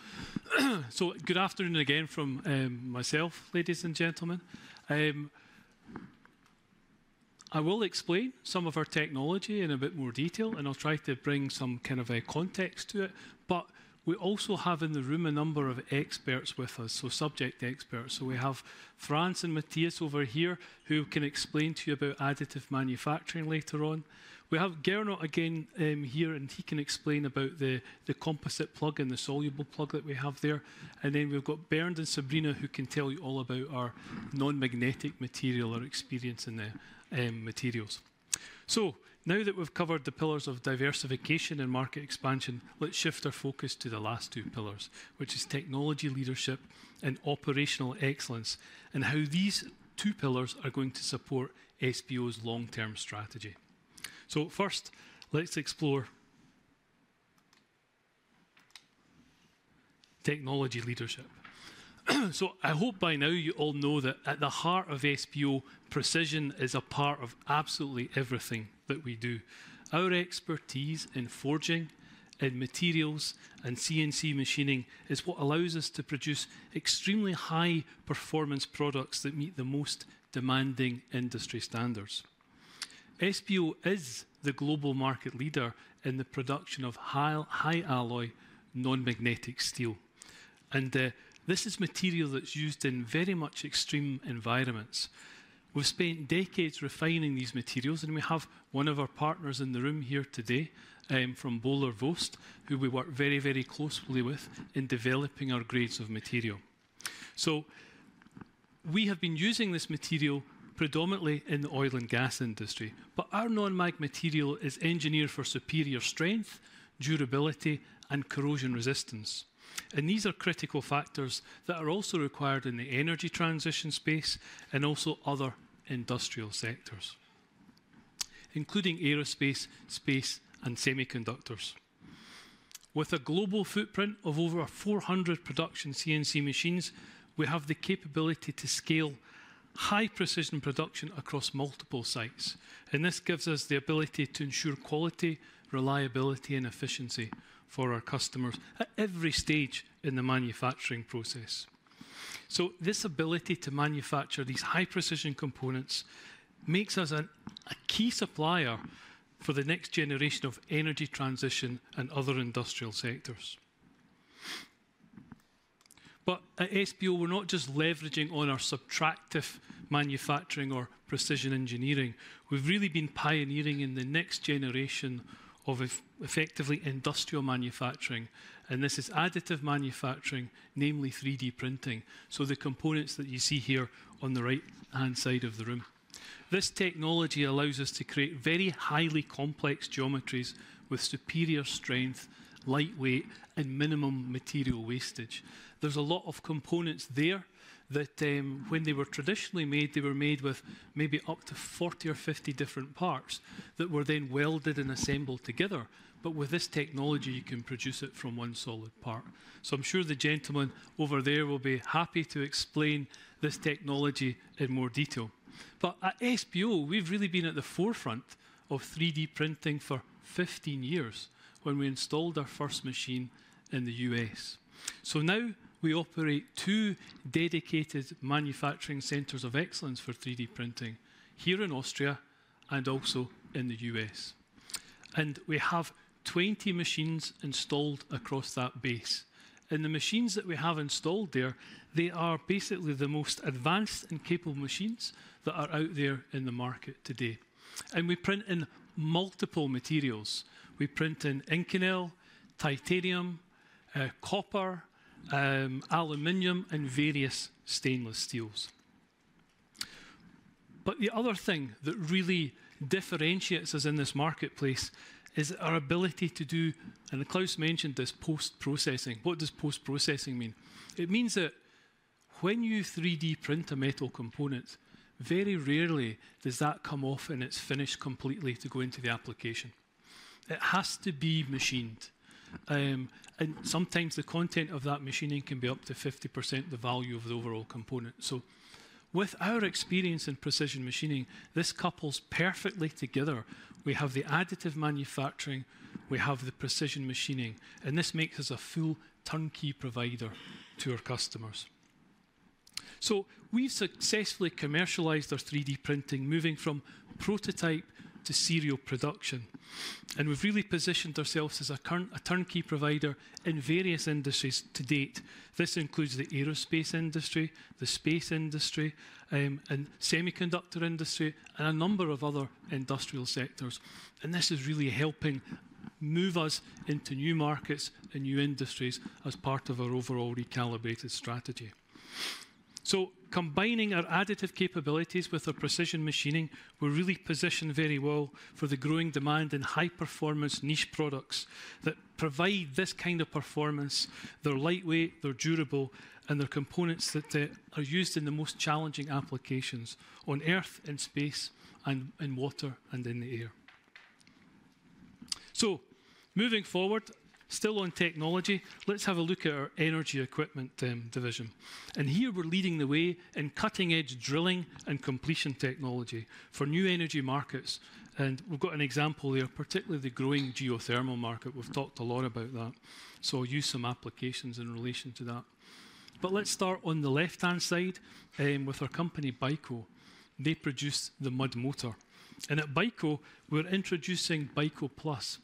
Good afternoon again from myself, ladies and gentlemen. I will explain some of our technology in a bit more detail, and I'll try to bring some kind of a context to it. We also have in the room a number of experts with us, subject experts. We have Franz and Matthias over here, who can explain to you about additive manufacturing later on. We have Gernot again here, and he can explain about the composite plug and the soluble plug that we have there. We have Bernd and Sabrina, who can tell you all about our non-magnetic material or experience in the materials. Now that we've covered the pillars of diversification and market expansion, let's shift our focus to the last two pillars, which are technology leadership and operational excellence, and how these two pillars are going to support SBO's long-term strategy. First, let's explore technology leadership. I hope by now you all know that at the heart of SBO, precision is a part of absolutely everything that we do. Our expertise in forging, in materials, and CNC machining is what allows us to produce extremely high-performance products that meet the most demanding industry standards. SBO is the global market leader in the production of high alloy non-magnetic steel. This is material that's used in very much extreme environments. We've spent decades refining these materials, and we have one of our partners in the room here today from Bohler-Uddeholm, who we work very, very closely with in developing our grades of material. We have been using this material predominantly in the oil and gas industry, but our non-mag material is engineered for superior strength, durability, and corrosion resistance. These are critical factors that are also required in the energy transition space and also other industrial sectors, including aerospace, space, and semiconductors. With a global footprint of over 400 production CNC machines, we have the capability to scale high-precision production across multiple sites. This gives us the ability to ensure quality, reliability, and efficiency for our customers at every stage in the manufacturing process. This ability to manufacture these high-precision components makes us a key supplier for the next generation of energy transition and other industrial sectors. At SBO, we're not just leveraging on our subtractive manufacturing or precision engineering. We've really been pioneering in the next generation of effectively industrial manufacturing. This is additive manufacturing, namely 3D printing. The components that you see here on the right-hand side of the room. This technology allows us to create very highly complex geometries with superior strength, lightweight, and minimum material wastage. There's a lot of components there that when they were traditionally made, they were made with maybe up to 40 or 50 different parts that were then welded and assembled together. With this technology, you can produce it from one solid part. I'm sure the gentleman over there will be happy to explain this technology in more detail. At SBO, we've really been at the forefront of 3D printing for 15 years when we installed our first machine in the U.S. Now we operate two dedicated manufacturing centers of excellence for 3D printing here in Austria and also in the U.S. We have 20 machines installed across that base. The machines that we have installed there are basically the most advanced and capable machines that are out there in the market today. We print in multiple materials. We print in Inconel, titanium, copper, aluminium, and various stainless steels. The other thing that really differentiates us in this marketplace is our ability to do, and Klaus mentioned this, post-processing. What does post-processing mean? It means that when you 3D print a metal component, very rarely does that come off and it is finished completely to go into the application. It has to be machined. Sometimes the content of that machining can be up to 50% the value of the overall component. With our experience in precision machining, this couples perfectly together. We have the additive manufacturing, we have the precision machining, and this makes us a full turnkey provider to our customers. We have successfully commercialized our 3D printing, moving from prototype to serial production. We have really positioned ourselves as a turnkey provider in various industries to date. This includes the aerospace industry, the space industry, the semiconductor industry, and a number of other industrial sectors. This is really helping move us into new markets and new industries as part of our overall recalibrated strategy. Combining our additive capabilities with our precision machining, we are really positioned very well for the growing demand in high-performance niche products that provide this kind of performance. They are lightweight, they are durable, and they are components that are used in the most challenging applications on Earth, in space, in water, and in the air. Moving forward, still on technology, let us have a look at our energy equipment division. Here we are leading the way in cutting-edge drilling and completion technology for new energy markets. We have an example there, particularly the growing geothermal market. We have talked a lot about that. I will use some applications in relation to that. Let's start on the left-hand side with our company, Byko. They produce the mud motor. At Byko, we are introducing Byko Plus.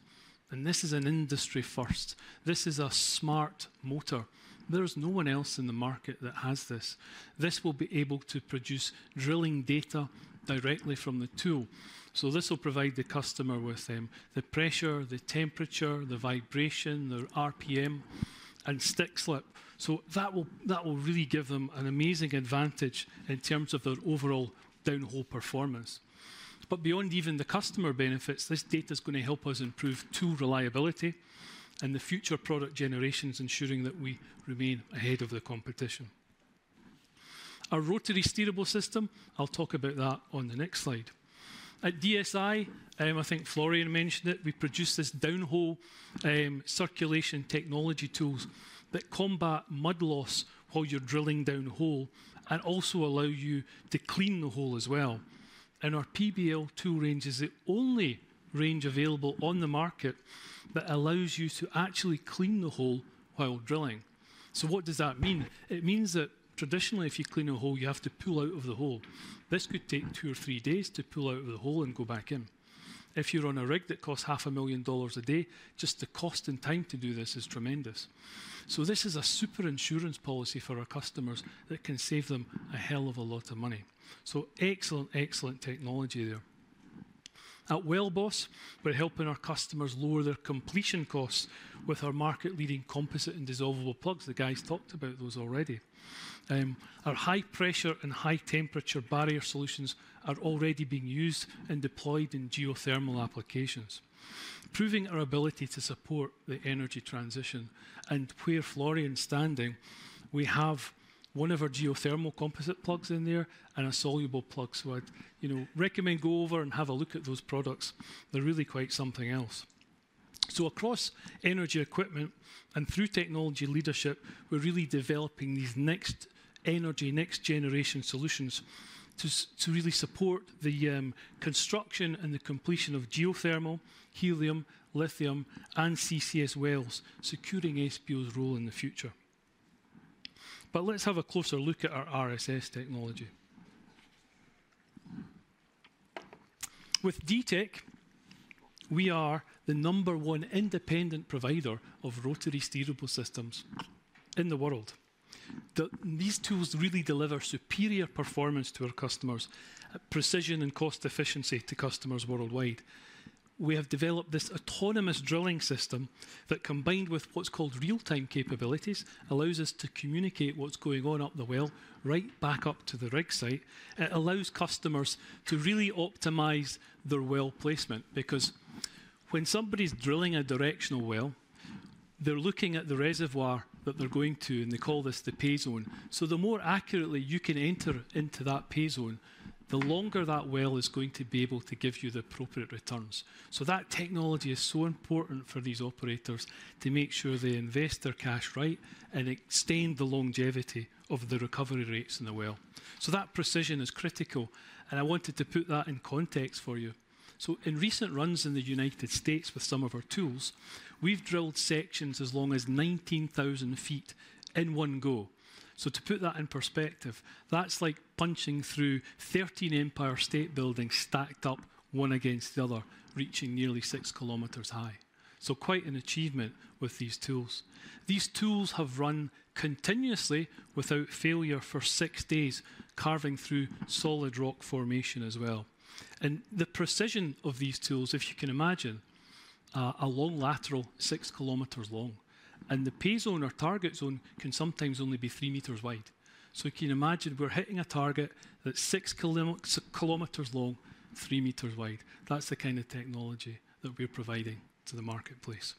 This is an industry first. This is a smart motor. There is no one else in the market that has this. This will be able to produce drilling data directly from the tool. This will provide the customer with the pressure, the temperature, the vibration, their RPM, and stick slip. That will really give them an amazing advantage in terms of their overall downhole performance. Beyond even the customer benefits, this data is going to help us improve tool reliability and the future product generations, ensuring that we remain ahead of the competition. Our rotary steerable system, I'll talk about that on the next slide. At DSI, I think Florian mentioned it, we produce these downhole circulation technology tools that combat mud loss while you're drilling down a hole and also allow you to clean the hole as well. Our PBL tool range is the only range available on the market that allows you to actually clean the hole while drilling. What does that mean? It means that traditionally, if you clean a hole, you have to pull out of the hole. This could take two or three days to pull out of the hole and go back in. If you're on a rig that costs $500,000 a day, just the cost and time to do this is tremendous. This is a super insurance policy for our customers that can save them a hell of a lot of money. Excellent, excellent technology there. At Wellboss, we're helping our customers lower their completion costs with our market-leading composite and dissolvable plugs. The guys talked about those already. Our high-pressure and high-temperature barrier solutions are already being used and deployed in geothermal applications, proving our ability to support the energy transition. Where Florian's standing, we have one of our geothermal composite plugs in there and a soluble plug. I recommend go over and have a look at those products. They're really quite something else. Across energy equipment and through technology leadership, we're really developing these next energy, next generation solutions to really support the construction and the completion of geothermal, helium, lithium, and CCS wells, securing SBO's role in the future. Let's have a closer look at our RSS technology. With DTEC, we are the number one independent provider of rotary steerable systems in the world. These tools really deliver superior performance to our customers, precision and cost efficiency to customers worldwide. We have developed this autonomous drilling system that, combined with what's called real-time capabilities, allows us to communicate what's going on up the well, right back up to the rig site. It allows customers to really optimize their well placement because when somebody's drilling a directional well, they're looking at the reservoir that they're going to, and they call this the pay zone. The more accurately you can enter into that pay zone, the longer that well is going to be able to give you the appropriate returns. That technology is so important for these operators to make sure they invest their cash right and extend the longevity of the recovery rates in the well. That precision is critical. I wanted to put that in context for you. In recent runs in the United States with some of our tools, we've drilled sections as long as 19,000 ft in one go. To put that in perspective, that's like punching through 13 Empire State Buildings stacked up one against the other, reaching nearly 6 km high. Quite an achievement with these tools. These tools have run continuously without failure for six days, carving through solid rock formation as well. The precision of these tools, if you can imagine, a long lateral six kilometers long, and the pay zone or target zone can sometimes only be three meters wide. You can imagine we're hitting a target that's six kilometers long, three meters wide. That's the kind of technology that we're providing to the marketplace.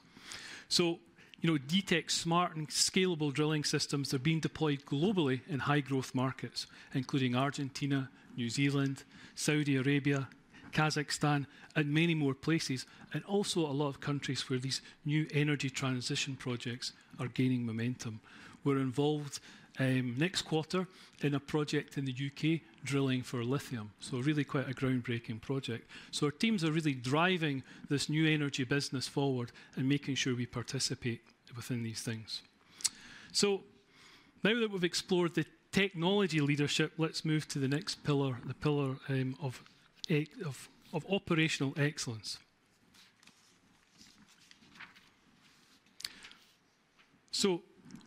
DTEC's smart and scalable drilling systems, they're being deployed globally in high-growth markets, including Argentina, New Zealand, Saudi Arabia, Kazakhstan, and many more places, and also a lot of countries where these new energy transition projects are gaining momentum. We're involved next quarter in a project in the U.K. drilling for lithium. Really quite a groundbreaking project. Our teams are really driving this new energy business forward and making sure we participate within these things. Now that we've explored the technology leadership, let's move to the next pillar, the pillar of operational excellence.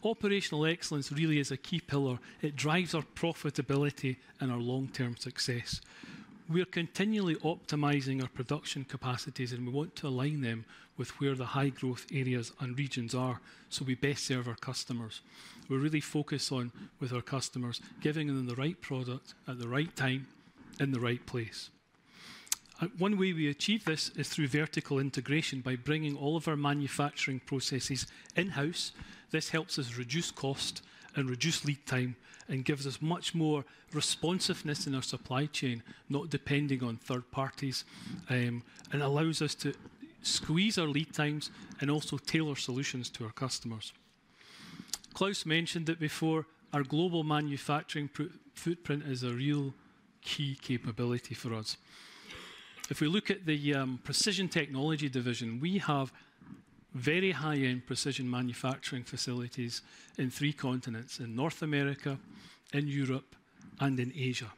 Operational excellence really is a key pillar. It drives our profitability and our long-term success. We're continually optimizing our production capacities, and we want to align them with where the high-growth areas and regions are so we best serve our customers. We're really focused on, with our customers, giving them the right product at the right time in the right place. One way we achieve this is through vertical integration by bringing all of our manufacturing processes in-house. This helps us reduce cost and reduce lead time and gives us much more responsiveness in our supply chain, not depending on third parties, and allows us to squeeze our lead times and also tailor solutions to our customers. Klaus mentioned it before. Our global manufacturing footprint is a real key capability for us. If we look at the Precision Technology division, we have very high-end precision manufacturing facilities in three continents: in North America, in Europe, and in Asia.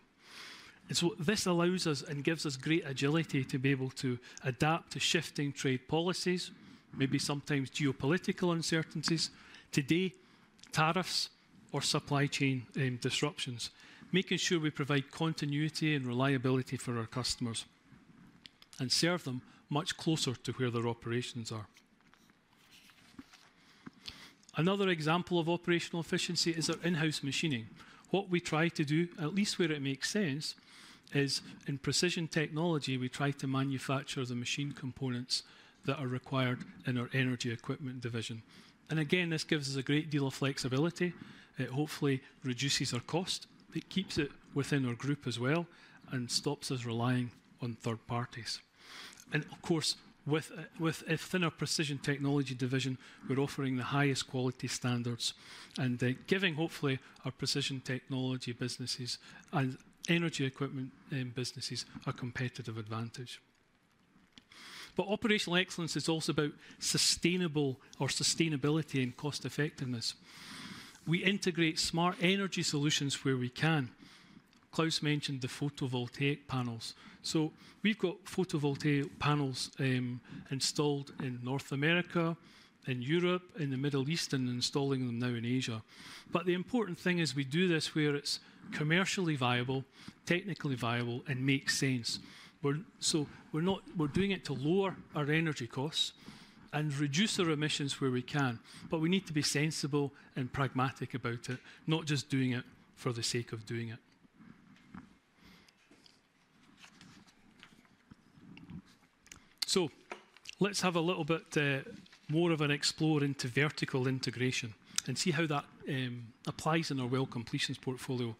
This allows us and gives us great agility to be able to adapt to shifting trade policies, maybe sometimes geopolitical uncertainties, today tariffs or supply chain disruptions, making sure we provide continuity and reliability for our customers and serve them much closer to where their operations are. Another example of operational efficiency is our in-house machining. What we try to do, at least where it makes sense, is in Precision Technology, we try to manufacture the machined components that are required in our Energy Equipment division. This gives us a great deal of flexibility. It hopefully reduces our cost, but it keeps it within our group as well and stops us relying on third parties. Of course, with a thinner Precision Technology division, we're offering the highest quality standards and giving hopefully our Precision Technology businesses and Energy Equipment businesses a competitive advantage. Operational excellence is also about sustainability and cost effectiveness. We integrate smart energy solutions where we can. Klaus mentioned the photovoltaic panels. We have photovoltaic panels installed in North America, in Europe, in the Middle East, and installing them now in Asia. The important thing is we do this where it's commercially viable, technically viable, and makes sense. We are doing it to lower our energy costs and reduce our emissions where we can. We need to be sensible and pragmatic about it, not just doing it for the sake of doing it. Let's have a little bit more of an explore into vertical integration and see how that applies in our well completions portfolio.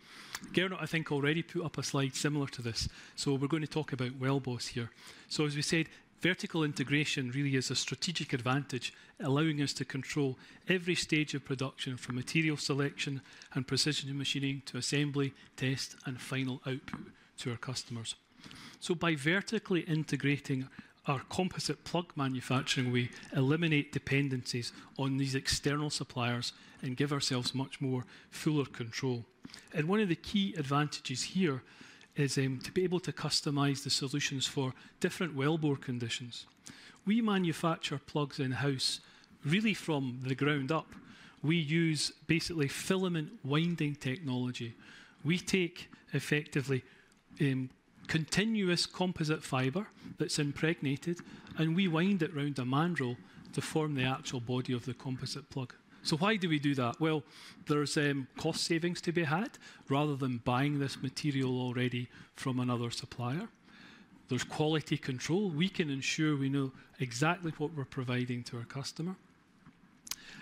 Gernot, I think, already put up a slide similar to this. We're going to talk about Wellboss here. As we said, vertical integration really is a strategic advantage allowing us to control every stage of production from material selection and precision machining to assembly, test, and final output to our customers. By vertically integrating our composite plug manufacturing, we eliminate dependencies on these external suppliers and give ourselves much more fuller control. One of the key advantages here is to be able to customize the solutions for different wellbore conditions. We manufacture plugs in-house really from the ground up. We use basically filament winding technology. We take effectively continuous composite fiber that's impregnated, and we wind it around a mandrel to form the actual body of the composite plug. Why do we do that? There's cost savings to be had rather than buying this material already from another supplier. There's quality control. We can ensure we know exactly what we're providing to our customer.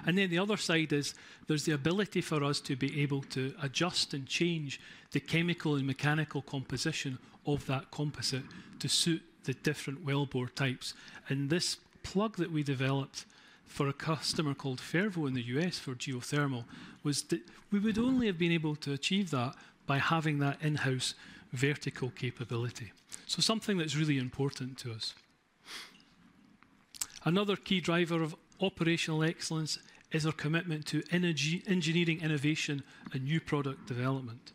The other side is there's the ability for us to be able to adjust and change the chemical and mechanical composition of that composite to suit the different wellbore types. This plug that we developed for a customer called Fervo in the U.S. for geothermal was that we would only have been able to achieve that by having that in-house vertical capability. Something that's really important to us. Another key driver of operational excellence is our commitment to engineering innovation and new product development.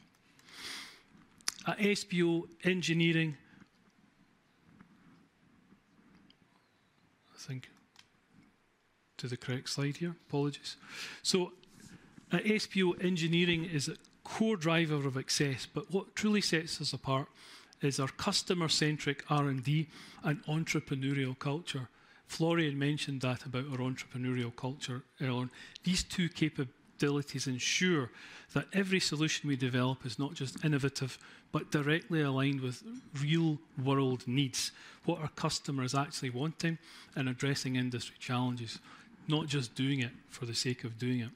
At SBO Engineering, I think to the correct slide here, apologies. At SBO Engineering is a core driver of access, but what truly sets us apart is our customer-centric R&D and entrepreneurial culture. Florian mentioned that about our entrepreneurial culture earlier. These two capabilities ensure that every solution we develop is not just innovative, but directly aligned with real-world needs, what our customers are actually wanting, and addressing industry challenges, not just doing it for the sake of doing it.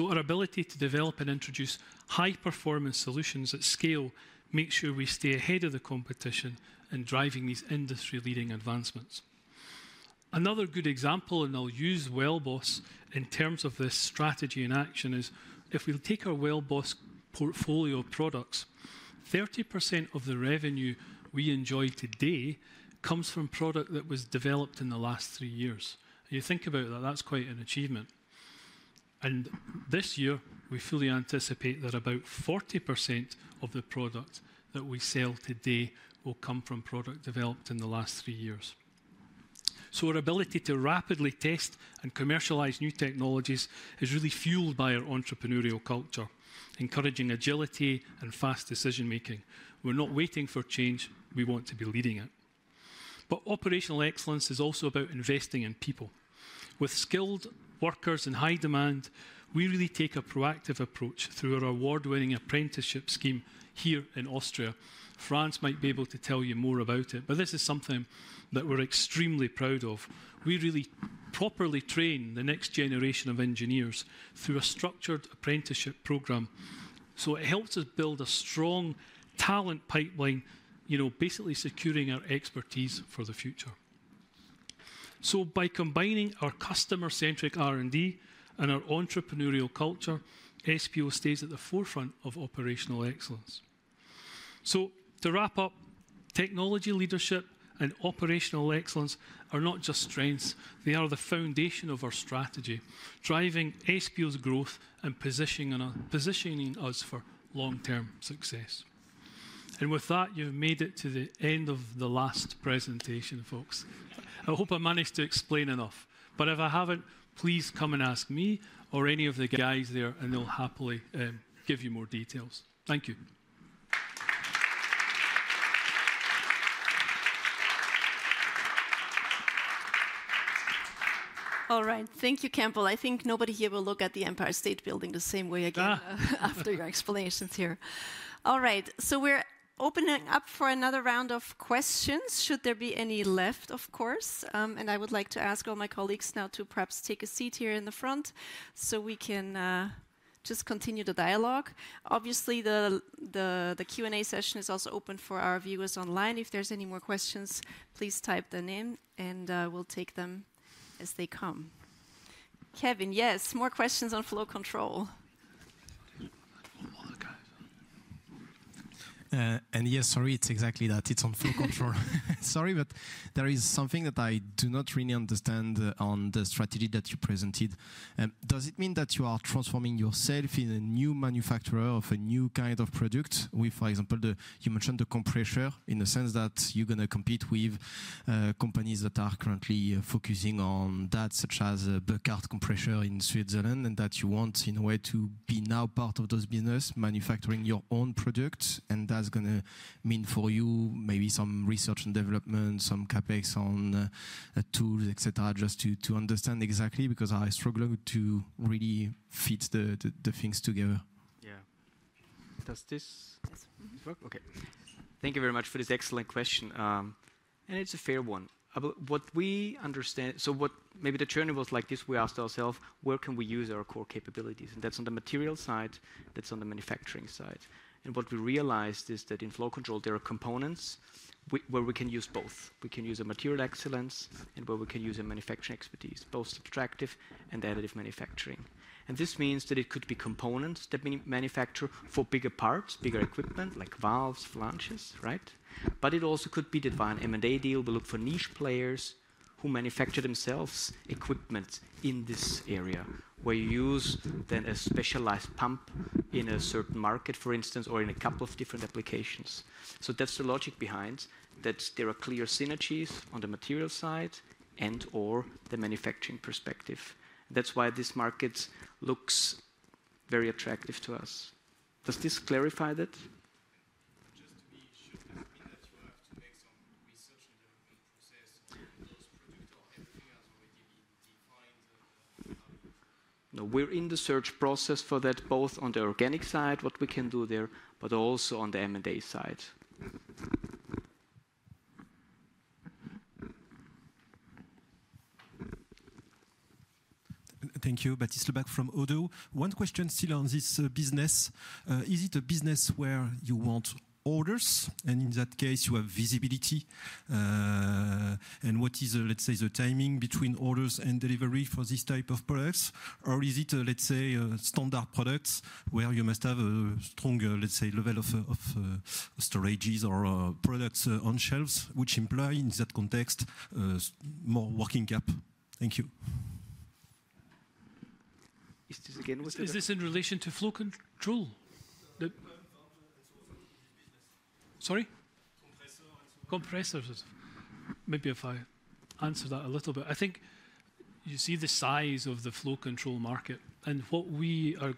Our ability to develop and introduce high-performance solutions at scale makes sure we stay ahead of the competition in driving these industry-leading advancements. Another good example, and I'll use Wellboss in terms of this strategy in action, is if we take our Wellboss portfolio of products, 30% of the revenue we enjoy today comes from product that was developed in the last three years. You think about that, that's quite an achievement. This year, we fully anticipate that about 40% of the product that we sell today will come from product developed in the last three years. Our ability to rapidly test and commercialize new technologies is really fueled by our entrepreneurial culture, encouraging agility and fast decision-making. We're not waiting for change; we want to be leading it. Operational excellence is also about investing in people. With skilled workers in high demand, we really take a proactive approach through our award-winning apprenticeship scheme here in Austria. Franz might be able to tell you more about it, but this is something that we're extremely proud of. We really properly train the next generation of engineers through a structured apprenticeship program. It helps us build a strong talent pipeline, you know, basically securing our expertise for the future. By combining our customer-centric R&D and our entrepreneurial culture, SBO stays at the forefront of operational excellence. To wrap up, technology leadership and operational excellence are not just strengths; they are the foundation of our strategy, driving SBO's growth and positioning us for long-term success. With that, you've made it to the end of the last presentation, folks. I hope I managed to explain enough, but if I haven't, please come and ask me or any of the guys there, and they'll happily give you more details. Thank you. All right. Thank you, Campbell. I think nobody here will look at the Empire State Building the same way again after your explanations here. All right. We're opening up for another round of questions. Should there be any left, of course. I would like to ask all my colleagues now to perhaps take a seat here in the front so we can just continue the dialogue. Obviously, the Q&A session is also open for our viewers online. If there are any more questions, please type them in, and we'll take them as they come. Kevin, yes, more questions on flow control. Yes, sorry, it's exactly that. It's on flow control. Sorry, but there is something that I do not really understand on the strategy that you presented. Does it mean that you are transforming yourself in a new manufacturer of a new kind of product with, for example, the, you mentioned the compressor in the sense that you're going to compete with companies that are currently focusing on that, such as Burkhardt Compressor in Switzerland, and that you want in a way to be now part of those businesses, manufacturing your own products? That's going to mean for you maybe some research and development, some CapEx on tools, etc., just to understand exactly because I struggle to really fit the things together. Yeah. Does this work? Okay. Thank you very much for this excellent question. It's a fair one. What we understand, so what maybe the journey was like this, we asked ourselves, where can we use our core capabilities? That's on the material side, that's on the manufacturing side. What we realized is that in flow control, there are components where we can use both. We can use a material excellence and where we can use a manufacturing expertise, both subtractive and additive manufacturing. This means that it could be components that we manufacture for bigger parts, bigger equipment like valves, flanges, right? It also could be that by an M&A deal, we look for niche players who manufacture themselves equipment in this area where you use then a specialized pump in a certain market, for instance, or in a couple of different applications. That is the logic behind that there are clear synergies on the material side and/or the manufacturing perspective. That is why this market looks very attractive to us. Does this clarify that? Just to be sure, does it mean that you have to make some research and development process on those products or everything has already been defined? No, we're in the search process for that, both on the organic side, what we can do there, but also on the M&A side. Thank you. Baptiste Lebac from ODDO. One question still on this business. Is it a business where you want orders, and in that case, you have visibility? And what is, let's say, the timing between orders and delivery for this type of products? Or is it, let's say, a standard product where you must have a strong, let's say, level of storages or products on shelves, which implies in that context more working cap? Thank you. Is this again? Is this in relation to flow control? Sorry? Compressors. Maybe if I answer that a little bit. I think you see the size of the flow control market. What we are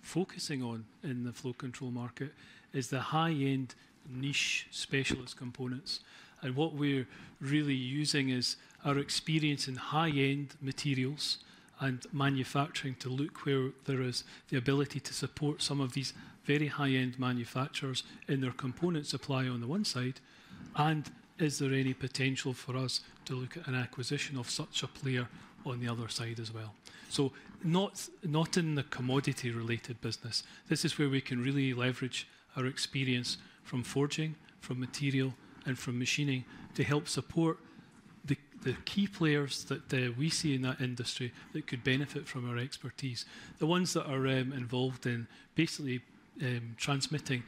focusing on in the flow control market is the high-end niche specialist components. What we're really using is our experience in high-end materials and manufacturing to look where there is the ability to support some of these very high-end manufacturers in their component supply on the one side. Is there any potential for us to look at an acquisition of such a player on the other side as well? Not in the commodity-related business. This is where we can really leverage our experience from forging, from material, and from machining to help support the key players that we see in that industry that could benefit from our expertise. The ones that are involved in basically transmitting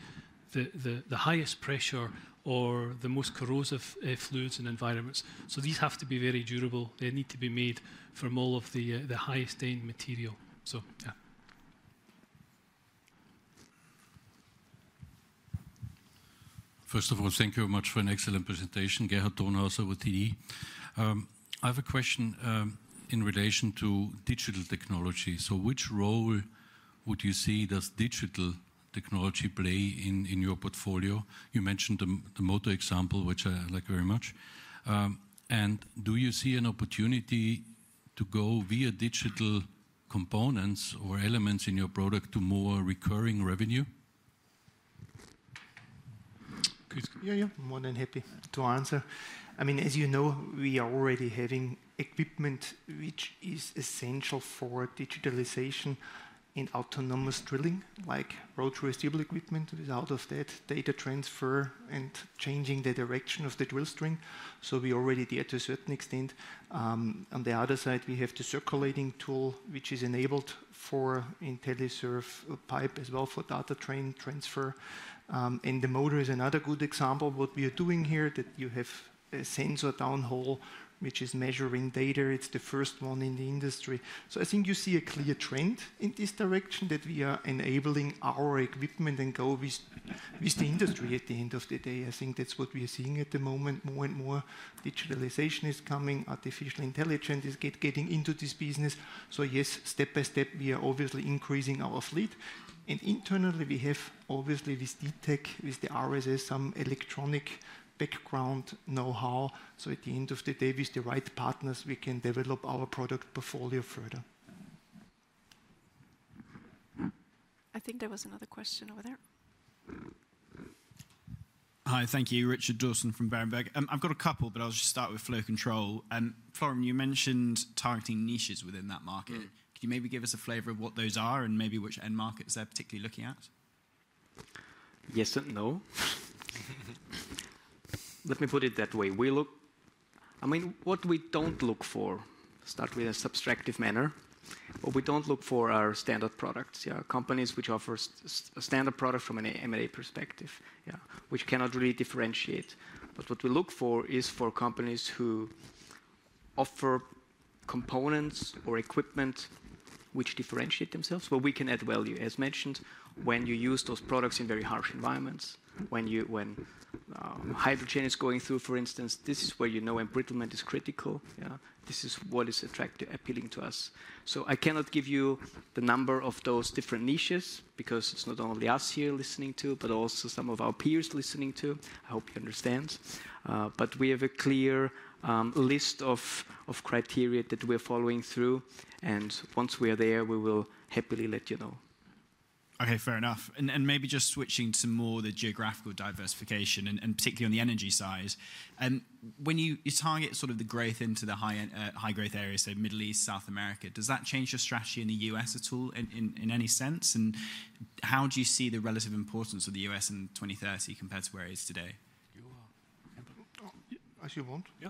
the highest pressure or the most corrosive fluids and environments. These have to be very durable. They need to be made from all of the highest-end material. Yeah. First of all, thank you very much for an excellent presentation. Gerhard Thonhauser with TD. I have a question in relation to digital technology. Which role would you see does digital technology play in your portfolio? You mentioned the motor example, which I like very much. Do you see an opportunity to go via digital components or elements in your product to more recurring revenue? Yeah, more than happy to answer. I mean, as you know, we are already having equipment which is essential for digitalization in autonomous drilling, like rotary steerable equipment. Without that data transfer and changing the direction of the drill string, we already did to a certain extent. On the other side, we have the circulating tool, which is enabled for IntelliServ pipe as well for data train transfer. The motor is another good example of what we are doing here, that you have a sensor downhole which is measuring data. It's the first one in the industry. I think you see a clear trend in this direction that we are enabling our equipment and go with the industry at the end of the day. I think that's what we are seeing at the moment. More and more digitalization is coming. Artificial intelligence is getting into this business. Yes, step by step, we are obviously increasing our fleet. Internally, we have obviously with DTEC, with the RSS, some electronic background know-how. At the end of the day, with the right partners, we can develop our product portfolio further. I think there was another question over there. Hi, thank you. Richard Dawson from Berenberg. I've got a couple, but I'll just start with flow control. And Florian, you mentioned targeting niches within that market. Can you maybe give us a flavor of what those are and maybe which end markets they're particularly looking at? Yes and no. Let me put it that way. We look, I mean, what we don't look for, start with a subtractive manner, but we don't look for our standard products. Yeah, companies which offer a standard product from an M&A perspective, yeah, which cannot really differentiate. But what we look for is for companies who offer components or equipment which differentiate themselves, where we can add value, as mentioned, when you use those products in very harsh environments. When hydrogen is going through, for instance, this is where you know embrittlement is critical. Yeah, this is what is attractive, appealing to us. I cannot give you the number of those different niches because it's not only us here listening to, but also some of our peers listening to. I hope you understand. We have a clear list of criteria that we're following through. Once we are there, we will happily let you know. Okay, fair enough. Maybe just switching to more the geographical diversification, and particularly on the energy side. When you target sort of the growth into the high-growth areas, so Middle East, South America, does that change your strategy in the U.S. at all in any sense? How do you see the relative importance of the U.S. in 2030 compared to where it is today? As you want. Yeah,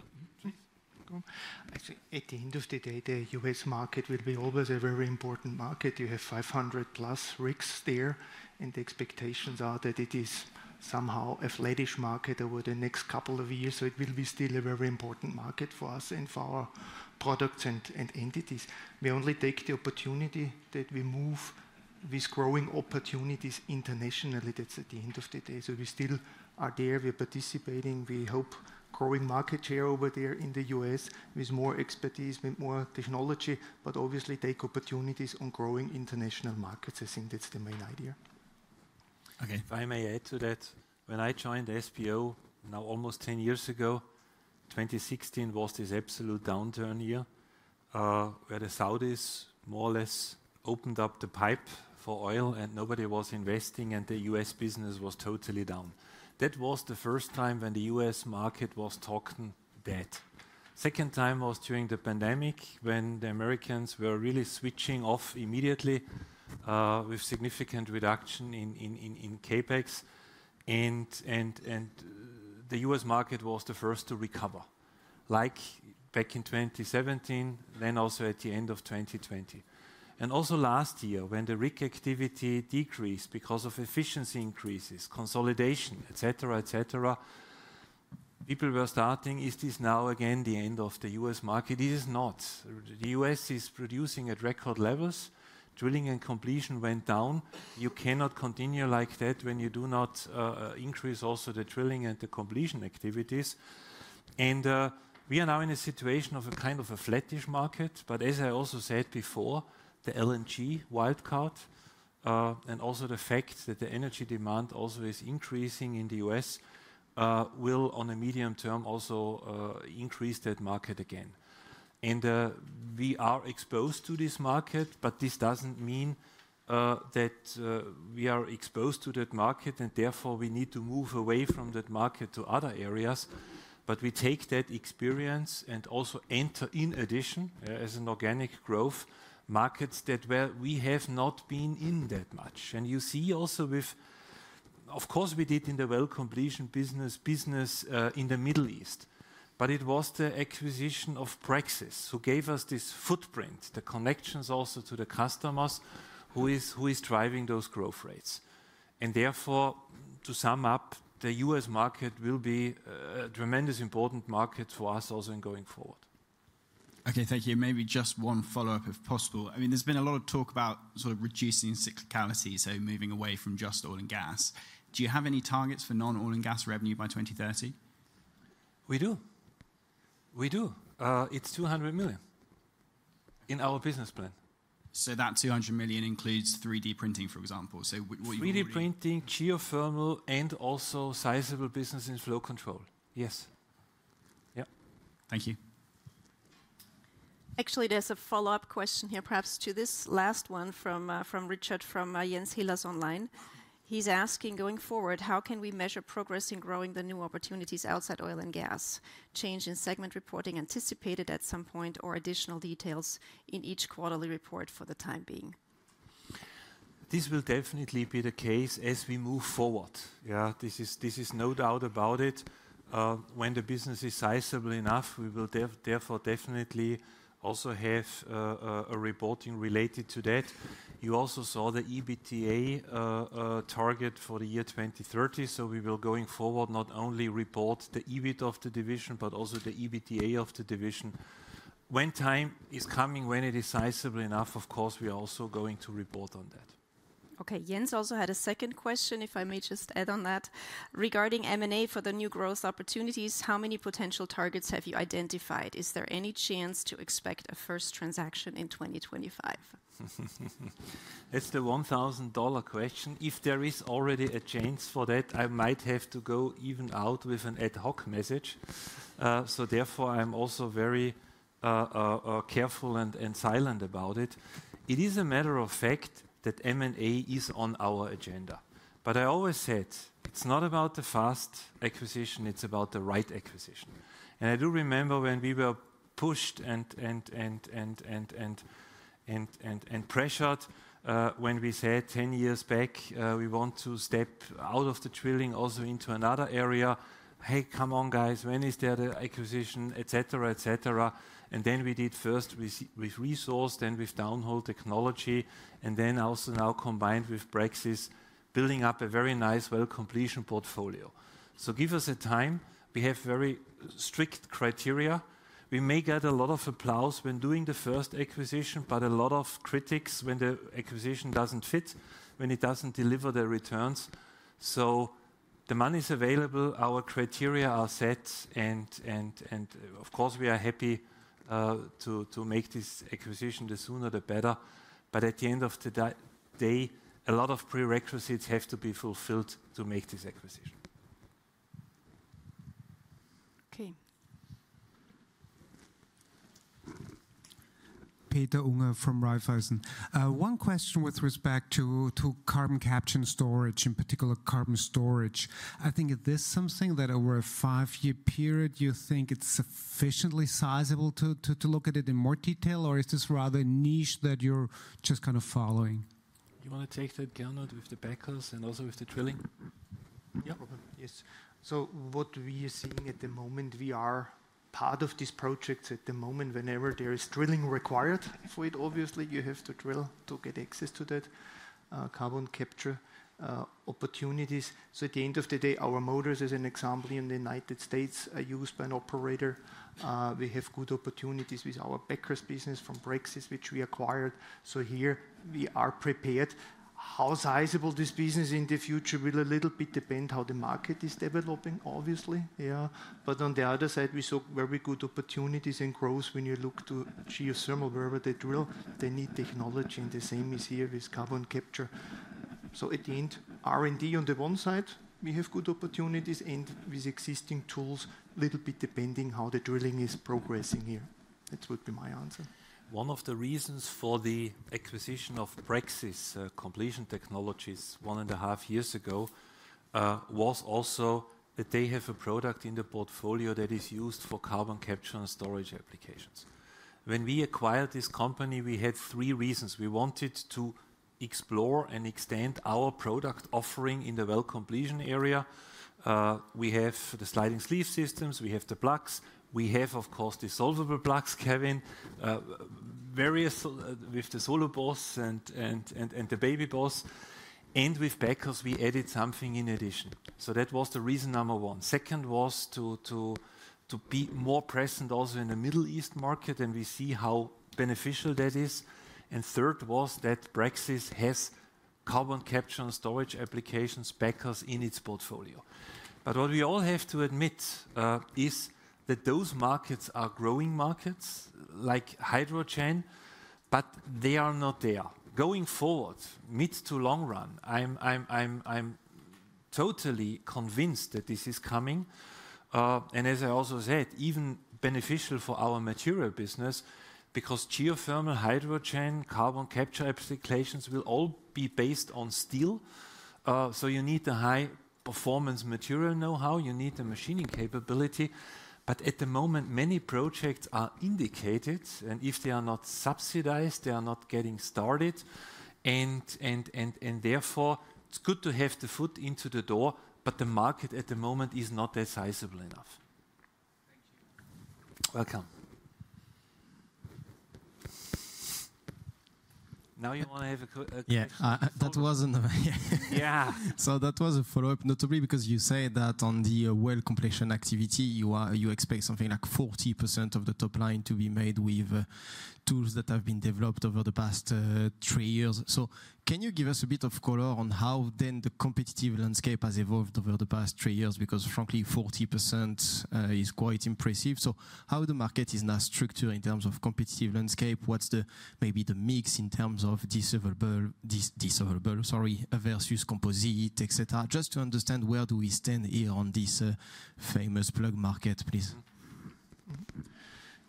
please. Actually, at the end of the day, the U.S. market will be always a very important market. You have 500+ rigs there, and the expectations are that it is somehow a flat-ish market over the next couple of years. It will be still a very important market for us and for our products and entities. We only take the opportunity that we move with growing opportunities internationally. That's at the end of the day. We still are there. We're participating. We hope growing markets here over there in the U.S. with more expertise, with more technology, but obviously take opportunities on growing international markets. I think that's the main idea. Okay, if I may add to that. When I joined the SBO now almost 10 years ago, 2016 was this absolute downturn year where the Saudis more or less opened up the pipe for oil and nobody was investing, and the U.S. business was totally down. That was the first time when the U.S. market was talking that. Second time was during the pandemic when the Americans were really switching off immediately with significant reduction in CapEx. The U.S. market was the first to recover, like back in 2017, then also at the end of 2020. Last year, when the rig activity decreased because of efficiency increases, consolidation, etc., etc., people were starting, is this now again the end of the U.S. market? It is not. The U.S. is producing at record levels. Drilling and completion went down. You cannot continue like that when you do not increase also the drilling and the completion activities. We are now in a situation of a kind of a flattish market. As I also said before, the LNG wildcard and also the fact that the energy demand also is increasing in the U.S. will, on a medium term, also increase that market again. We are exposed to this market, but this does not mean that we are exposed to that market and therefore we need to move away from that market to other areas. We take that experience and also enter in addition as an organic growth markets that where we have not been in that much. You see also, of course, what we did in the well completion business in the Middle East, but it was the acquisition of Praxis who gave us this footprint, the connections also to the customers who is driving those growth rates. Therefore, to sum up, the US market will be a tremendously important market for us also going forward. Okay, thank you. Maybe just one follow-up if possible. I mean, there's been a lot of talk about sort of reducing cyclicality, so moving away from just oil and gas. Do you have any targets for non-oil and gas revenue by 2030? We do. We do. It's $200 million in our business plan. That $200 million includes 3D printing, for example. What you mean? 3D printing, geothermal, and also sizable business in flow control. Yes. Yeah. Thank you. Actually, there's a follow-up question here, perhaps to this last one from Richard from Jens Hillers online. He's asking, going forward, how can we measure progress in growing the new opportunities outside oil and gas? Change in segment reporting anticipated at some point or additional details in each quarterly report for the time being? This will definitely be the case as we move forward. Yeah, this is no doubt about it. When the business is sizable enough, we will therefore definitely also have a reporting related to that. You also saw the EBITDA target for the year 2030. We will, going forward, not only report the EBIT of the division, but also the EBITDA of the division. When time is coming, when it is sizable enough, of course, we are also going to report on that. Okay, Jens also had a second question, if I may just add on that. Regarding M&A for the new growth opportunities, how many potential targets have you identified? Is there any chance to expect a first transaction in 2025? That is the $1,000 question. If there is already a chance for that, I might have to go even out with an ad hoc message. Therefore, I am also very careful and silent about it. It is a matter of fact that M&A is on our agenda. I always said, it is not about the fast acquisition, it is about the right acquisition. I do remember when we were pushed and pressured when we said 10 years back, we want to step out of the drilling also into another area. Hey, come on, guys, when is there the acquisition, etc., etc. We did first with resource, then with downhole technology, and then also now combined with Praxis, building up a very nice well completion portfolio. Give us time. We have very strict criteria. We may get a lot of applause when doing the first acquisition, but a lot of critics when the acquisition does not fit, when it does not deliver the returns. The money is available, our criteria are set, and of course, we are happy to make this acquisition the sooner, the better. At the end of the day, a lot of prerequisites have to be fulfilled to make this acquisition. Okay. Peter Unger from Raiffeisen. One question with respect to carbon capture and storage, in particular carbon storage. I think this is something that over a five-year period, you think it's sufficiently sizable to look at it in more detail, or is this rather niche that you're just kind of following? Do you want to take that, Gernot, with the packers and also with the drilling? Yes. What we are seeing at the moment, we are part of these projects at the moment. Whenever there is drilling required for it, obviously, you have to drill to get access to that carbon capture opportunities. At the end of the day, our motors, as an example, in the United States are used by an operator. We have good opportunities with our packers business from Praxis, which we acquired. Here, we are prepared. How sizable this business in the future will a little bit depend on how the market is developing, obviously. On the other side, we saw very good opportunities and growth when you look to geothermal, wherever they drill, they need technology and the same is here with carbon capture. At the end, R&D on the one side, we have good opportunities and with existing tools, a little bit depending on how the drilling is progressing here. That would be my answer. One of the reasons for the acquisition of Praxis Completion Technology one and a half years ago was also that they have a product in the portfolio that is used for carbon capture and storage applications. When we acquired this company, we had three reasons. We wanted to explore and extend our product offering in the well completion area. We have the sliding sleeve systems, we have the plugs, we have, of course, dissolvable plugs, Kevin, various with the solo boss and the baby boss. With packers, we added something in addition. That was the reason number one. Second was to be more present also in the Middle East market and we see how beneficial that is. Third was that Praxis has carbon capture and storage applications, packers in its portfolio. What we all have to admit is that those markets are growing markets like hydrogen, but they are not there. Going forward, mid to long run, I'm totally convinced that this is coming. As I also said, even beneficial for our material business because geothermal, hydrogen, carbon capture applications will all be based on steel. You need the high performance material know-how, you need the machining capability. At the moment, many projects are indicated, and if they are not subsidized, they are not getting started. Therefore, it's good to have the foot into the door, but the market at the moment is not that sizable enough. Thank you. Welcome. You want to have a question? Yeah, that wasn't the way. Yeah. That was a follow-up, notably because you say that on the well completion activity, you expect something like 40% of the top line to be made with tools that have been developed over the past three years. Can you give us a bit of color on how then the competitive landscape has evolved over the past three years? Because frankly, 40% is quite impressive. How is the market now structured in terms of competitive landscape? What's the maybe the mix in terms of dissolvable, sorry, versus composite, etc.? Just to understand where do we stand here on this famous plug market, please.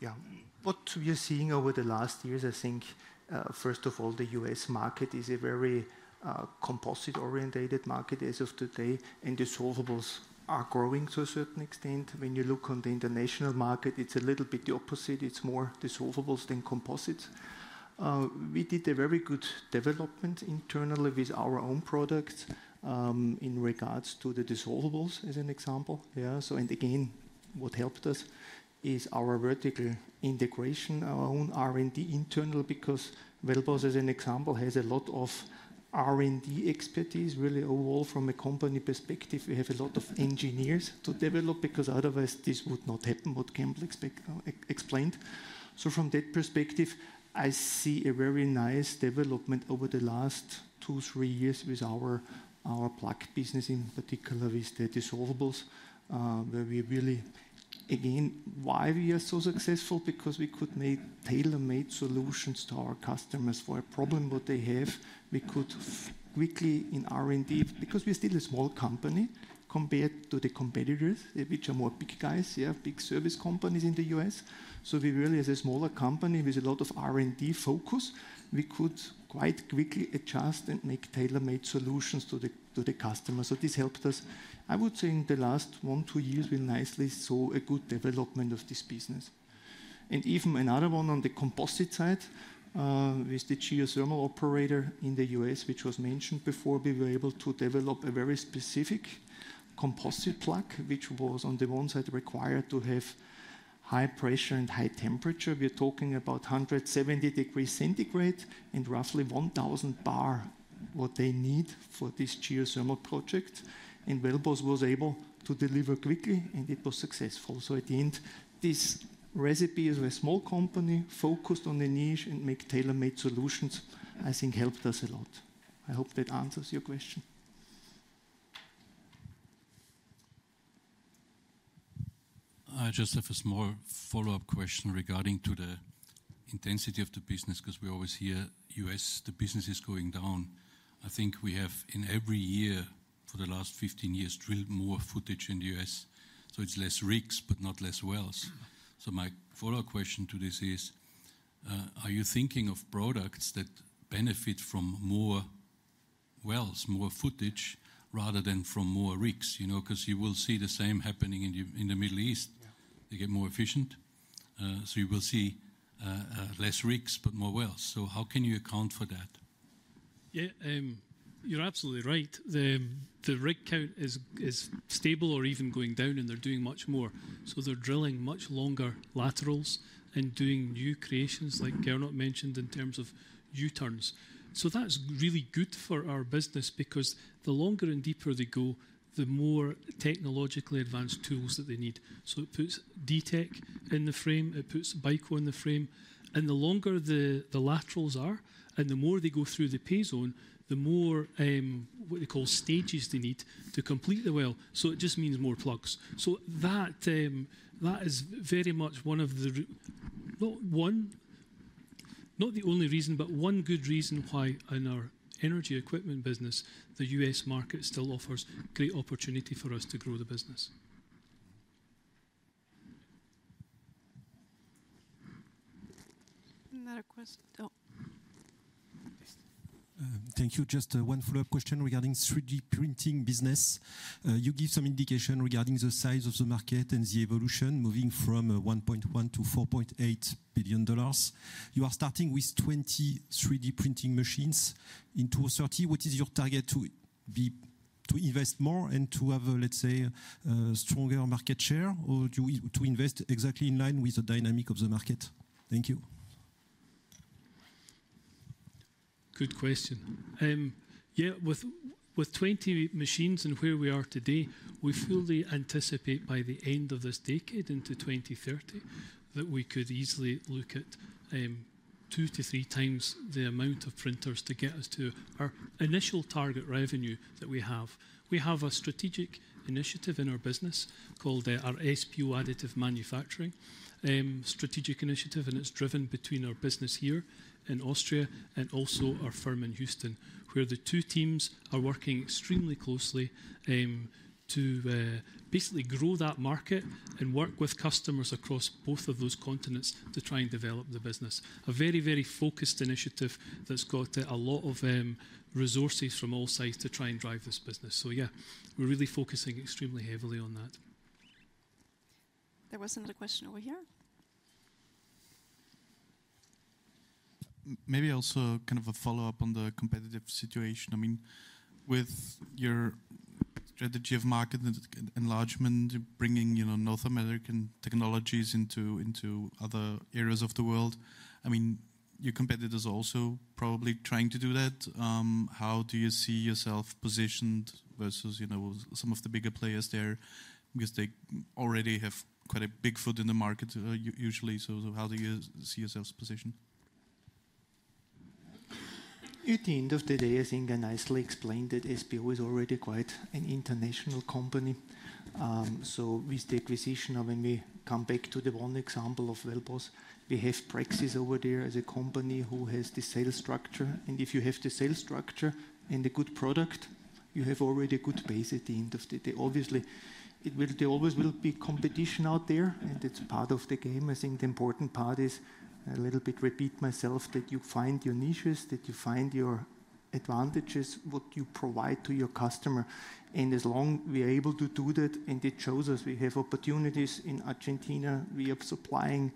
Yeah, what we are seeing over the last years, I think, first of all, the US market is a very composite-oriented market as of today, and dissolvables are growing to a certain extent. When you look on the international market, it's a little bit the opposite. It's more dissolvables than composites. We did a very good development internally with our own products in regards to the dissolvables, as an example. Yeah. What helped us is our vertical integration, our own R&D internal, because Wellboss, as an example, has a lot of R&D expertise, really, overall from a company perspective. We have a lot of engineers to develop because otherwise this would not happen, what Campbell explained. From that perspective, I see a very nice development over the last two, three years with our plug business, in particular with the dissolvables, where we really, again, why we are so successful? Because we could make tailor-made solutions to our customers for a problem what they have. We could quickly in R&D, because we're still a small company compared to the competitors, which are more big guys, big service companies in the U.S. We really, as a smaller company with a lot of R&D focus, we could quite quickly adjust and make tailor-made solutions to the customers. This helped us, I would say, in the last one, two years, we nicely saw a good development of this business. Even another one on the composite side, with the geothermal operator in the U.S., which was mentioned before, we were able to develop a very specific composite plug, which was on the one side required to have high pressure and high temperature. We are talking about 170 degrees centigrade and roughly 1,000 bar, what they need for this geothermal project. Wellboss was able to deliver quickly, and it was successful. At the end, this recipe is a small company focused on the niche and makes tailor-made solutions, I think helped us a lot. I hope that answers your question. I just have a small follow-up question regarding the intensity of the business, because we always hear U.S., the business is going down. I think we have, in every year for the last 15 years, drilled more footage in the U.S. It is less rigs, but not less wells. My follow-up question to this is, are you thinking of products that benefit from more wells, more footage, rather than from more rigs? You know, because you will see the same happening in the Middle East. They get more efficient. You will see less rigs, but more wells. How can you account for that? Yeah, you're absolutely right. The rig count is stable or even going down, and they're doing much more. They're drilling much longer laterals and doing new creations, like Gernot mentioned, in terms of U-turns. That's really good for our business because the longer and deeper they go, the more technologically advanced tools that they need. It puts DTEC in the frame, it puts Byko in the frame. The longer the laterals are, and the more they go through the pay zone, the more what they call stages they need to complete the well. It just means more plugs. That is very much one of the, not the only reason, but one good reason why in our energy equipment business, the US market still offers great opportunity for us to grow the business. Thank you. Just one follow-up question regarding 3D printing business. You gave some indication regarding the size of the market and the evolution moving from $1.1 billion to $4.8 billion. You are starting with 20 3D printing machines. In 2030, what is your target to be to invest more and to have, let's say, a stronger market share or to invest exactly in line with the dynamic of the market? Thank you. Good question. Yeah, with 20 machines and where we are today, we fully anticipate by the end of this decade, into 2030, that we could easily look at two to three times the amount of printers to get us to our initial target revenue that we have. We have a strategic initiative in our business called our SBO Additive Manufacturing Strategic Initiative, and it's driven between our business here in Austria and also our firm in Houston, where the two teams are working extremely closely to basically grow that market and work with customers across both of those continents to try and develop the business. A very, very focused initiative that's got a lot of resources from all sides to try and drive this business. Yeah, we're really focusing extremely heavily on that. There was another question over here. Maybe also kind of a follow-up on the competitive situation. I mean, with your strategy of market enlargement, bringing North American technologies into other areas of the world, I mean, your competitors are also probably trying to do that. How do you see yourself positioned versus some of the bigger players there? Because they already have quite a big foot in the market, usually. How do you see yourself positioned? At the end of the day, I think I nicely explained that SBO is already quite an international company. With the acquisition, when we come back to the one example of Wellboss, we have Praxis over there as a company who has the sales structure. If you have the sales structure and a good product, you have already a good base at the end of the day. Obviously, there always will be competition out there, and it's part of the game. I think the important part is, a little bit repeat myself, that you find your niches, that you find your advantages, what you provide to your customer. As long as we are able to do that, and it shows us we have opportunities in Argentina, we are supplying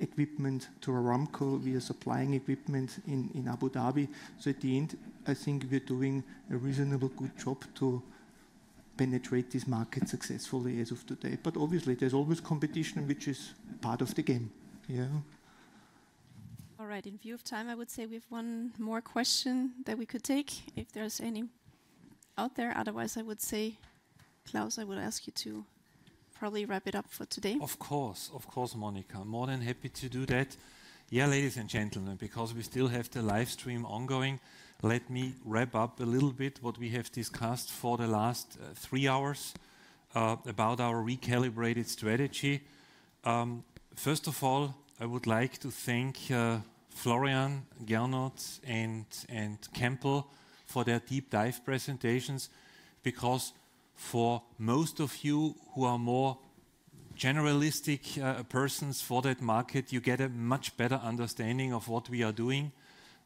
equipment to Aramco, we are supplying equipment in Abu Dhabi. At the end, I think we're doing a reasonably good job to penetrate this market successfully as of today. Obviously, there's always competition, which is part of the game. All right. In view of time, I would say we have one more question that we could take, if there's any out there. Otherwise, I would say, Klaus, I would ask you to probably wrap it up for today. Of course, of course, Monika. More than happy to do that. Yeah, ladies and gentlemen, because we still have the livestream ongoing, let me wrap up a little bit what we have discussed for the last three hours about our recalibrated strategy. First of all, I would like to thank Florian, Gernot and Campbell for their deep dive presentations. Because for most of you who are more generalistic persons for that market, you get a much better understanding of what we are doing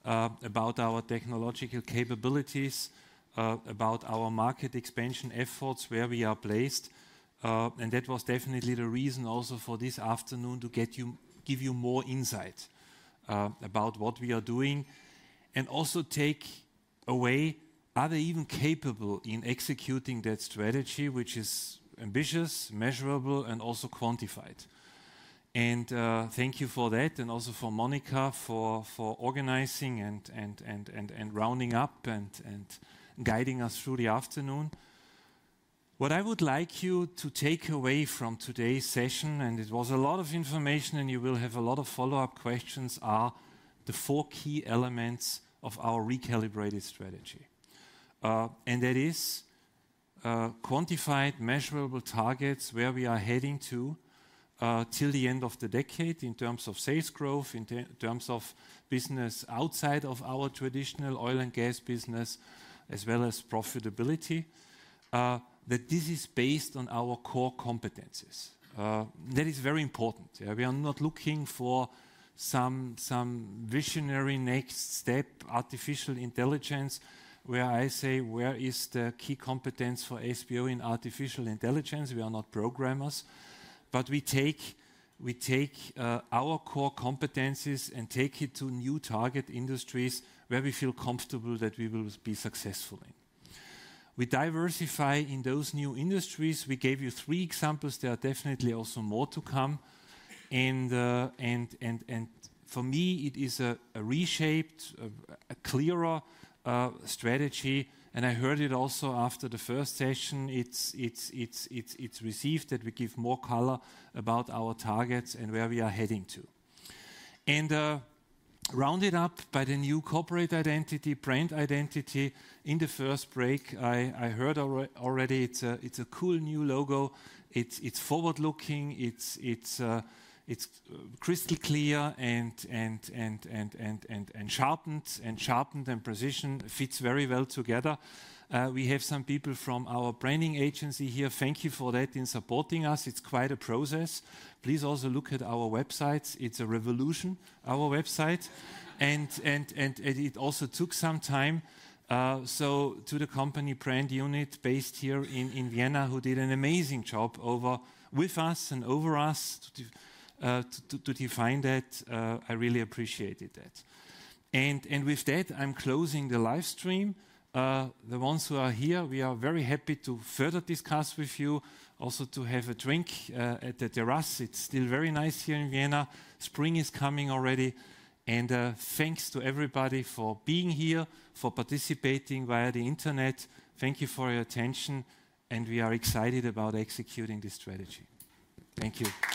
about our technological capabilities, about our market expansion efforts, where we are placed. That was definitely the reason also for this afternoon to give you more insight about what we are doing and also take away. Are they even capable in executing that strategy, which is ambitious, measurable, and also quantified? Thank you for that, and also for Monika for organizing and rounding up and guiding us through the afternoon. What I would like you to take away from today's session, and it was a lot of information and you will have a lot of follow-up questions, are the four key elements of our recalibrated strategy. That is quantified, measurable targets, where we are heading to till the end of the decade in terms of sales growth, in terms of business outside of our traditional oil and gas business, as well as profitability. That this is based on our core competencies. That is very important. We are not looking for some visionary next step, artificial intelligence, where I say, where is the key competence for SBO in artificial intelligence? We are not programmers. We take our core competencies and take it to new target industries where we feel comfortable that we will be successful in. We diversify in those new industries. We gave you three examples. There are definitely also more to come. For me, it is a reshaped, a clearer strategy. I heard it also after the first session. It is received that we give more color about our targets and where we are heading to. Rounded up by the new corporate identity, brand identity. In the first break, I heard already, it is a cool new logo. It is forward-looking. It is crystal clear and sharpened and positioned. Fits very well together. We have some people from our branding agency here. Thank you for that in supporting us. It is quite a process. Please also look at our websites. It is a revolution, our website. It also took some time to the company brand unit based here in Vienna, who did an amazing job with us and over us to define that. I really appreciated that. With that, I am closing the livestream. The ones who are here, we are very happy to further discuss with you, also to have a drink at the terrace. It is still very nice here in Vienna. Spring is coming already. Thank you to everybody for being here, for participating via the internet. Thank you for your attention. We are excited about executing this strategy. Thank you.